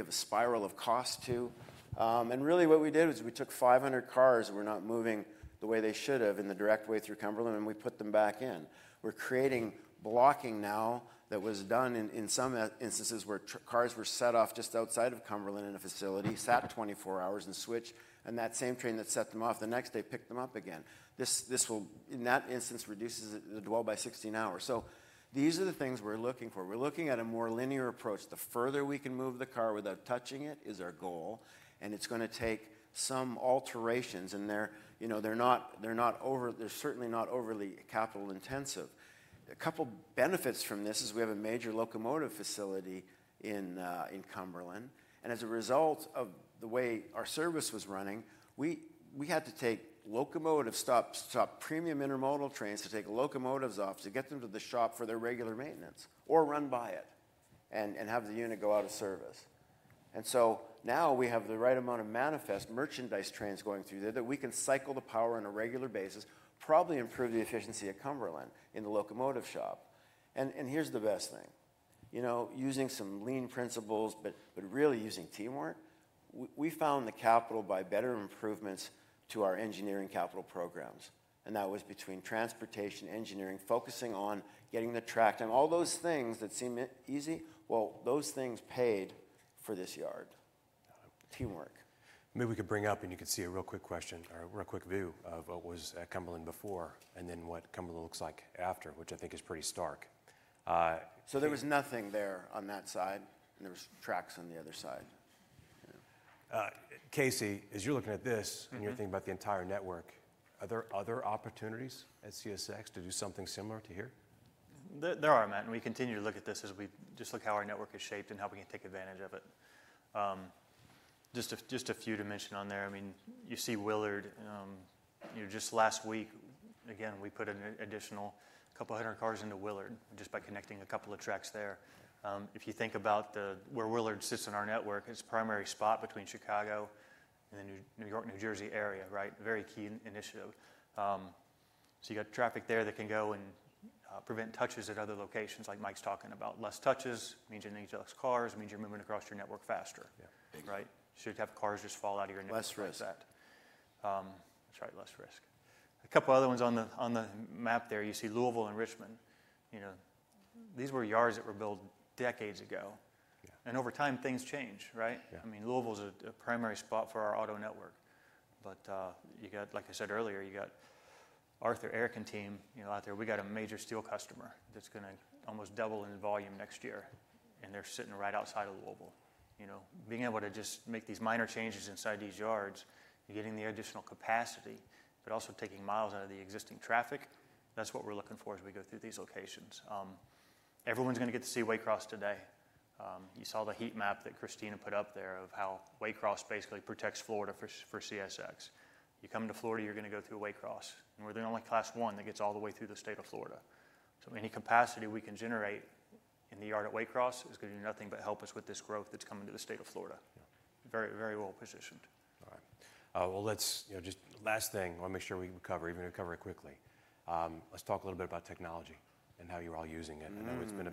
a spiral of cost to. And really what we did was we took 500 cars that were not moving the way they should have in the direct way through Cumberland, and we put them back in. We're creating blocking now that was done in some instances where cars were set off just outside of Cumberland in a facility, sat 24 hours and switched. And that same train that set them off, the next day picked them up again. This will, in that instance, reduce the dwell by 16 hours. So these are the things we're looking for. We're looking at a more linear approach. The further we can move the car without touching it is our goal. And it's going to take some alterations. And they're certainly not overly capital intensive. A couple of benefits from this is we have a major locomotive facility in Cumberland. And as a result of the way our service was running, we had to take locomotive stops, stop premium intermodal trains to take locomotives off to get them to the shop for their regular maintenance or run by it and have the unit go out of service. And so now we have the right amount of manifest merchandise trains going through there that we can cycle the power on a regular basis, probably improve the efficiency of Cumberland in the locomotive shop. And here's the best thing. Using some lean principles, but really using teamwork, we found the capital by better improvements to our engineering capital programs. And that was between transportation, engineering, focusing on getting the track. And all those things that seem easy, well, those things paid for this yard. Teamwork. Maybe we could bring up, and you could see a real quick question or a real quick view of what was at Cumberland before and then what Cumberland looks like after, which I think is pretty stark. So there was nothing there on that side. And there were tracks on the other side. Casey, as you're looking at this and you're thinking about the entire network, are there other opportunities at CSX to do something similar to here? There are, Matt. We continue to look at this as we just look at how our network is shaped and how we can take advantage of it. Just a few to mention on there. I mean, you see Willard. Just last week, again, we put an additional couple of hundred cars into Willard just by connecting a couple of tracks there. If you think about where Willard sits in our network, its primary spot between Chicago and the New York-New Jersey area, right? Very key initiative. So you got traffic there that can go and prevent touches at other locations like Mike's talking about. Less touches means you're getting less cars. It means you're moving across your network faster, right? Should have cars just fall out of your network less risk. That's right, less risk. A couple of other ones on the map there. You see Louisville and Richmond. These were yards that were built decades ago. And over time, things change, right? I mean, Louisville is a primary spot for our auto network. But like I said earlier, you got Arthur Adams and team out there. We got a major steel customer that's going to almost double in volume next year. And they're sitting right outside of Louisville. Being able to just make these minor changes inside these yards, getting the additional capacity, but also taking miles out of the existing traffic, that's what we're looking for as we go through these locations. Everyone's going to get to see Waycross today. You saw the heat map that Christina put up there of how Waycross basically protects Florida for CSX. You come to Florida, you're going to go through Waycross. And we're the only Class I that gets all the way through the state of Florida. So any capacity we can generate in the yard at Waycross is going to do nothing but help us with this growth that's coming to the state of Florida. Very, very well positioned. All right. Well, just last thing. I want to make sure we recover. We're going to cover it quickly. Let's talk a little bit about technology and how you're all using it. I know it's been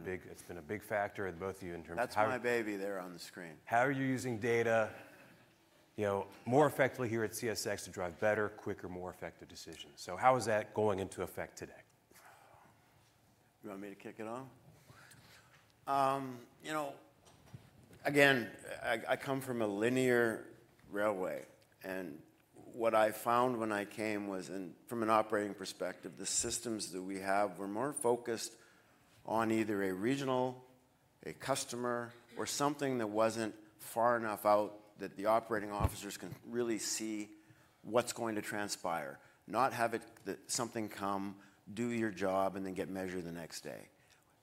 a big factor in both of you in terms of how. That's my baby there on the screen. How are you using data more effectively here at CSX to drive better, quicker, more effective decisions? So how is that going into effect today? You want me to kick it off? Again, I come from a linear railway. What I found when I came was, from an operating perspective, the systems that we have were more focused on either a regional, a customer, or something that wasn't far enough out that the operating officers can really see what's going to transpire. Not have something come, do your job, and then get measured the next day.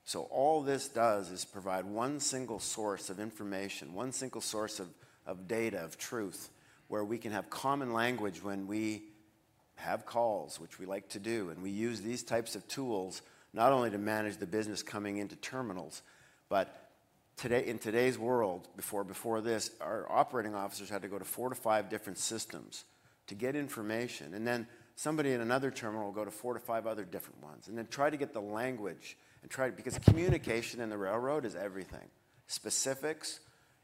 So all this does is provide one single source of information, one single source of data, of truth, where we can have common language when we have calls, which we like to do. And we use these types of tools not only to manage the business coming into terminals, but in today's world, before this, our operating officers had to go to four to five different systems to get information. Somebody in another terminal will go to four to five other different ones and then try to get the language and try to, because communication in the railroad is everything. Specifics,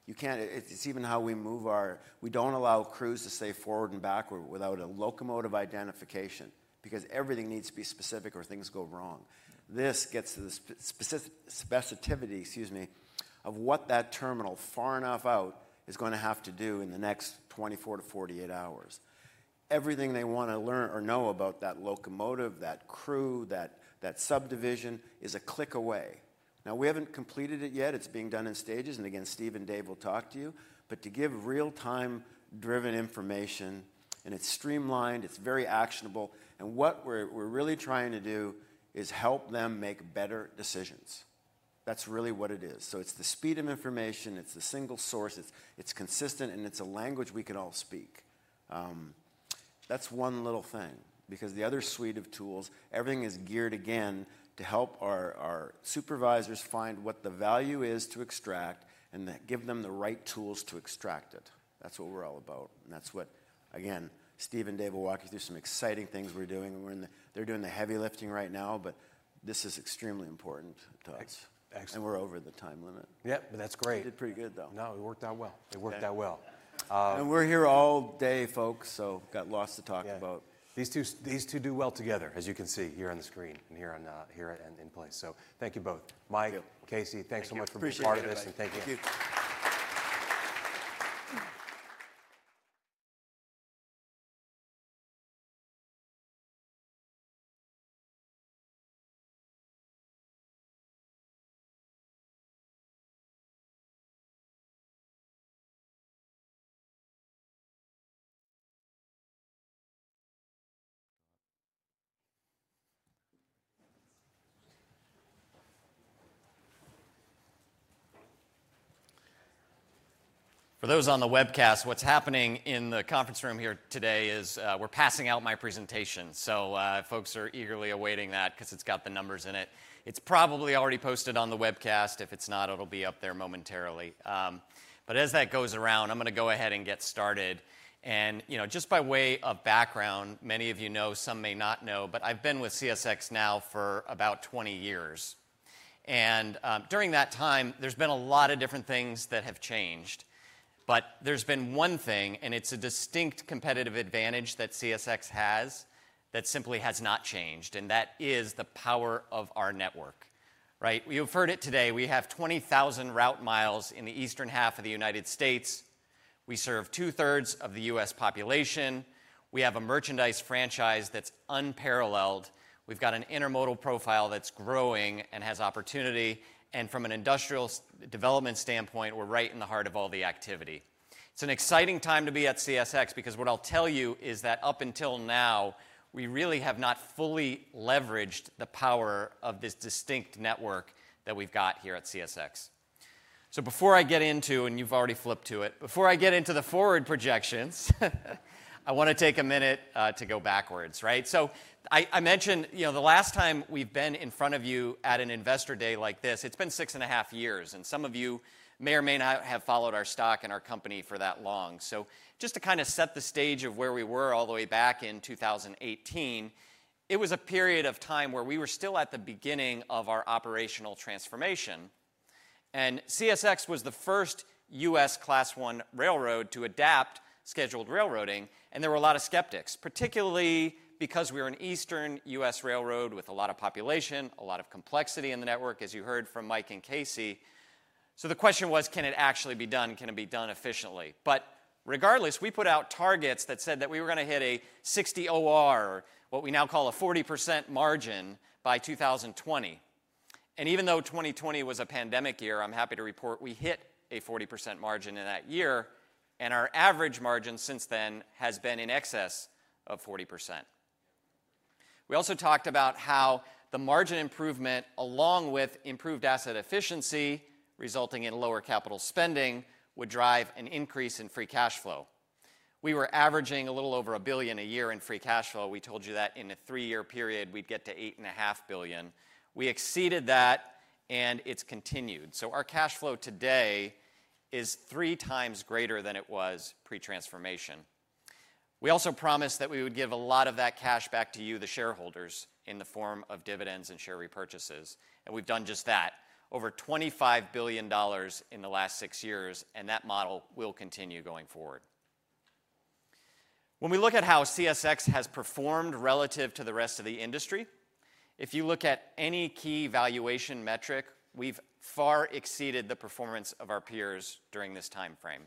it's even how we move our we don't allow crews to say forward and backward without a locomotive identification because everything needs to be specific or things go wrong. This gets to the specificity, excuse me, of what that terminal far enough out is going to have to do in the next 24 to 48 hours. Everything they want to learn or know about that locomotive, that crew, that subdivision is a click away. Now, we haven't completed it yet. It's being done in stages. Again, Steve and Dave will talk to you, but to give real-time-driven information, and it's streamlined, it's very actionable. What we're really trying to do is help them make better decisions. That's really what it is. So it's the speed of information. It's the single source. It's consistent. And it's a language we can all speak. That's one little thing. Because the other suite of tools, everything is geared again to help our supervisors find what the value is to extract and give them the right tools to extract it. That's what we're all about. And that's what, again, Steve and Dave will walk you through some exciting things we're doing. They're doing the heavy lifting right now. But this is extremely important to us. And we're over the time limit. Yep. But that's great. We did pretty good, though. No, it worked out well. It worked out well. And we're here all day, folks. So got lots to talk about. These two do well together, as you can see here on the screen and here in place. So thank you both. Mike, Casey, thanks so much for being part of this. And thank you. For those on the webcast, what's happening in the conference room here today is we're passing out my presentation. So folks are eagerly awaiting that because it's got the numbers in it. It's probably already posted on the webcast. If it's not, it'll be up there momentarily. But as that goes around, I'm going to go ahead and get started. And just by way of background, many of you know, some may not know, but I've been with CSX now for about 20 years. And during that time, there's been a lot of different things that have changed. But there's been one thing, and it's a distinct competitive advantage that CSX has that simply has not changed. And that is the power of our network. You've heard it today. We have 20,000 route miles in the eastern half of the United States. We serve two-thirds of the U.S. population. We have a merchandise franchise that's unparalleled. We've got an intermodal profile that's growing and has opportunity. And from an industrial development standpoint, we're right in the heart of all the activity. It's an exciting time to be at CSX because what I'll tell you is that up until now, we really have not fully leveraged the power of this distinct network that we've got here at CSX. So before I get into, and you've already flipped to it, before I get into the forward projections, I want to take a minute to go backwards. So I mentioned the last time we've been in front of you at an investor day like this, it's been six and a half years. And some of you may or may not have followed our stock and our company for that long. So just to kind of set the stage of where we were all the way back in 2018, it was a period of time where we were still at the beginning of our operational transformation. And CSX was the first U.S. class one railroad to adopt scheduled railroading. And there were a lot of skeptics, particularly because we were an eastern U.S. railroad with a lot of population, a lot of complexity in the network, as you heard from Mike and Casey. So the question was, can it actually be done? Can it be done efficiently? But regardless, we put out targets that said that we were going to hit a 60 OR, what we now call a 40% margin by 2020. And even though 2020 was a pandemic year, I'm happy to report we hit a 40% margin in that year. And our average margin since then has been in excess of 40%. We also talked about how the margin improvement, along with improved asset efficiency, resulting in lower capital spending, would drive an increase in free cash flow. We were averaging a little over $1 billion a year in free cash flow. We told you that in a three-year period, we'd get to $8.5 billion. We exceeded that, and it's continued. So our cash flow today is three times greater than it was pre-transformation. We also promised that we would give a lot of that cash back to you, the shareholders, in the form of dividends and share repurchases, and we've done just that, over $25 billion in the last six years, and that model will continue going forward. When we look at how CSX has performed relative to the rest of the industry, if you look at any key valuation metric, we've far exceeded the performance of our peers during this time frame.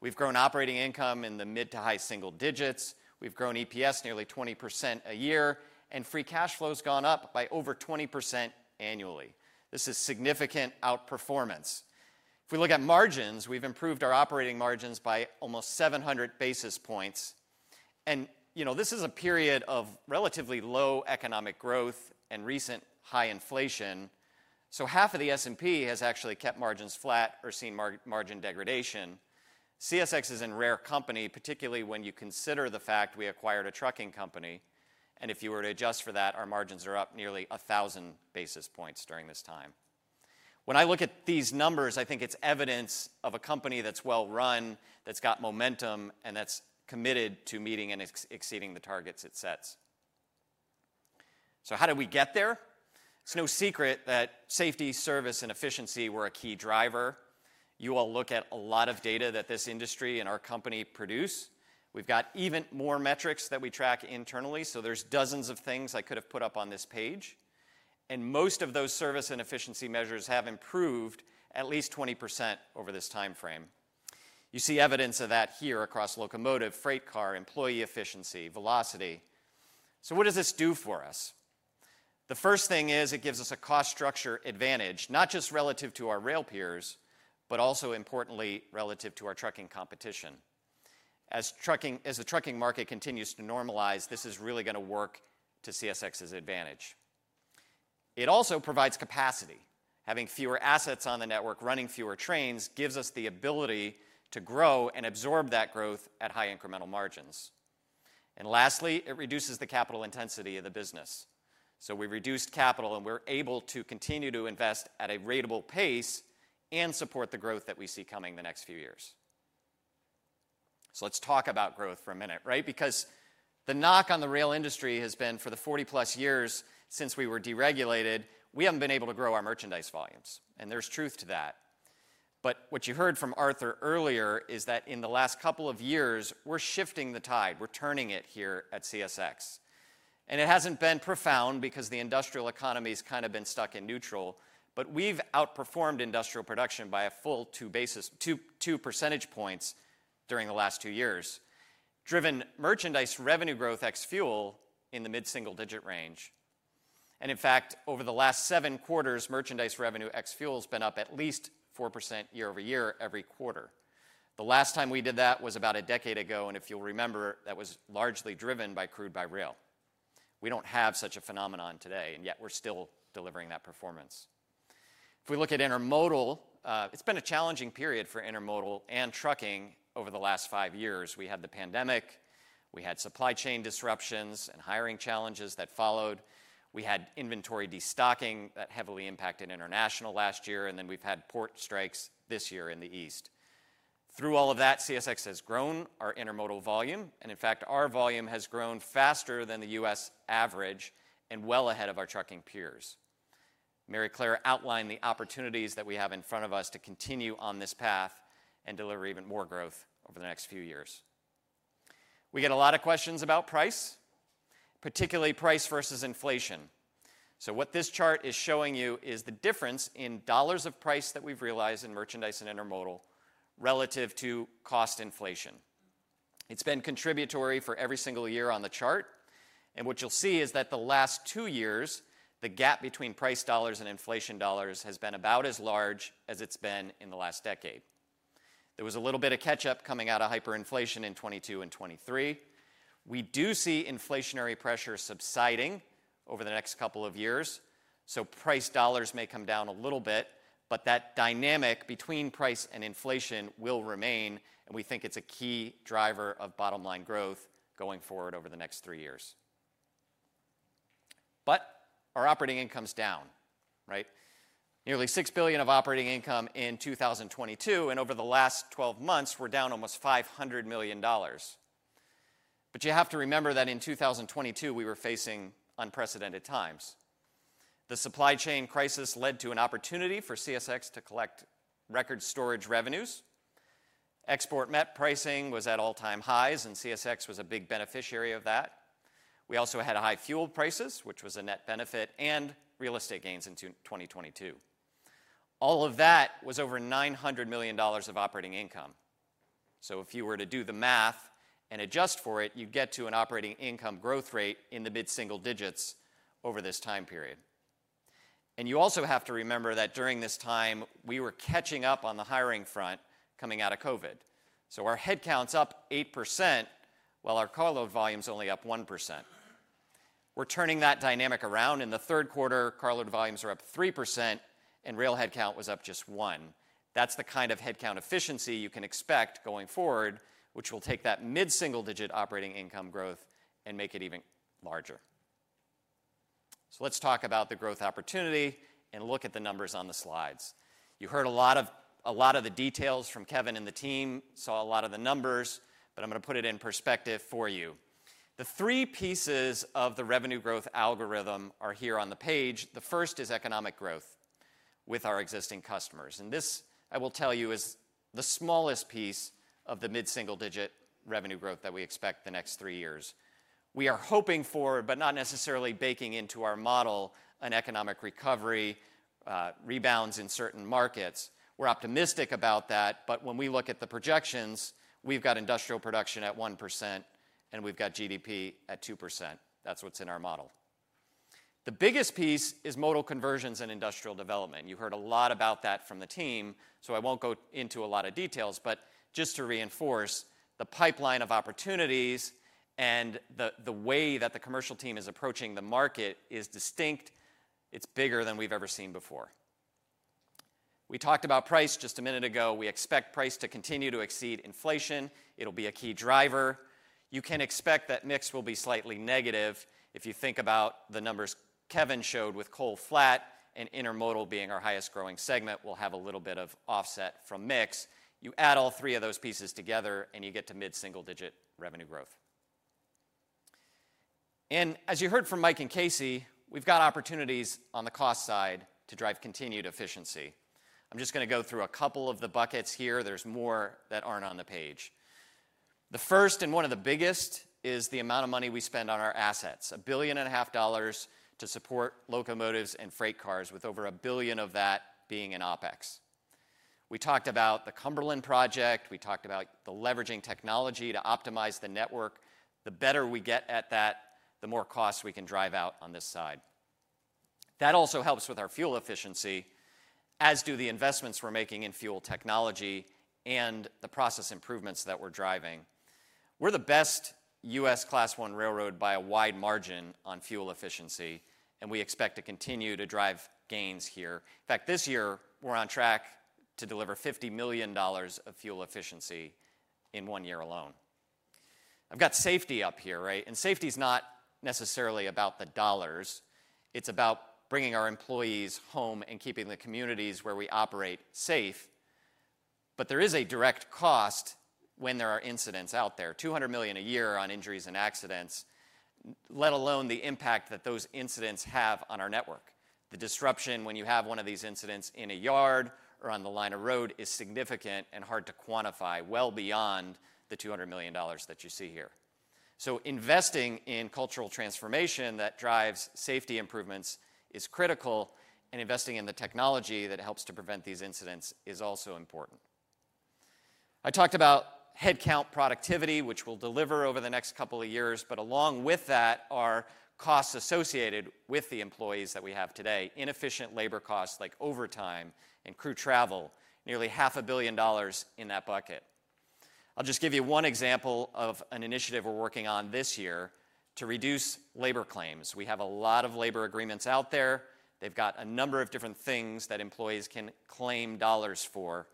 We've grown operating income in the mid to high single digits. We've grown EPS nearly 20% a year, and free cash flow has gone up by over 20% annually. This is significant outperformance. If we look at margins, we've improved our operating margins by almost 700 basis points, and this is a period of relatively low economic growth and recent high inflation. So half of the S&P has actually kept margins flat or seen margin degradation. CSX is a rare company, particularly when you consider the fact we acquired a trucking company. And if you were to adjust for that, our margins are up nearly 1,000 basis points during this time. When I look at these numbers, I think it's evidence of a company that's well run, that's got momentum, and that's committed to meeting and exceeding the targets it sets. So how did we get there? It's no secret that safety, service, and efficiency were a key driver. You all look at a lot of data that this industry and our company produce. We've got even more metrics that we track internally. So there's dozens of things I could have put up on this page. And most of those service and efficiency measures have improved at least 20% over this time frame. You see evidence of that here across locomotive, freight car, employee efficiency, velocity. So what does this do for us? The first thing is it gives us a cost structure advantage, not just relative to our rail peers, but also, importantly, relative to our trucking competition. As the trucking market continues to normalize, this is really going to work to CSX's advantage. It also provides capacity. Having fewer assets on the network, running fewer trains, gives us the ability to grow and absorb that growth at high incremental margins. And lastly, it reduces the capital intensity of the business. So we reduced capital, and we're able to continue to invest at a ratable pace and support the growth that we see coming the next few years. So let's talk about growth for a minute, right? Because the knock on the rail industry has been for the 40+ years since we were deregulated, we haven't been able to grow our merchandise volumes. And there's truth to that. But what you heard from Arthur earlier is that in the last couple of years, we're shifting the tide. We're turning it here at CSX. And it hasn't been profound because the industrial economy has kind of been stuck in neutral. But we've outperformed industrial production by a full two percentage points during the last two years, driven merchandise revenue growth ex-fuel in the mid-single-digit range. And in fact, over the last seven quarters, merchandise revenue ex-fuel has been up at least 4% year-over-year every quarter. The last time we did that was about a decade ago. And if you'll remember, that was largely driven by crude by rail. We don't have such a phenomenon today. And yet, we're still delivering that performance. If we look at intermodal, it's been a challenging period for intermodal and trucking over the last five years. We had the pandemic. We had supply chain disruptions and hiring challenges that followed. We had inventory destocking that heavily impacted international last year. And then we've had port strikes this year in the East. Through all of that, CSX has grown our intermodal volume. And in fact, our volume has grown faster than the U.S. average and well ahead of our trucking peers. Maryclare outlined the opportunities that we have in front of us to continue on this path and deliver even more growth over the next few years. We get a lot of questions about price, particularly price versus inflation. So what this chart is showing you is the difference in dollars of price that we've realized in merchandise and intermodal relative to cost inflation. It's been contributory for every single year on the chart. And what you'll see is that the last two years, the gap between price dollars and inflation dollars has been about as large as it's been in the last decade. There was a little bit of catch-up coming out of hyperinflation in 2022 and 2023. We do see inflationary pressure subsiding over the next couple of years. So price dollars may come down a little bit. But that dynamic between price and inflation will remain. And we think it's a key driver of bottom-line growth going forward over the next three years. But our operating income's down, right? Nearly $6 billion of operating income in 2022. Over the last 12 months, we're down almost $500 million. You have to remember that in 2022, we were facing unprecedented times. The supply chain crisis led to an opportunity for CSX to collect record storage revenues. Export net pricing was at all-time highs. CSX was a big beneficiary of that. We also had high fuel prices, which was a net benefit, and real estate gains in 2022. All of that was over $900 million of operating income. If you were to do the math and adjust for it, you'd get to an operating income growth rate in the mid-single digits over this time period. You also have to remember that during this time, we were catching up on the hiring front coming out of COVID. Our headcount's up 8%, while our carload volume's only up 1%. We're turning that dynamic around. In the third quarter, carload volumes were up 3%. And rail headcount was up just 1. That's the kind of headcount efficiency you can expect going forward, which will take that mid-single-digit operating income growth and make it even larger. So let's talk about the growth opportunity and look at the numbers on the slides. You heard a lot of the details from Kevin and the team, saw a lot of the numbers. But I'm going to put it in perspective for you. The three pieces of the revenue growth algorithm are here on the page. The first is economic growth with our existing customers. And this, I will tell you, is the smallest piece of the mid-single-digit revenue growth that we expect the next three years. We are hoping for, but not necessarily baking into our model, an economic recovery, rebounds in certain markets. We're optimistic about that. But when we look at the projections, we've got industrial production at 1%. And we've got GDP at 2%. That's what's in our model. The biggest piece is modal conversions and industrial development. You heard a lot about that from the team. So I won't go into a lot of details. But just to reinforce, the pipeline of opportunities and the way that the commercial team is approaching the market is distinct. It's bigger than we've ever seen before. We talked about price just a minute ago. We expect price to continue to exceed inflation. It'll be a key driver. You can expect that mix will be slightly negative if you think about the numbers Kevin showed with coal flat and intermodal being our highest growing segment. We'll have a little bit of offset from mix. You add all three of those pieces together, and you get to mid-single-digit revenue growth, and as you heard from Mike and Casey, we've got opportunities on the cost side to drive continued efficiency. I'm just going to go through a couple of the buckets here. There's more that aren't on the page. The first and one of the biggest is the amount of money we spend on our assets, $1.5 billion to support locomotives and freight cars, with over $1 billion of that being in OpEx. We talked about the Cumberland Project. We talked about the leveraging technology to optimize the network. The better we get at that, the more cost we can drive out on this side. That also helps with our fuel efficiency, as do the investments we're making in fuel technology and the process improvements that we're driving. We're the best U.S. Class I railroad by a wide margin on fuel efficiency. We expect to continue to drive gains here. In fact, this year, we're on track to deliver $50 million of fuel efficiency in one year alone. I've got safety up here, right? Safety's not necessarily about the dollars. It's about bringing our employees home and keeping the communities where we operate safe. There is a direct cost when there are incidents out there, $200 million a year on injuries and accidents, let alone the impact that those incidents have on our network. The disruption when you have one of these incidents in a yard or on the line of road is significant and hard to quantify well beyond the $200 million that you see here. Investing in cultural transformation that drives safety improvements is critical. And investing in the technology that helps to prevent these incidents is also important. I talked about headcount productivity, which we'll deliver over the next couple of years. But along with that are costs associated with the employees that we have today, inefficient labor costs like overtime and crew travel, nearly $500 million in that bucket. I'll just give you one example of an initiative we're working on this year to reduce labor claims. We have a lot of labor agreements out there. They've got a number of different things that employees can claim dollars for.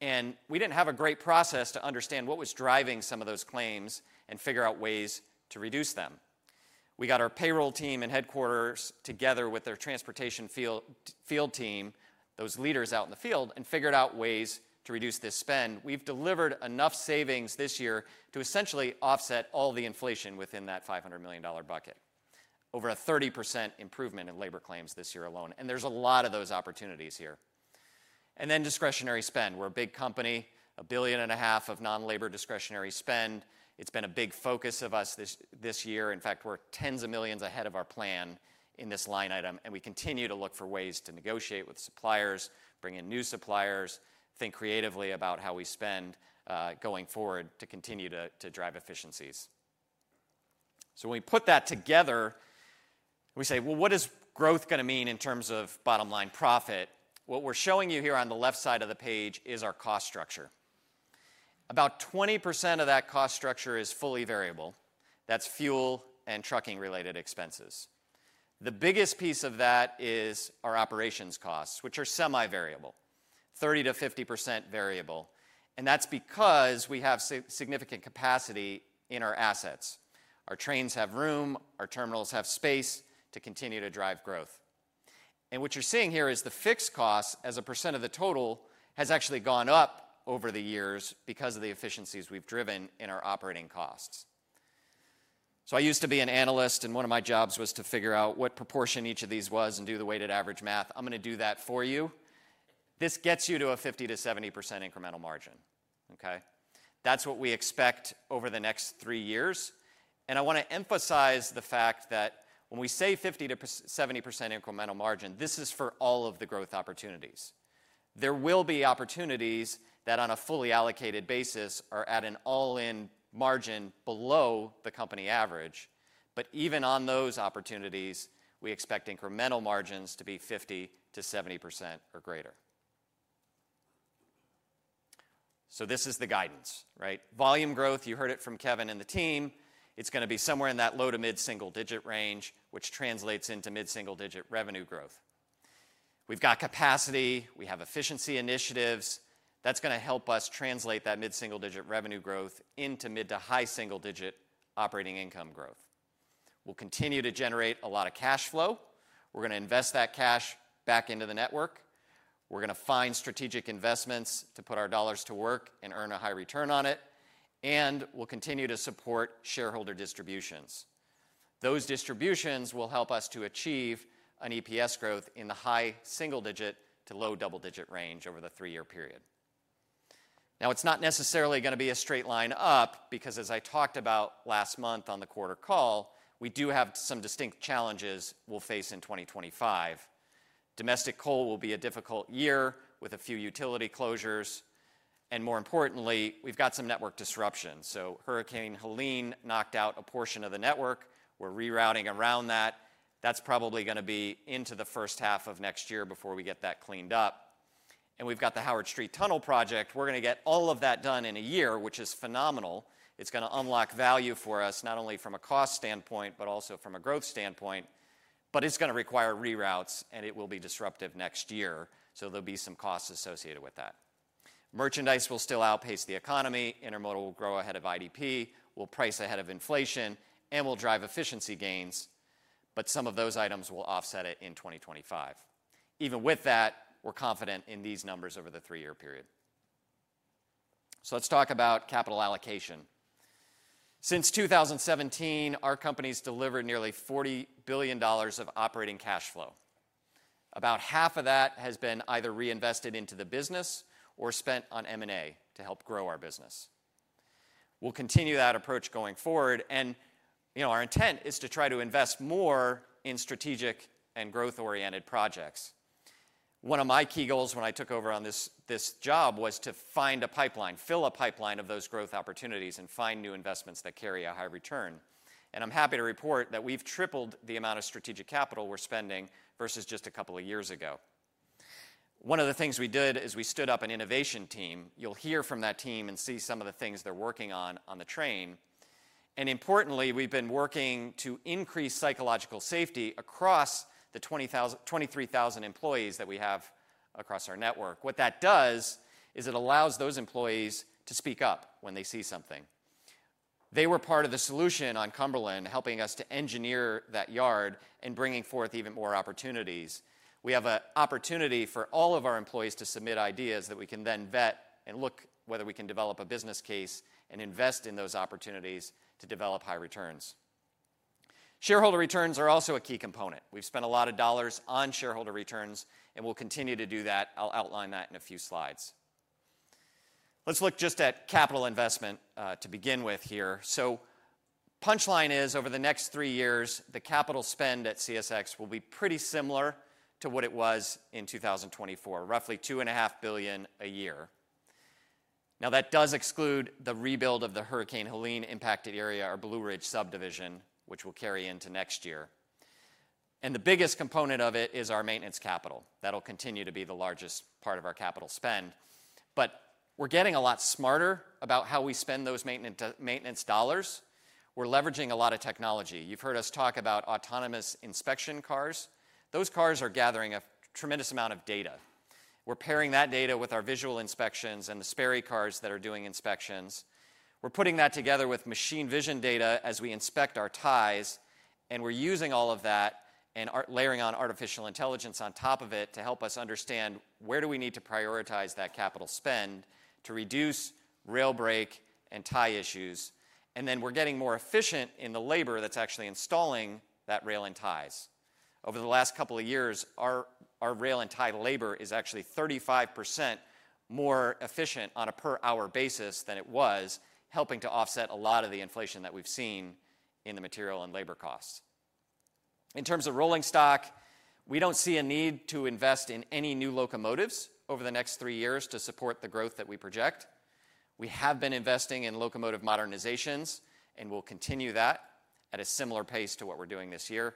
And we didn't have a great process to understand what was driving some of those claims and figure out ways to reduce them. We got our payroll team and headquarters together with their transportation field team, those leaders out in the field, and figured out ways to reduce this spend. We've delivered enough savings this year to essentially offset all the inflation within that $500 million bucket, over a 30% improvement in labor claims this year alone, and there's a lot of those opportunities here, and then discretionary spend. We're a big company, $1.5 billion of non-labor discretionary spend. It's been a big focus of us this year. In fact, we're tens of millions ahead of our plan in this line item, and we continue to look for ways to negotiate with suppliers, bring in new suppliers, think creatively about how we spend going forward to continue to drive efficiencies, so when we put that together, we say, well, what is growth going to mean in terms of bottom-line profit? What we're showing you here on the left side of the page is our cost structure. About 20% of that cost structure is fully variable. That's fuel and trucking-related expenses. The biggest piece of that is our operations costs, which are semi-variable, 30%-50% variable. And that's because we have significant capacity in our assets. Our trains have room. Our terminals have space to continue to drive growth. And what you're seeing here is the fixed costs as a percent of the total has actually gone up over the years because of the efficiencies we've driven in our operating costs. So I used to be an analyst. And one of my jobs was to figure out what proportion each of these was and do the weighted average math. I'm going to do that for you. This gets you to a 50%-70% incremental margin, okay? That's what we expect over the next three years. I want to emphasize the fact that when we say 50%-70% incremental margin, this is for all of the growth opportunities. There will be opportunities that, on a fully allocated basis, are at an all-in margin below the company average. But even on those opportunities, we expect incremental margins to be 50%-70% or greater. So this is the guidance, right? Volume growth, you heard it from Kevin and the team. It's going to be somewhere in that low to mid-single-digit range, which translates into mid-single-digit revenue growth. We've got capacity. We have efficiency initiatives. That's going to help us translate that mid-single-digit revenue growth into mid to high single-digit operating income growth. We'll continue to generate a lot of cash flow. We're going to invest that cash back into the network. We're going to find strategic investments to put our dollars to work and earn a high return on it. And we'll continue to support shareholder distributions. Those distributions will help us to achieve an EPS growth in the high single-digit to low double-digit range over the three-year period. Now, it's not necessarily going to be a straight line up because, as I talked about last month on the quarter call, we do have some distinct challenges we'll face in 2025. Domestic coal will be a difficult year with a few utility closures. And more importantly, we've got some network disruption. So Hurricane Helene knocked out a portion of the network. We're rerouting around that. That's probably going to be into the first half of next year before we get that cleaned up. And we've got the Howard Street Tunnel Project. We're going to get all of that done in a year, which is phenomenal. It's going to unlock value for us not only from a cost standpoint but also from a growth standpoint. But it's going to require reroutes. And it will be disruptive next year. So there'll be some costs associated with that. Merchandise will still outpace the economy. Intermodal will grow ahead of IDP. We'll price ahead of inflation. And we'll drive efficiency gains. But some of those items will offset it in 2025. Even with that, we're confident in these numbers over the three-year period. So let's talk about capital allocation. Since 2017, our company's delivered nearly $40 billion of operating cash flow. About half of that has been either reinvested into the business or spent on M&A to help grow our business. We'll continue that approach going forward. And our intent is to try to invest more in strategic and growth-oriented projects. One of my key goals when I took over on this job was to find a pipeline, fill a pipeline of those growth opportunities, and find new investments that carry a high return. And I'm happy to report that we've tripled the amount of strategic capital we're spending versus just a couple of years ago. One of the things we did is we stood up an innovation team. You'll hear from that team and see some of the things they're working on on the train. And importantly, we've been working to increase psychological safety across the 23,000 employees that we have across our network. What that does is it allows those employees to speak up when they see something. They were part of the solution on Cumberland, helping us to engineer that yard and bringing forth even more opportunities. We have an opportunity for all of our employees to submit ideas that we can then vet and look whether we can develop a business case and invest in those opportunities to develop high returns. Shareholder returns are also a key component. We've spent a lot of dollars on shareholder returns, and we'll continue to do that. I'll outline that in a few slides. Let's look just at capital investment to begin with here, so punchline is, over the next three years, the capital spend at CSX will be pretty similar to what it was in 2024, roughly $2.5 billion a year. Now, that does exclude the rebuild of the Hurricane Helene impacted area, our Blue Ridge Subdivision, which we'll carry into next year. The biggest component of it is our maintenance capital. That'll continue to be the largest part of our capital spend. But we're getting a lot smarter about how we spend those maintenance dollars. We're leveraging a lot of technology. You've heard us talk about autonomous inspection cars. Those cars are gathering a tremendous amount of data. We're pairing that data with our visual inspections and the Sperry cars that are doing inspections. We're putting that together with machine vision data as we inspect our ties. We're using all of that and layering on artificial intelligence on top of it to help us understand where do we need to prioritize that capital spend to reduce rail break and tie issues. We're getting more efficient in the labor that's actually installing that rail and ties. Over the last couple of years, our rail and tie labor is actually 35% more efficient on a per-hour basis than it was, helping to offset a lot of the inflation that we've seen in the material and labor costs. In terms of rolling stock, we don't see a need to invest in any new locomotives over the next three years to support the growth that we project. We have been investing in locomotive modernizations and will continue that at a similar pace to what we're doing this year.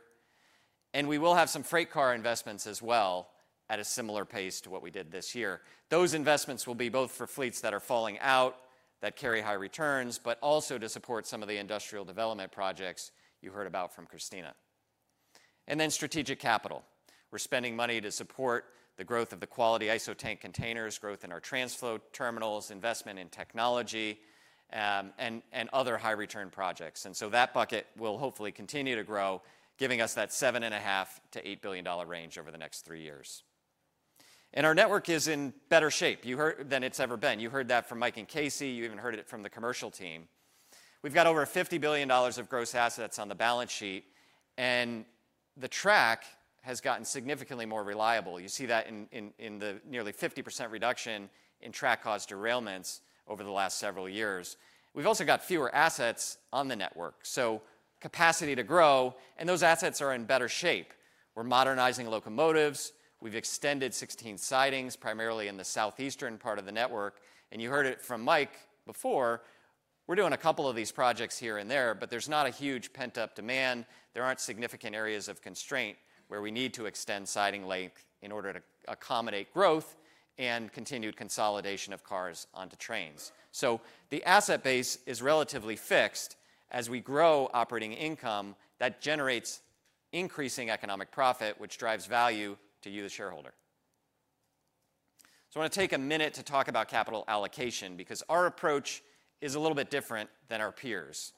And we will have some freight car investments as well at a similar pace to what we did this year. Those investments will be both for fleets that are falling out that carry high returns, but also to support some of the industrial development projects you heard about from Christina. And then strategic capital. We're spending money to support the growth of the Quality ISO tank containers, growth in our TRANSFLO terminals, investment in technology, and other high-return projects, and so that bucket will hopefully continue to grow, giving us that $7.5-$8 billion range over the next three years, and our network is in better shape than it's ever been. You heard that from Mike and Casey. You even heard it from the commercial team. We've got over $50 billion of gross assets on the balance sheet, and the track has gotten significantly more reliable. You see that in the nearly 50% reduction in track-caused derailments over the last several years. We've also got fewer assets on the network, so capacity to grow, and those assets are in better shape. We're modernizing locomotives. We've extended 16 sidings primarily in the southeastern part of the network, and you heard it from Mike before. We're doing a couple of these projects here and there, but there's not a huge pent-up demand. There aren't significant areas of constraint where we need to extend siding length in order to accommodate growth and continued consolidation of cars onto trains. So the asset base is relatively fixed. As we grow operating income, that generates increasing economic profit, which drives value to you, the shareholder. So I want to take a minute to talk about capital allocation because our approach is a little bit different than our peers.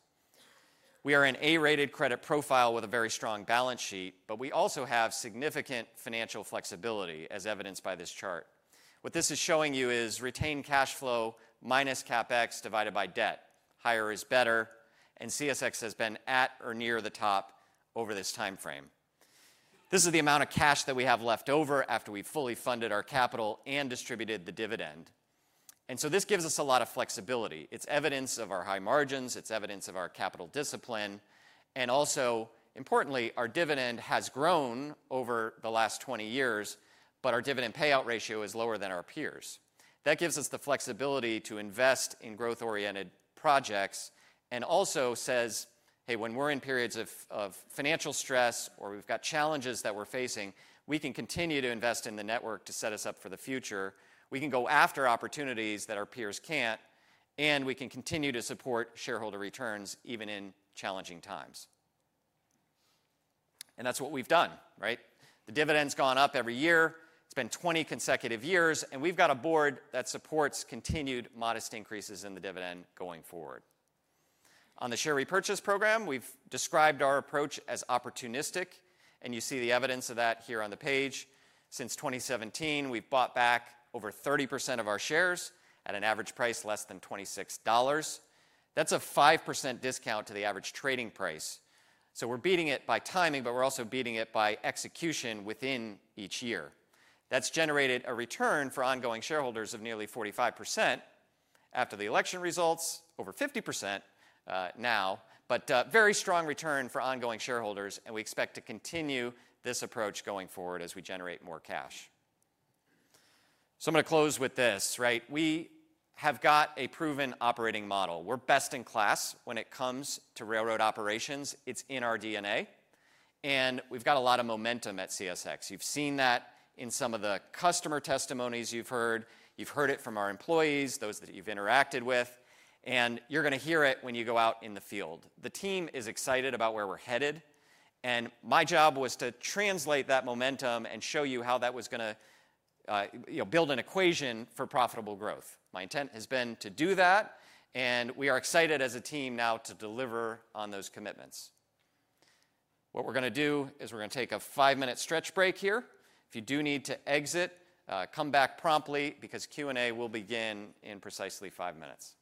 We are an A-rated credit profile with a very strong balance sheet, but we also have significant financial flexibility as evidenced by this chart. What this is showing you is retained cash flow minus CapEx divided by debt. Higher is better. And CSX has been at or near the top over this time frame. This is the amount of cash that we have left over after we've fully funded our capital and distributed the dividend. And so this gives us a lot of flexibility. It's evidence of our high margins. It's evidence of our capital discipline. And also, importantly, our dividend has grown over the last 20 years, but our dividend payout ratio is lower than our peers. That gives us the flexibility to invest in growth-oriented projects and also says, "Hey, when we're in periods of financial stress or we've got challenges that we're facing, we can continue to invest in the network to set us up for the future. We can go after opportunities that our peers can't. And we can continue to support shareholder returns even in challenging times." And that's what we've done, right? The dividend's gone up every year. It's been 20 consecutive years. And we've got a board that supports continued modest increases in the dividend going forward. On the share repurchase program, we've described our approach as opportunistic. And you see the evidence of that here on the page. Since 2017, we've bought back over 30% of our shares at an average price less than $26. That's a 5% discount to the average trading price. So we're beating it by timing, but we're also beating it by execution within each year. That's generated a return for ongoing shareholders of nearly 45%. After the election results, over 50% now, but very strong return for ongoing shareholders. And we expect to continue this approach going forward as we generate more cash. So I'm going to close with this, right? We have got a proven operating model. We're best in class when it comes to railroad operations. It's in our DNA. We've got a lot of momentum at CSX. You've seen that in some of the customer testimonies you've heard. You've heard it from our employees, those that you've interacted with. You're going to hear it when you go out in the field. The team is excited about where we're headed. My job was to translate that momentum and show you how that was going to build an equation for profitable growth. My intent has been to do that. We are excited as a team now to deliver on those commitments. What we're going to do is we're going to take a five-minute stretch break here. If you do need to exit, come back promptly because Q&A will begin in precisely five minutes.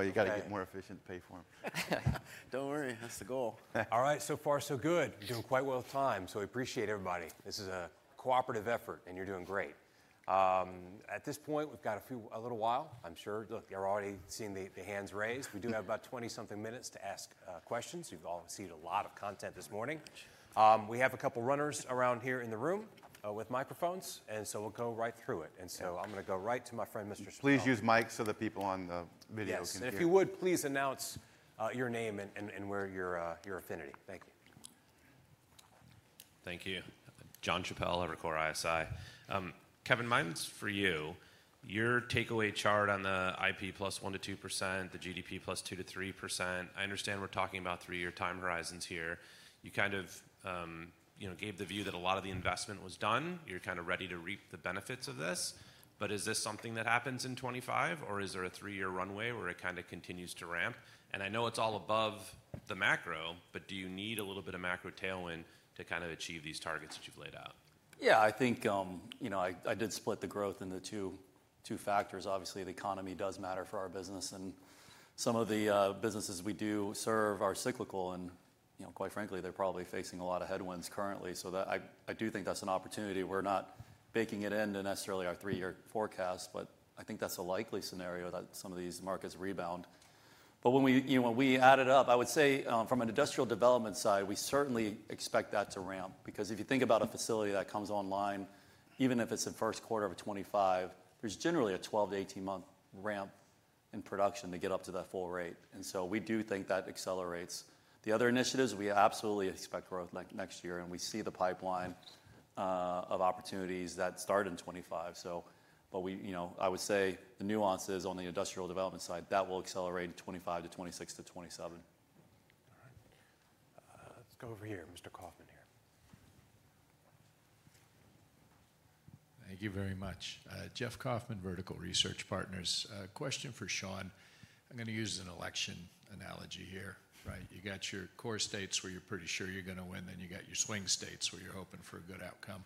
You got to get more efficient to pay for them. Don't worry. That's the goal. All right. So far, so good. We're doing quite well with time. So we appreciate everybody. This is a cooperative effort, and you're doing great. At this point, we've got a little while, I'm sure. Look, you're already seeing the hands raised. We do have about 20-something minutes to ask questions. You've all seen a lot of content this morning. We have a couple of runners around here in the room with microphones. And so we'll go right through it. And so I'm going to go right to my friend, Mr. Chappell. Please use mic so that people on the video can hear. Yes. And if you would, please announce your name and where your affiliation. Thank you. Thank you. Jon Chappell, Evercore ISI. Kevin, mine's for you. Your takeaway chart on the IP +1% to 2%, the GDP +2% to 3%. I understand we're talking about three-year time horizons here. You kind of gave the view that a lot of the investment was done. You're kind of ready to reap the benefits of this. But is this something that happens in 2025, or is there a three-year runway where it kind of continues to ramp? And I know it's all above the macro, but do you need a little bit of macro tailwind to kind of achieve these targets that you've laid out? Yeah. I think I did split the growth into two factors. Obviously, the economy does matter for our business. And some of the businesses we do serve are cyclical. And quite frankly, they're probably facing a lot of headwinds currently. So I do think that's an opportunity. We're not baking it into necessarily our three-year forecast, but I think that's a likely scenario that some of these markets rebound. But when we add it up, I would say from an industrial development side, we certainly expect that to ramp. Because if you think about a facility that comes online, even if it's in first quarter of 2025, there's generally a 12 to 18-month ramp in production to get up to that full rate. And so we do think that accelerates. The other initiatives, we absolutely expect growth next year. And we see the pipeline of opportunities that start in 2025. But I would say the nuances on the industrial development side, that will accelerate in 2025 to 2026 to 2027. All right. Let's go over here. Mr. Kaufman here. Thank you very much. Jeff Kauffman, Vertical Research Partners. Question for Sean. I'm going to use an election analogy here, right? You got your core states where you're pretty sure you're going to win, then you got your swing states where you're hoping for a good outcome.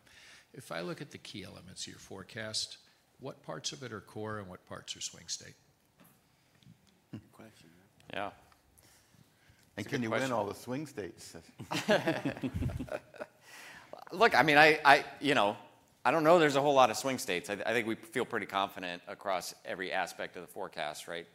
If I look at the key elements of your forecast, what parts of it are core and what parts are swing state? Good question, man. Yeah. And can you win all the swing states? Look, I mean, I don't know. There's a whole lot of swing states. I think we feel pretty confident across every aspect of the forecast, right?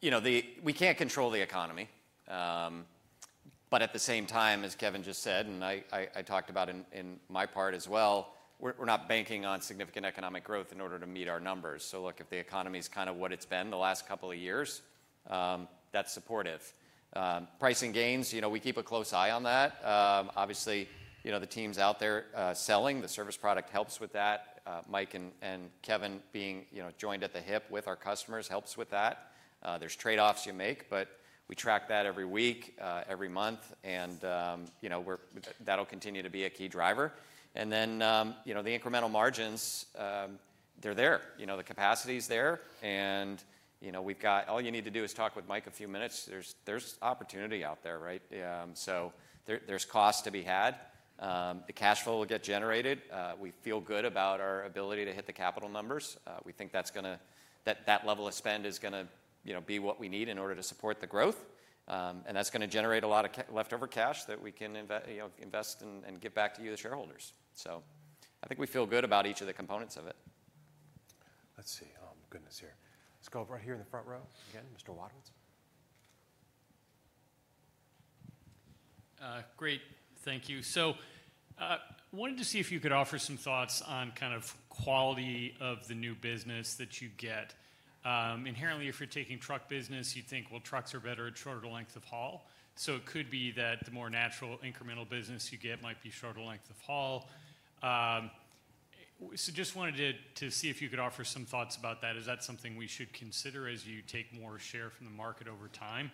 We can't control the economy. But at the same time, as Kevin just said, and I talked about in my part as well, we're not banking on significant economic growth in order to meet our numbers. So look, if the economy is kind of what it's been the last couple of years, that's supportive. Pricing gains, we keep a close eye on that. Obviously, the team's out there selling. The service product helps with that. Mike and Kevin being joined at the hip with our customers helps with that. There's trade-offs you make, but we track that every week, every month. And that'll continue to be a key driver. And then the incremental margins, they're there. The capacity is there. And all you need to do is talk with Mike a few minutes. There's opportunity out there, right? So there's cost to be had. The cash flow will get generated. We feel good about our ability to hit the capital numbers. We think that level of spend is going to be what we need in order to support the growth. And that's going to generate a lot of leftover cash that we can invest and get back to you, the shareholders. So I think we feel good about each of the components of it. Let's see. Oh, goodness here. Let's go right here in the front row again. Mr. Wadewitz. Great. Thank you. So I wanted to see if you could offer some thoughts on kind of quality of the new business that you get. Inherently, if you're taking truck business, you'd think, well, trucks are better at shorter length of haul. So it could be that the more natural incremental business you get might be shorter length of haul. So just wanted to see if you could offer some thoughts about that. Is that something we should consider as you take more share from the market over time?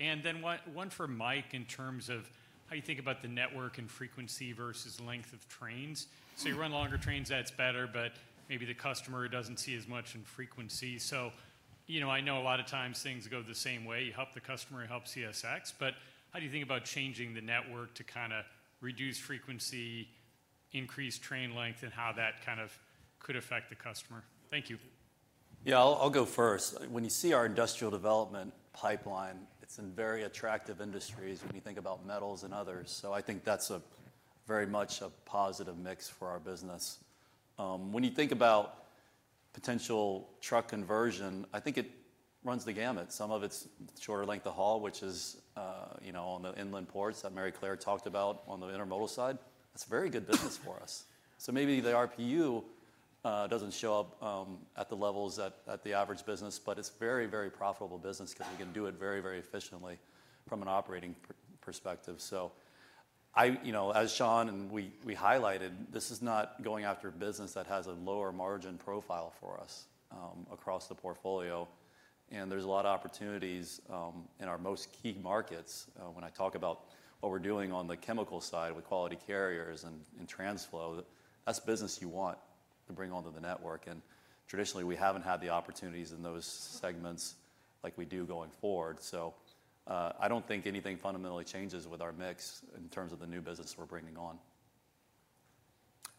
And then one for Mike in terms of how you think about the network and frequency versus length of trains. So you run longer trains, that's better, but maybe the customer doesn't see as much in frequency. So I know a lot of times things go the same way. You help the customer, you help CSX. But how do you think about changing the network to kind of reduce frequency, increase train length, and how that kind of could affect the customer? Thank you. Yeah. I'll go first. When you see our industrial development pipeline, it's in very attractive industries when you think about metals and others. So I think that's very much a positive mix for our business. When you think about potential truck conversion, I think it runs the gamut. Some of it's shorter length of haul, which is on the inland ports that Maryclare talked about on the intermodal side. That's a very good business for us. So maybe the RPU doesn't show up at the levels at the average business, but it's a very, very profitable business because we can do it very, very efficiently from an operating perspective. So as Sean and we highlighted, this is not going after a business that has a lower margin profile for us across the portfolio. And there's a lot of opportunities in our most key markets. When I talk about what we're doing on the chemical side with Quality Carriers and TRANSFLO, that's business you want to bring onto the network. And traditionally, we haven't had the opportunities in those segments like we do going forward. So I don't think anything fundamentally changes with our mix in terms of the new business we're bringing on.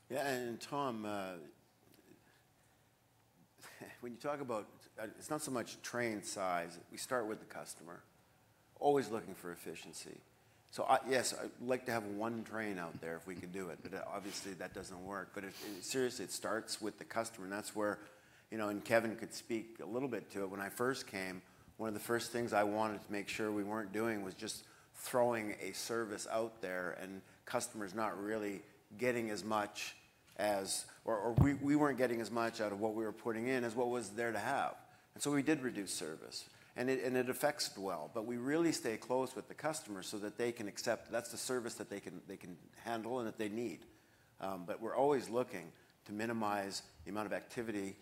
Yeah. And Tom, when you talk about it's not so much train size. We start with the customer, always looking for efficiency. So yes, I'd like to have one train out there if we could do it. But obviously, that doesn't work. But seriously, it starts with the customer. And that's where Kevin could speak a little bit to it. When I first came, one of the first things I wanted to make sure we weren't doing was just throwing a service out there and customers not really getting as much as or we weren't getting as much out of what we were putting in as what was there to have. And so we did reduce service. And it affects it well. But we really stay close with the customer so that they can accept that's the service that they can handle and that they need. But we're always looking to minimize the amount of activity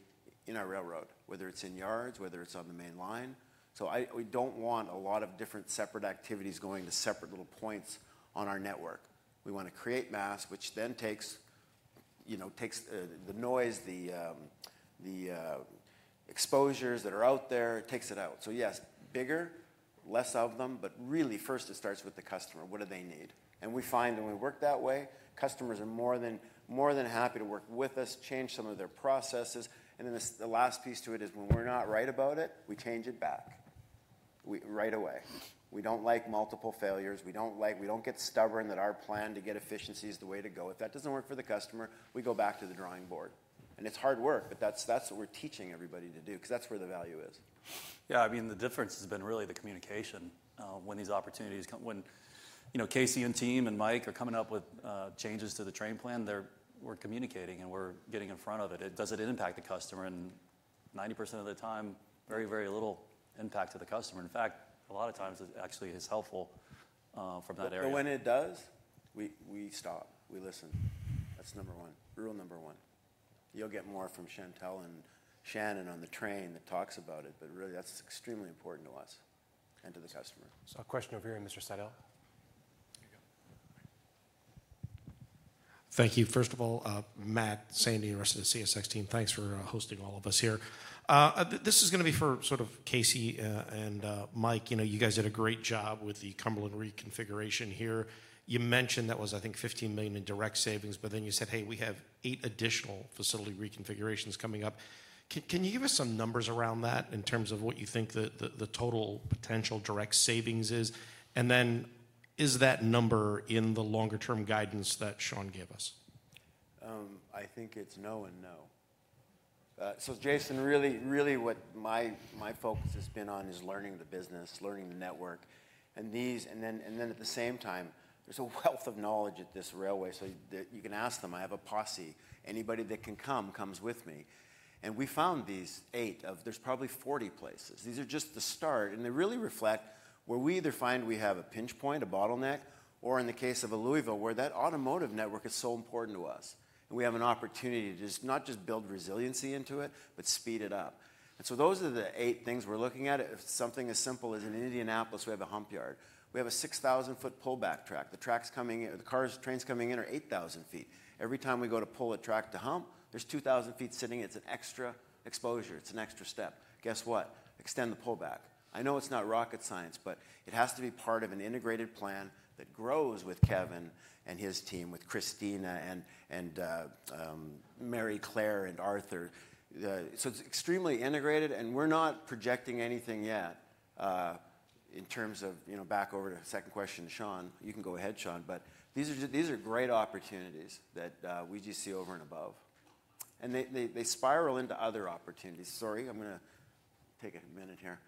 in our railroad, whether it's in yards, whether it's on the main line. So we don't want a lot of different separate activities going to separate little points on our network. We want to create mass, which then takes the noise, the exposures that are out there, takes it out. So yes, bigger, less of them. But really, first, it starts with the customer. What do they need? And we find when we work that way, customers are more than happy to work with us, change some of their processes. And then the last piece to it is when we're not right about it, we change it back right away. We don't like multiple failures. We don't get stubborn that our plan to get efficiency is the way to go. If that doesn't work for the customer, we go back to the drawing board. And it's hard work, but that's what we're teaching everybody to do because that's where the value is. Yeah. I mean, the difference has been really the communication when these opportunities, when Casey and team and Mike are coming up with changes to the train plan, we're communicating and we're getting in front of it. Does it impact the customer? And 90% of the time, very, very little impact to the customer. In fact, a lot of times it actually is helpful from that area. But when it does, we stop. We listen. That's number one. Rule number one. You'll get more from Chantel and Shannon on the train that talks about it. But really, that's extremely important to us and to the customer. So a question over here, Mr. Seidl. Thank you. First of all, Matt Sandy and the rest of the CSX team, thanks for hosting all of us here. This is going to be for sort of Casey and Mike. You guys did a great job with the Cumberland reconfiguration here. You mentioned that was, I think, $15 million in direct savings. But then you said, "Hey, we have eight additional facility reconfigurations coming up." Can you give us some numbers around that in terms of what you think the total potential direct savings is? And then is that number in the longer-term guidance that Sean gave us? I think it's no and no. So Jason, really, really what my focus has been on is learning the business, learning the network. And then at the same time, there's a wealth of knowledge at this railway. So you can ask them. I have a posse. Anybody that can come comes with me. And we found these eight of there's probably 40 places. These are just the start. They really reflect where we either find we have a pinch point, a bottleneck, or in the case of Livonia, where that automotive network is so important to us. We have an opportunity to just not just build resiliency into it, but speed it up. Those are the eight things we're looking at. Something as simple as in Indianapolis, we have a hump yard. We have a 6,000-foot pullback track. The tracks coming in, the trains coming in are 8,000 feet. Every time we go to pull a track to hump, there's 2,000 feet sitting. It's an extra exposure. It's an extra step. Guess what? Extend the pullback. I know it's not rocket science, but it has to be part of an integrated plan that grows with Kevin and his team, with Christina and Maryclare and Arthur. It's extremely integrated. We're not projecting anything yet in terms of back over to second question, Sean. You can go ahead, Sean. But these are great opportunities that we just see over and above. They spiral into other opportunities. Sorry, I'm going to take a minute here.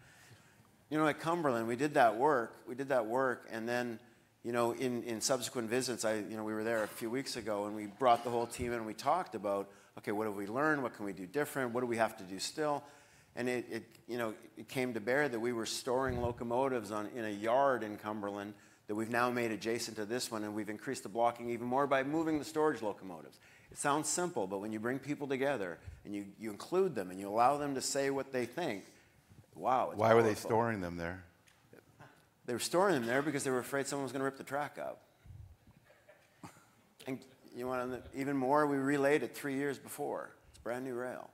At Cumberland, we did that work. We did that work. Then in subsequent visits, we were there a few weeks ago, and we brought the whole team in, and we talked about, "Okay, what have we learned? What can we do different? What do we have to do still?" It came to bear that we were storing locomotives in a yard in Cumberland that we've now made adjacent to this one, and we've increased the blocking even more by moving the storage locomotives. It sounds simple, but when you bring people together and you include them and you allow them to say what they think, wow. Why were they storing them there? They were storing them there because they were afraid someone was going to rip the track up. And even more, we relaid it three years before. It's brand new rail.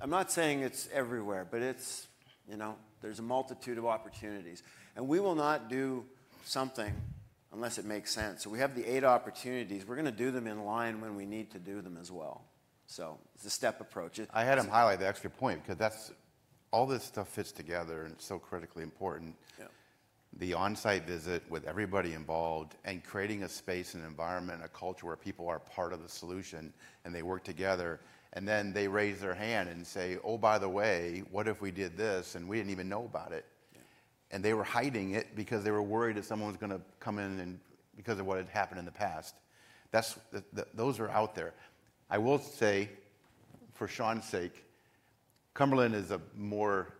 I'm not saying it's everywhere, but there's a multitude of opportunities. And we will not do something unless it makes sense. So we have the eight opportunities. We're going to do them in line when we need to do them as well. So it's a step approach. I had him highlight the extra point because all this stuff fits together, and it's so critically important. The on-site visit with everybody involved and creating a space, an environment, a culture where people are part of the solution and they work together. And then they raise their hand and say, "Oh, by the way, what if we did this?" And we didn't even know about it. And they were hiding it because they were worried that someone was going to come in because of what had happened in the past. Those are out there. I will say, for Sean's sake, Cumberland is a more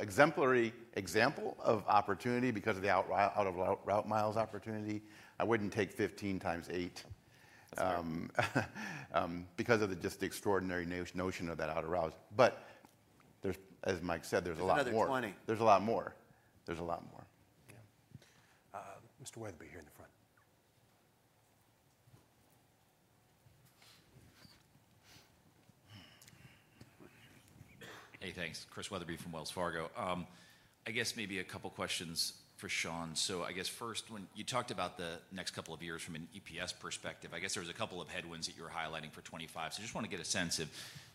exemplary example of opportunity because of the out-of-route miles opportunity. I wouldn't take 15 times 8 because of just the extraordinary notion of that out-of-route. But as Mike said, there's a lot more. There's a lot more. There's a lot more. Yeah. Mr. Wetherbee here in the front. Hey, thanks. Chris Wetherbee from Wells Fargo. I guess maybe a couple of questions for Sean. So, I guess first, when you talked about the next couple of years from an EPS perspective, I guess there was a couple of headwinds that you were highlighting for 2025. So, I just want to get a sense of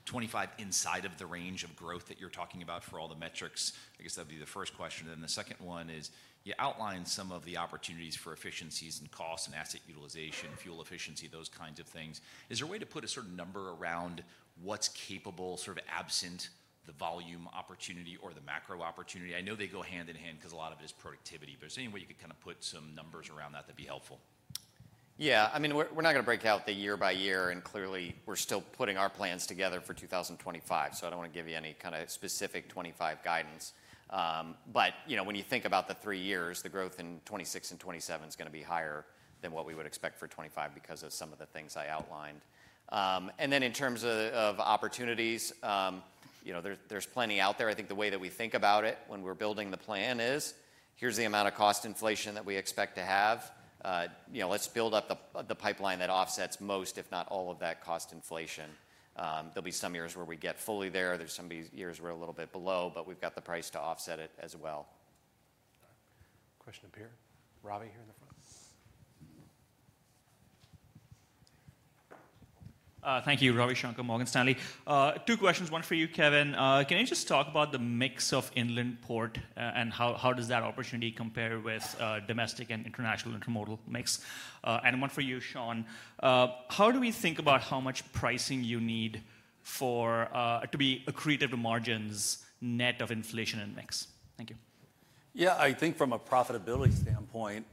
2025 inside of the range of growth that you're talking about for all the metrics. I guess that'd be the first question. And then the second one is you outlined some of the opportunities for efficiencies and cost and asset utilization, fuel efficiency, those kinds of things. Is there a way to put a certain number around what's capable, sort of absent the volume opportunity or the macro opportunity? I know they go hand in hand because a lot of it is productivity. But is there any way you could kind of put some numbers around that that'd be helpful? Yeah. I mean, we're not going to break out the year by year, and clearly, we're still putting our plans together for 2025, so I don't want to give you any kind of specific 2025 guidance, but when you think about the three years, the growth in 2026 and 2027 is going to be higher than what we would expect for 2025 because of some of the things I outlined, and then in terms of opportunities, there's plenty out there. I think the way that we think about it when we're building the plan is, here's the amount of cost inflation that we expect to have. Let's build up the pipeline that offsets most, if not all of that cost inflation. There'll be some years where we get fully there. There's some years we're a little bit below, but we've got the price to offset it as well. Question up here. Shanker here in the front. Thank you. Ravi Shanker, Morgan Stanley. Two questions. One for you, Kevin. Can you just talk about the mix of inland port and how does that opportunity compare with domestic and international intermodal mix? And one for you, Sean. How do we think about how much pricing you need to be accretive to margins net of inflation and mix? Thank you. Yeah. I think from a profitability standpoint,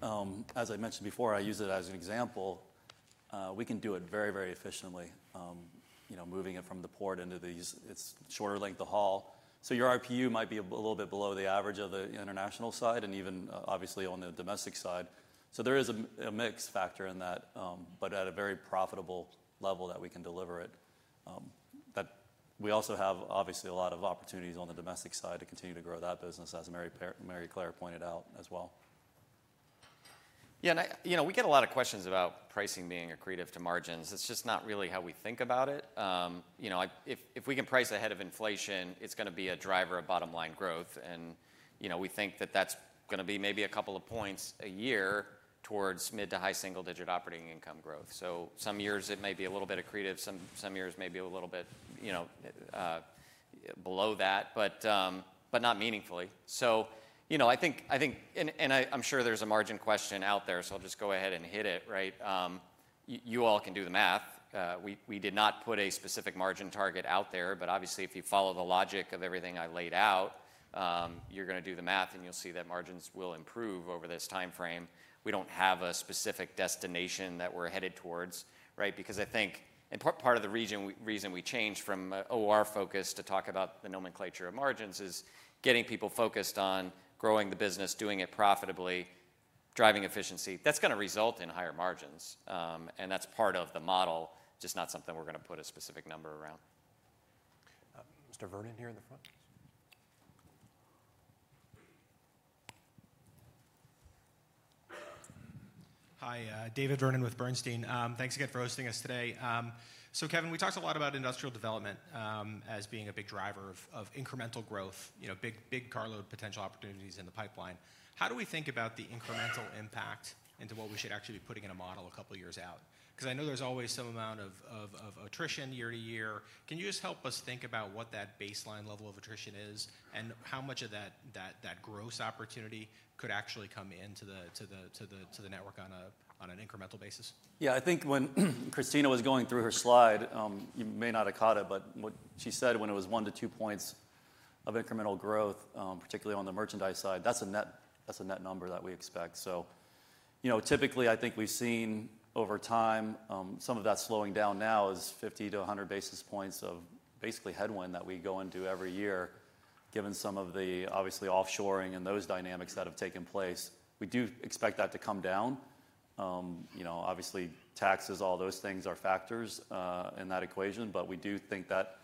as I mentioned before, I use it as an example, we can do it very, very efficiently, moving it from the port into these. It's shorter length of haul. So your RPU might be a little bit below the average of the international side and even, obviously, on the domestic side. So there is a mix factor in that, but at a very profitable level that we can deliver it. We also have, obviously, a lot of opportunities on the domestic side to continue to grow that business, as Maryclare pointed out as well. Yeah. And we get a lot of questions about pricing being accretive to margins. It's just not really how we think about it. If we can price ahead of inflation, it's going to be a driver of bottom line growth. And we think that that's going to be maybe a couple of points a year towards mid to high single-digit operating income growth. So some years it may be a little bit accretive. Some years may be a little bit below that, but not meaningfully. So I think, and I'm sure there's a margin question out there, so I'll just go ahead and hit it, right? You all can do the math. We did not put a specific margin target out there. But obviously, if you follow the logic of everything I laid out, you're going to do the math, and you'll see that margins will improve over this timeframe. We don't have a specific destination that we're headed towards, right? Because I think part of the reason we changed from OR focus to talk about the nomenclature of margins is getting people focused on growing the business, doing it profitably, driving efficiency. That's going to result in higher margins. And that's part of the model, just not something we're going to put a specific number around. Mr. Vernon here in the front. Hi. David Vernon with Bernstein. Thanks again for hosting us today. So Kevin, we talked a lot about industrial development as being a big driver of incremental growth, big carload potential opportunities in the pipeline. How do we think about the incremental impact into what we should actually be putting in a model a couple of years out? Because I know there's always some amount of attrition year to year. Can you just help us think about what that baseline level of attrition is and how much of that gross opportunity could actually come into the network on an incremental basis? Yeah. I think when Christina was going through her slide, you may not have caught it, but what she said when it was one to two points of incremental growth, particularly on the merchandise side, that's a net number that we expect. So typically, I think we've seen over time some of that slowing down now is 50 to 100 basis points of basically headwind that we go into every year, given some of the, obviously, offshoring and those dynamics that have taken place. We do expect that to come down. Obviously, taxes, all those things are factors in that equation. But we do think that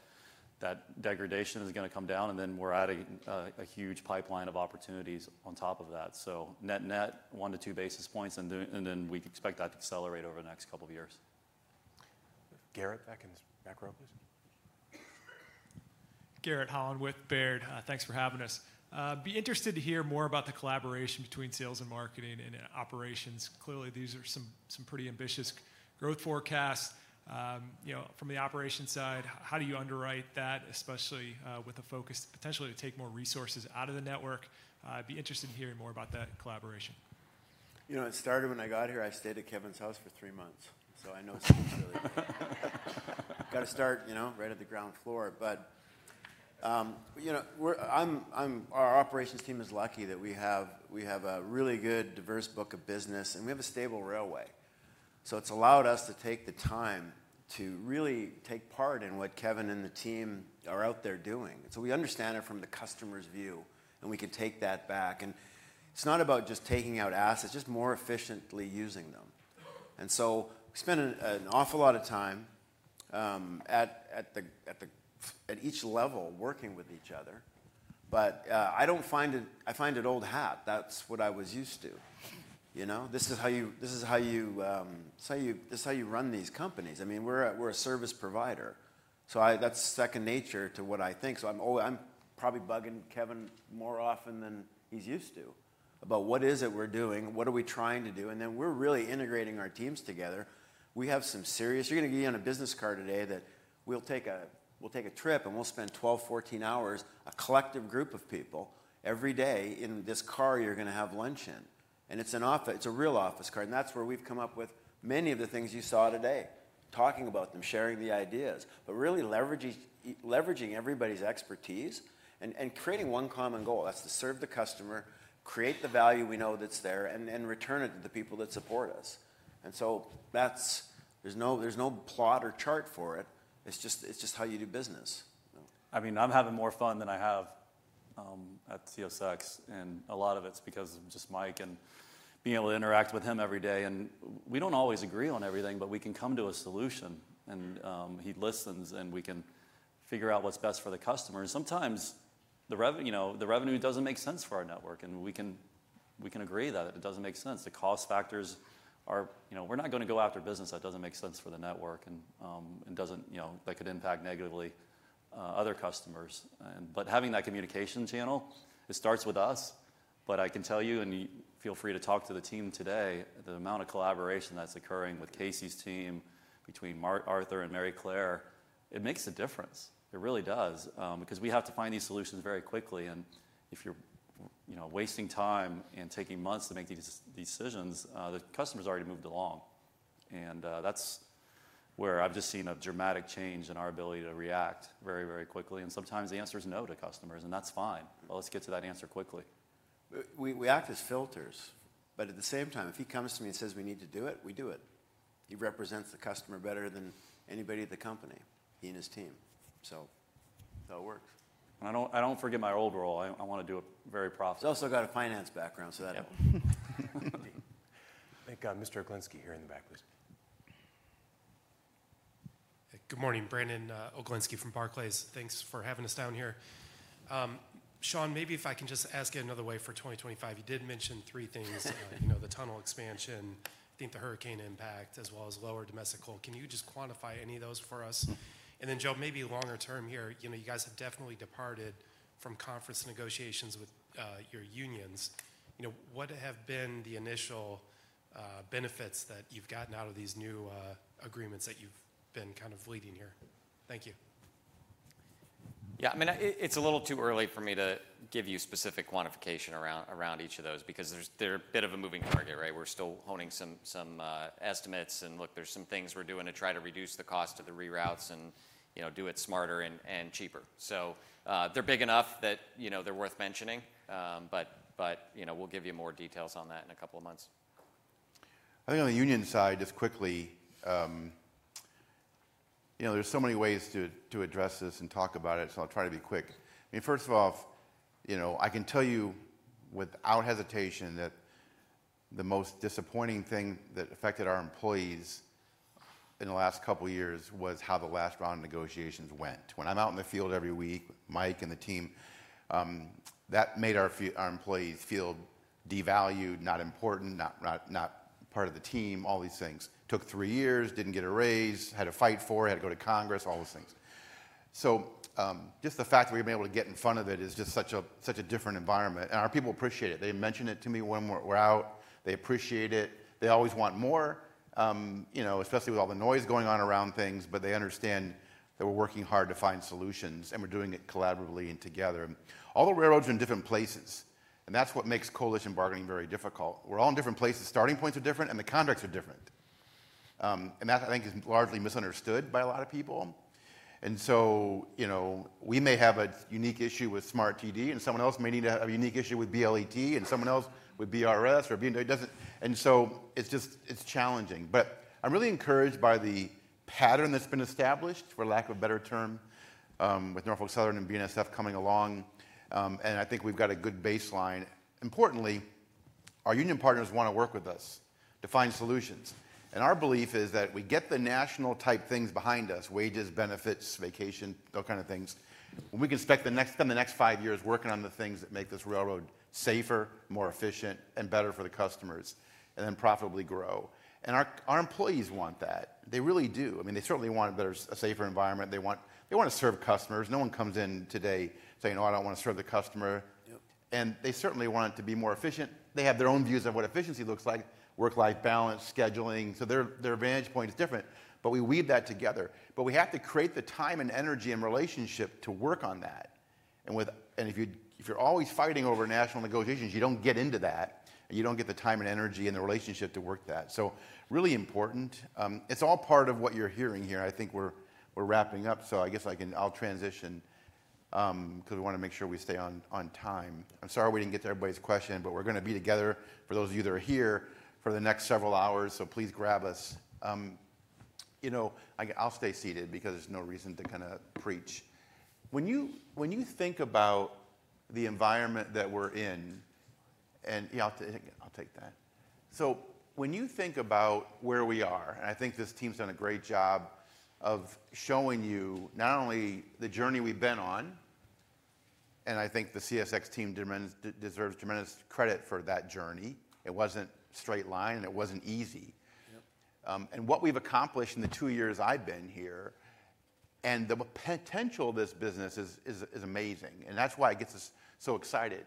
degradation is going to come down. And then we're at a huge pipeline of opportunities on top of that. So net net, one to two basis points. And then we expect that to accelerate over the next couple of years. Garrett, back in this back row, please. Garrett Holland with Baird. Thanks for having us. I'd be interested to hear more about the collaboration between sales and marketing and operations. Clearly, these are some pretty ambitious growth forecasts. From the operation side, how do you underwrite that, especially with a focus potentially to take more resources out of the network? I'd be interested in hearing more about that collaboration. It started when I got here. I stayed at Kevin's house for three months. So I know some of you. Got to start right at the ground floor. But our operations team is lucky that we have a really good, diverse book of business. And we have a stable railway. So it's allowed us to take the time to really take part in what Kevin and the team are out there doing. And so we understand it from the customer's view. And we can take that back. And it's not about just taking out assets, just more efficiently using them. And so we spend an awful lot of time at each level working with each other. But I find it old hat. That's what I was used to. This is how you run these companies. I mean, we're a service provider. So that's second nature to what I think. So I'm probably bugging Kevin more often than he's used to about what is it we're doing, what are we trying to do. And then we're really integrating our teams together. We have some serious you're going to get on a business card today that we'll take a trip, and we'll spend 12, 14 hours, a collective group of people every day in this car you're going to have lunch in. And it's a real office car. And that's where we've come up with many of the things you saw today, talking about them, sharing the ideas, but really leveraging everybody's expertise and creating one common goal. That's to serve the customer, create the value we know that's there, and return it to the people that support us. And so there's no plot or chart for it. It's just how you do business. I mean, I'm having more fun than I have at CSX. And a lot of it's because of just Mike and being able to interact with him every day. And we don't always agree on everything, but we can come to a solution. And he listens, and we can figure out what's best for the customer. And sometimes the revenue doesn't make sense for our network. And we can agree that it doesn't make sense. The cost factors are, we're not going to go after business that doesn't make sense for the network and that could impact negatively other customers. But having that communication channel, it starts with us. But I can tell you, and feel free to talk to the team today, the amount of collaboration that's occurring with Casey's team between Arthur and Maryclare, it makes a difference. It really does. Because we have to find these solutions very quickly. And if you're wasting time and taking months to make these decisions, the customer's already moved along. And that's where I've just seen a dramatic change in our ability to react very, very quickly. And sometimes the answer is no to customers, and that's fine. But let's get to that answer quickly. We act as filters. But at the same time, if he comes to me and says, "We need to do it," we do it. He represents the customer better than anybody at the company, he and his team. So that works. And I don't forget my old role. I want to do a very profitable. He's also got a finance background, so that helps. Thank God. Mr. Oglenski here in the back, please. Good morning. Brandon Oglenski from Barclays. Thanks for having us down here. Sean, maybe if I can just ask you another way for 2025. You did mention three things: the tunnel expansion, I think the hurricane impact, as well as lower domestic coal. Can you just quantify any of those for us? And then, Joe, maybe longer term here, you guys have definitely departed from conference negotiations with your unions. What have been the initial benefits that you've gotten out of these new agreements that you've been kind of leading here? Thank you. Yeah. I mean, it's a little too early for me to give you specific quantification around each of those because they're a bit of a moving target, right? We're still honing some estimates. And look, there's some things we're doing to try to reduce the cost of the reroutes and do it smarter and cheaper. So they're big enough that they're worth mentioning. But we'll give you more details on that in a couple of months. I think on the union side, just quickly, there's so many ways to address this and talk about it. So I'll try to be quick. I mean, first of all, I can tell you without hesitation that the most disappointing thing that affected our employees in the last couple of years was how the last round of negotiations went. When I'm out in the field every week, Mike and the team, that made our employees feel devalued, not important, not part of the team, all these things. Took three years, didn't get a raise, had to fight for it, had to go to Congress, all those things. So just the fact that we've been able to get in front of it is just such a different environment. And our people appreciate it. They mention it to me when we're out. They appreciate it. They always want more, especially with all the noise going on around things. But they understand that we're working hard to find solutions, and we're doing it collaboratively and together. All the railroads are in different places. And that's what makes coalition bargaining very difficult. We're all in different places. Starting points are different, and the contracts are different. And that, I think, is largely misunderstood by a lot of people. And so we may have a unique issue with SMART-TD, and someone else may need to have a unique issue with BLET, and someone else with BRS or BMWED. And so it's challenging. But I'm really encouraged by the pattern that's been established, for lack of a better term, with Norfolk Southern and BNSF coming along. And I think we've got a good baseline. Importantly, our union partners want to work with us to find solutions. And our belief is that we get the national type things behind us, wages, benefits, vacation, those kind of things, and we can spend the next five years working on the things that make this railroad safer, more efficient, and better for the customers, and then profitably grow. And our employees want that. They really do. I mean, they certainly want a better, safer environment. They want to serve customers. No one comes in today saying, "Oh, I don't want to serve the customer." And they certainly want it to be more efficient. They have their own views on what efficiency looks like, work-life balance, scheduling. So their vantage point is different. But we weave that together. But we have to create the time and energy and relationship to work on that. And if you're always fighting over national negotiations, you don't get into that. And you don't get the time and energy and the relationship to work that. So really important. It's all part of what you're hearing here. I think we're wrapping up. So I guess I'll transition because we want to make sure we stay on time. I'm sorry we didn't get to everybody's question. But we're going to be together, for those of you that are here, for the next several hours. So please grab us. I'll stay seated because there's no reason to kind of preach. When you think about the environment that we're in, and I'll take that. When you think about where we are, and I think this team's done a great job of showing you not only the journey we've been on, and I think the CSX team deserves tremendous credit for that journey. It wasn't a straight line, and it wasn't easy. What we've accomplished in the two years I've been here, and the potential of this business is amazing. That's why it gets us so excited.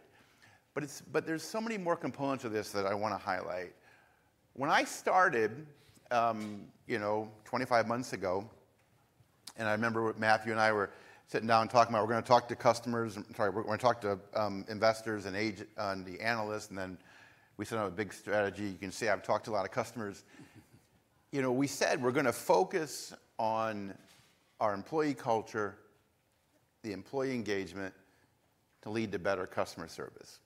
There's so many more components of this that I want to highlight. When I started 25 months ago, and I remember Matthew and I were sitting down and talking about we're going to talk to customers, sorry, we're going to talk to investors and the analysts. Then we set up a big strategy. You can see I've talked to a lot of customers. We said we're going to focus on our employee culture, the employee engagement, to lead to better customer service.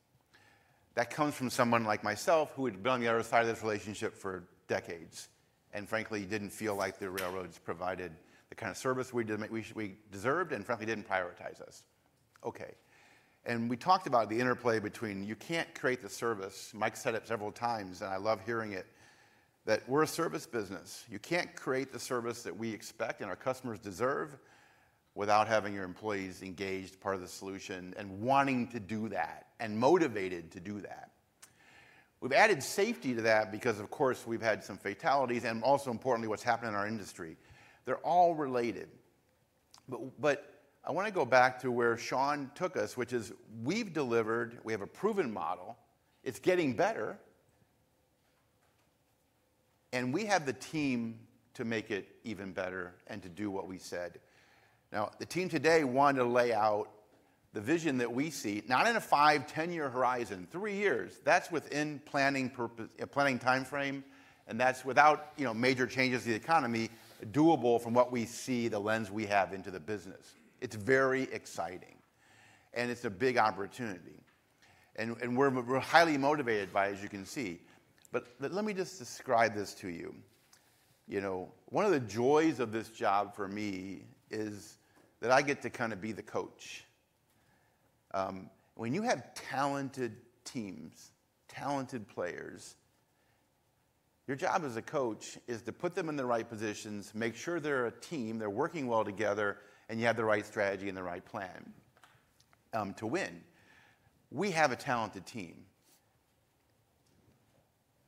That comes from someone like myself who had been on the other side of this relationship for decades and, frankly, didn't feel like the railroads provided the kind of service we deserved and, frankly, didn't prioritize us. Okay. And we talked about the interplay between you can't create the service. Mike said it several times, and I love hearing it, that we're a service business. You can't create the service that we expect and our customers deserve without having your employees engaged part of the solution and wanting to do that and motivated to do that. We've added safety to that because, of course, we've had some fatalities and, also importantly, what's happened in our industry. They're all related. But I want to go back to where Sean took us, which is we've delivered. We have a proven model. It's getting better. And we have the team to make it even better and to do what we said. Now, the team today wanted to lay out the vision that we see, not in a five, 10-year horizon, three years. That's within planning time frame. And that's without major changes to the economy doable from what we see the lens we have into the business. It's very exciting. And it's a big opportunity. And we're highly motivated by, as you can see. But let me just describe this to you. One of the joys of this job for me is that I get to kind of be the coach. When you have talented teams, talented players, your job as a coach is to put them in the right positions, make sure they're a team, they're working well together, and you have the right strategy and the right plan to win. We have a talented team.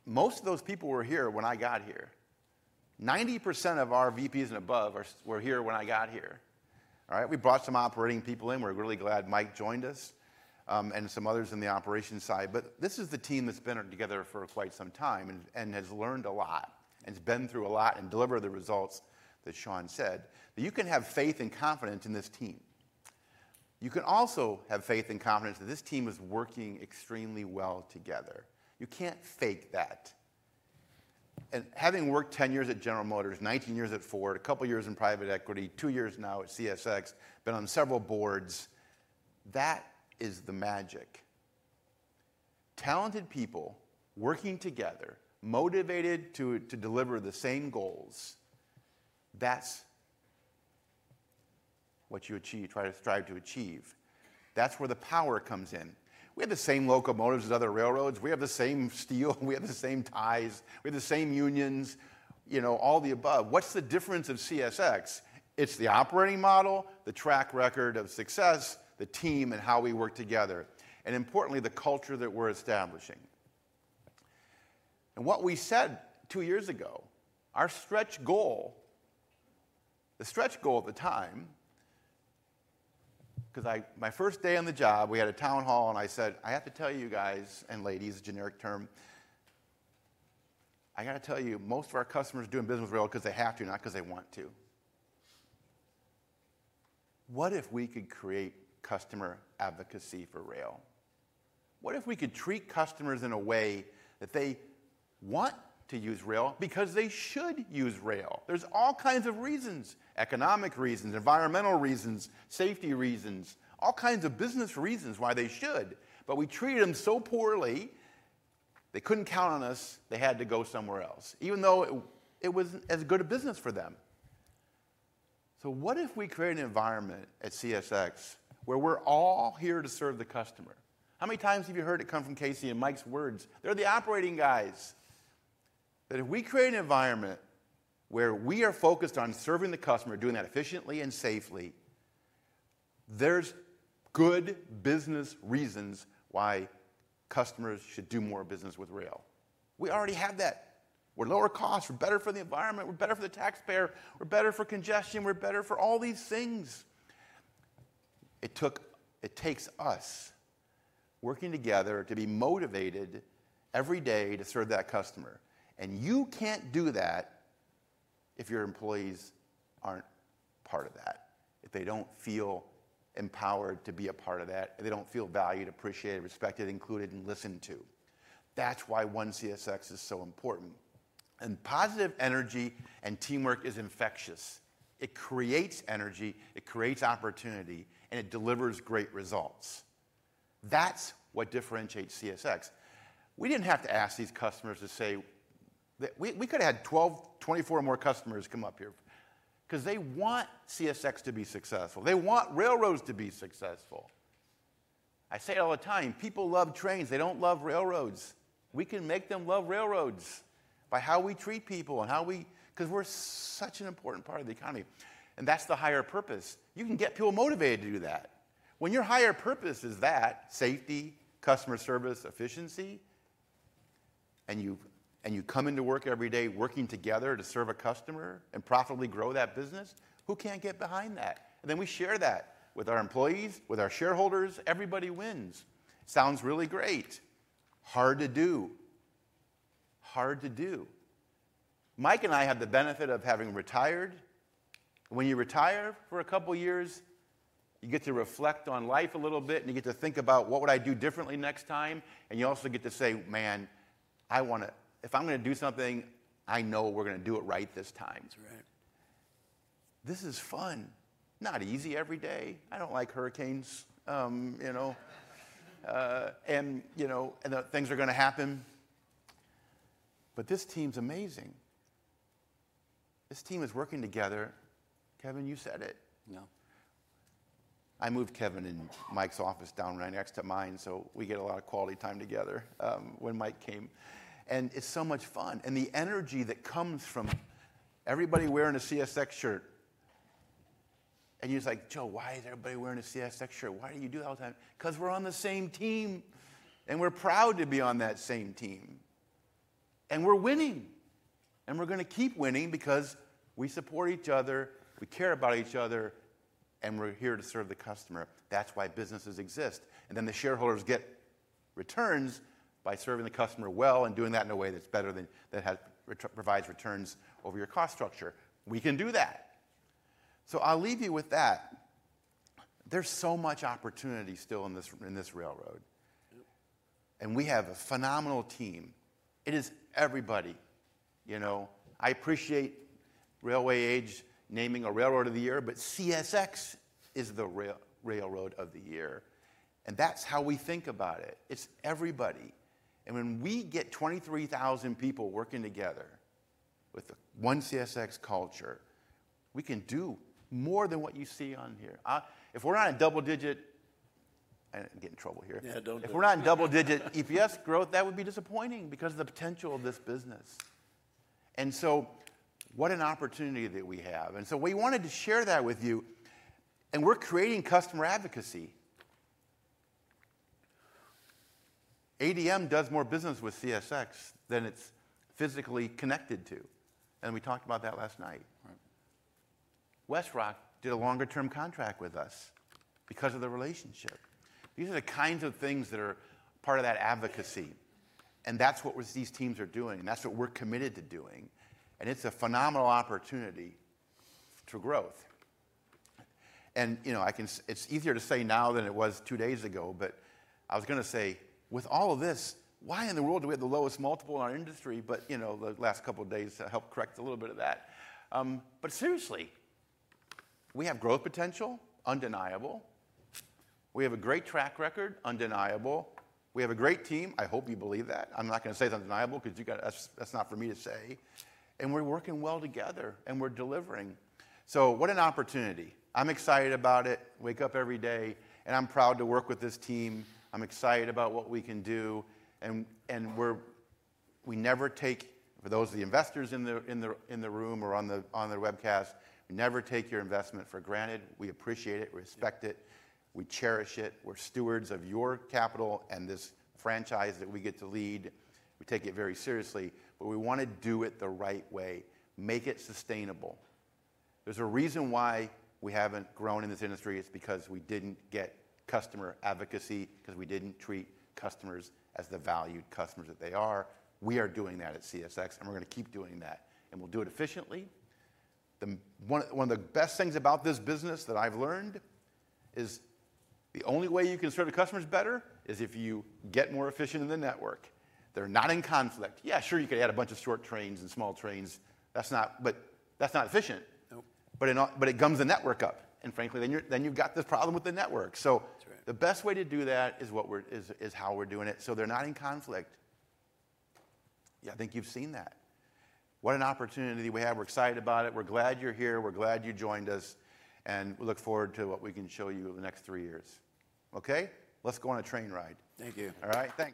Most of those people were here when I got here. 90% of our VPs and above were here when I got here. All right? We brought some operating people in. We're really glad Mike joined us and some others in the operations side. But this is the team that's been together for quite some time and has learned a lot and has been through a lot and delivered the results that Sean said. You can have faith and confidence in this team. You can also have faith and confidence that this team is working extremely well together. You can't fake that. Having worked 10 years at General Motors, 19 years at Ford, a couple of years in private equity, two years now at CSX, been on several boards, that is the magic. Talented people working together, motivated to deliver the same goals, that's what you try to strive to achieve. That's where the power comes in. We have the same locomotives as other railroads. We have the same steel. We have the same ties. We have the same unions, all the above. What's the difference of CSX? It's the operating model, the track record of success, the team, and how we work together, and, importantly, the culture that we're establishing. And what we said two years ago, our stretch goal, the stretch goal at the time, because my first day on the job, we had a town hall, and I said, "I have to tell you guys and ladies," a generic term, "I got to tell you, most of our customers are doing business with rail because they have to, not because they want to. What if we could create customer advocacy for rail? What if we could treat customers in a way that they want to use rail because they should use rail? There's all kinds of reasons, economic reasons, environmental reasons, safety reasons, all kinds of business reasons why they should. But we treated them so poorly, they couldn't count on us. They had to go somewhere else, even though it wasn't as good a business for them. So what if we create an environment at CSX where we're all here to serve the customer? How many times have you heard it come from Casey and Mike's words? They're the operating guys. But if we create an environment where we are focused on serving the customer, doing that efficiently and safely, there's good business reasons why customers should do more business with rail. We already have that. We're lower cost. We're better for the environment. We're better for the taxpayer. We're better for congestion. We're better for all these things. It takes us working together to be motivated every day to serve that customer. And you can't do that if your employees aren't part of that, if they don't feel empowered to be a part of that, if they don't feel valued, appreciated, respected, included, and listened to. That's why 1CSX is so important. Positive energy and teamwork is infectious. It creates energy. It creates opportunity. It delivers great results. That's what differentiates CSX. We didn't have to ask these customers to say we could have had 24 more customers come up here because they want CSX to be successful. They want railroads to be successful. I say it all the time. People love trains. They don't love railroads. We can make them love railroads by how we treat people and how we, because we're such an important part of the economy. That's the higher purpose. You can get people motivated to do that. When your higher purpose is that, safety, customer service, efficiency, and you come into work every day working together to serve a customer and profitably grow that business, who can't get behind that? We share that with our employees, with our shareholders. Everybody wins. Sounds really great. Hard to do. Mike and I have the benefit of having retired. When you retire for a couple of years, you get to reflect on life a little bit, and you get to think about, "What would I do differently next time?" and you also get to say, "Man, if I'm going to do something, I know we're going to do it right this time." This is fun. Not easy every day. I don't like hurricanes, and things are going to happen, but this team's amazing. This team is working together. Kevin, you said it. No. I moved Kevin in Mike's office down right next to mine, so we get a lot of quality time together when Mike came. And it's so much fun. And the energy that comes from everybody wearing a CSX shirt. And he was like, "Joe, why is everybody wearing a CSX shirt? Why do you do that all the time?" Because we're on the same team. And we're proud to be on that same team. And we're winning. And we're going to keep winning because we support each other. We care about each other. And we're here to serve the customer. That's why businesses exist. And then the shareholders get returns by serving the customer well and doing that in a way that provides returns over your cost structure. We can do that. So I'll leave you with that. There's so much opportunity still in this railroad. We have a phenomenal team. It is everybody. I appreciate Railway Age naming a railroad of the year, but CSX is the Railroad of the Year. That's how we think about it. It's everybody. When we get 23,000 people working together with the 1CSX culture, we can do more than what you see on here. If we're not in double digit, I'm getting in trouble here. Yeah, don't double digit. If we're not in double digit EPS growth, that would be disappointing because of the potential of this business. And so what an opportunity that we have. And so we wanted to share that with you. And we're creating customer advocacy. ADM does more business with CSX than it's physically connected to. And we talked about that last night. WestRock did a longer-term contract with us because of the relationship. These are the kinds of things that are part of that advocacy. And that's what these teams are doing. And that's what we're committed to doing. And it's a phenomenal opportunity for growth. And it's easier to say now than it was two days ago. But I was going to say, with all of this, why in the world do we have the lowest multiple in our industry? But the last couple of days helped correct a little bit of that. But seriously, we have growth potential, undeniable. We have a great track record, undeniable. We have a great team. I hope you believe that. I'm not going to say it's undeniable because that's not for me to say. And we're working well together. And we're delivering. So what an opportunity. I'm excited about it. Wake up every day. And I'm proud to work with this team. I'm excited about what we can do. And we never take, for those of the investors in the room or on the webcast, we never take your investment for granted. We appreciate it. We respect it. We cherish it. We're stewards of your capital and this franchise that we get to lead. We take it very seriously. But we want to do it the right way. Make it sustainable. There's a reason why we haven't grown in this industry. It's because we didn't get customer advocacy because we didn't treat customers as the valued customers that they are. We are doing that at CSX. And we're going to keep doing that. And we'll do it efficiently. One of the best things about this business that I've learned is the only way you can serve your customers better is if you get more efficient in the network. They're not in conflict. Yeah, sure, you could add a bunch of short trains and small trains. But that's not efficient. But it gums the network up. And frankly, then you've got this problem with the network. So the best way to do that is how we're doing it so they're not in conflict. Yeah, I think you've seen that. What an opportunity we have. We're excited about it. We're glad you're here. We're glad you joined us. And we look forward to what we can show you in the next three years. Okay? Let's go on a train ride. Thank you. All right? Thanks.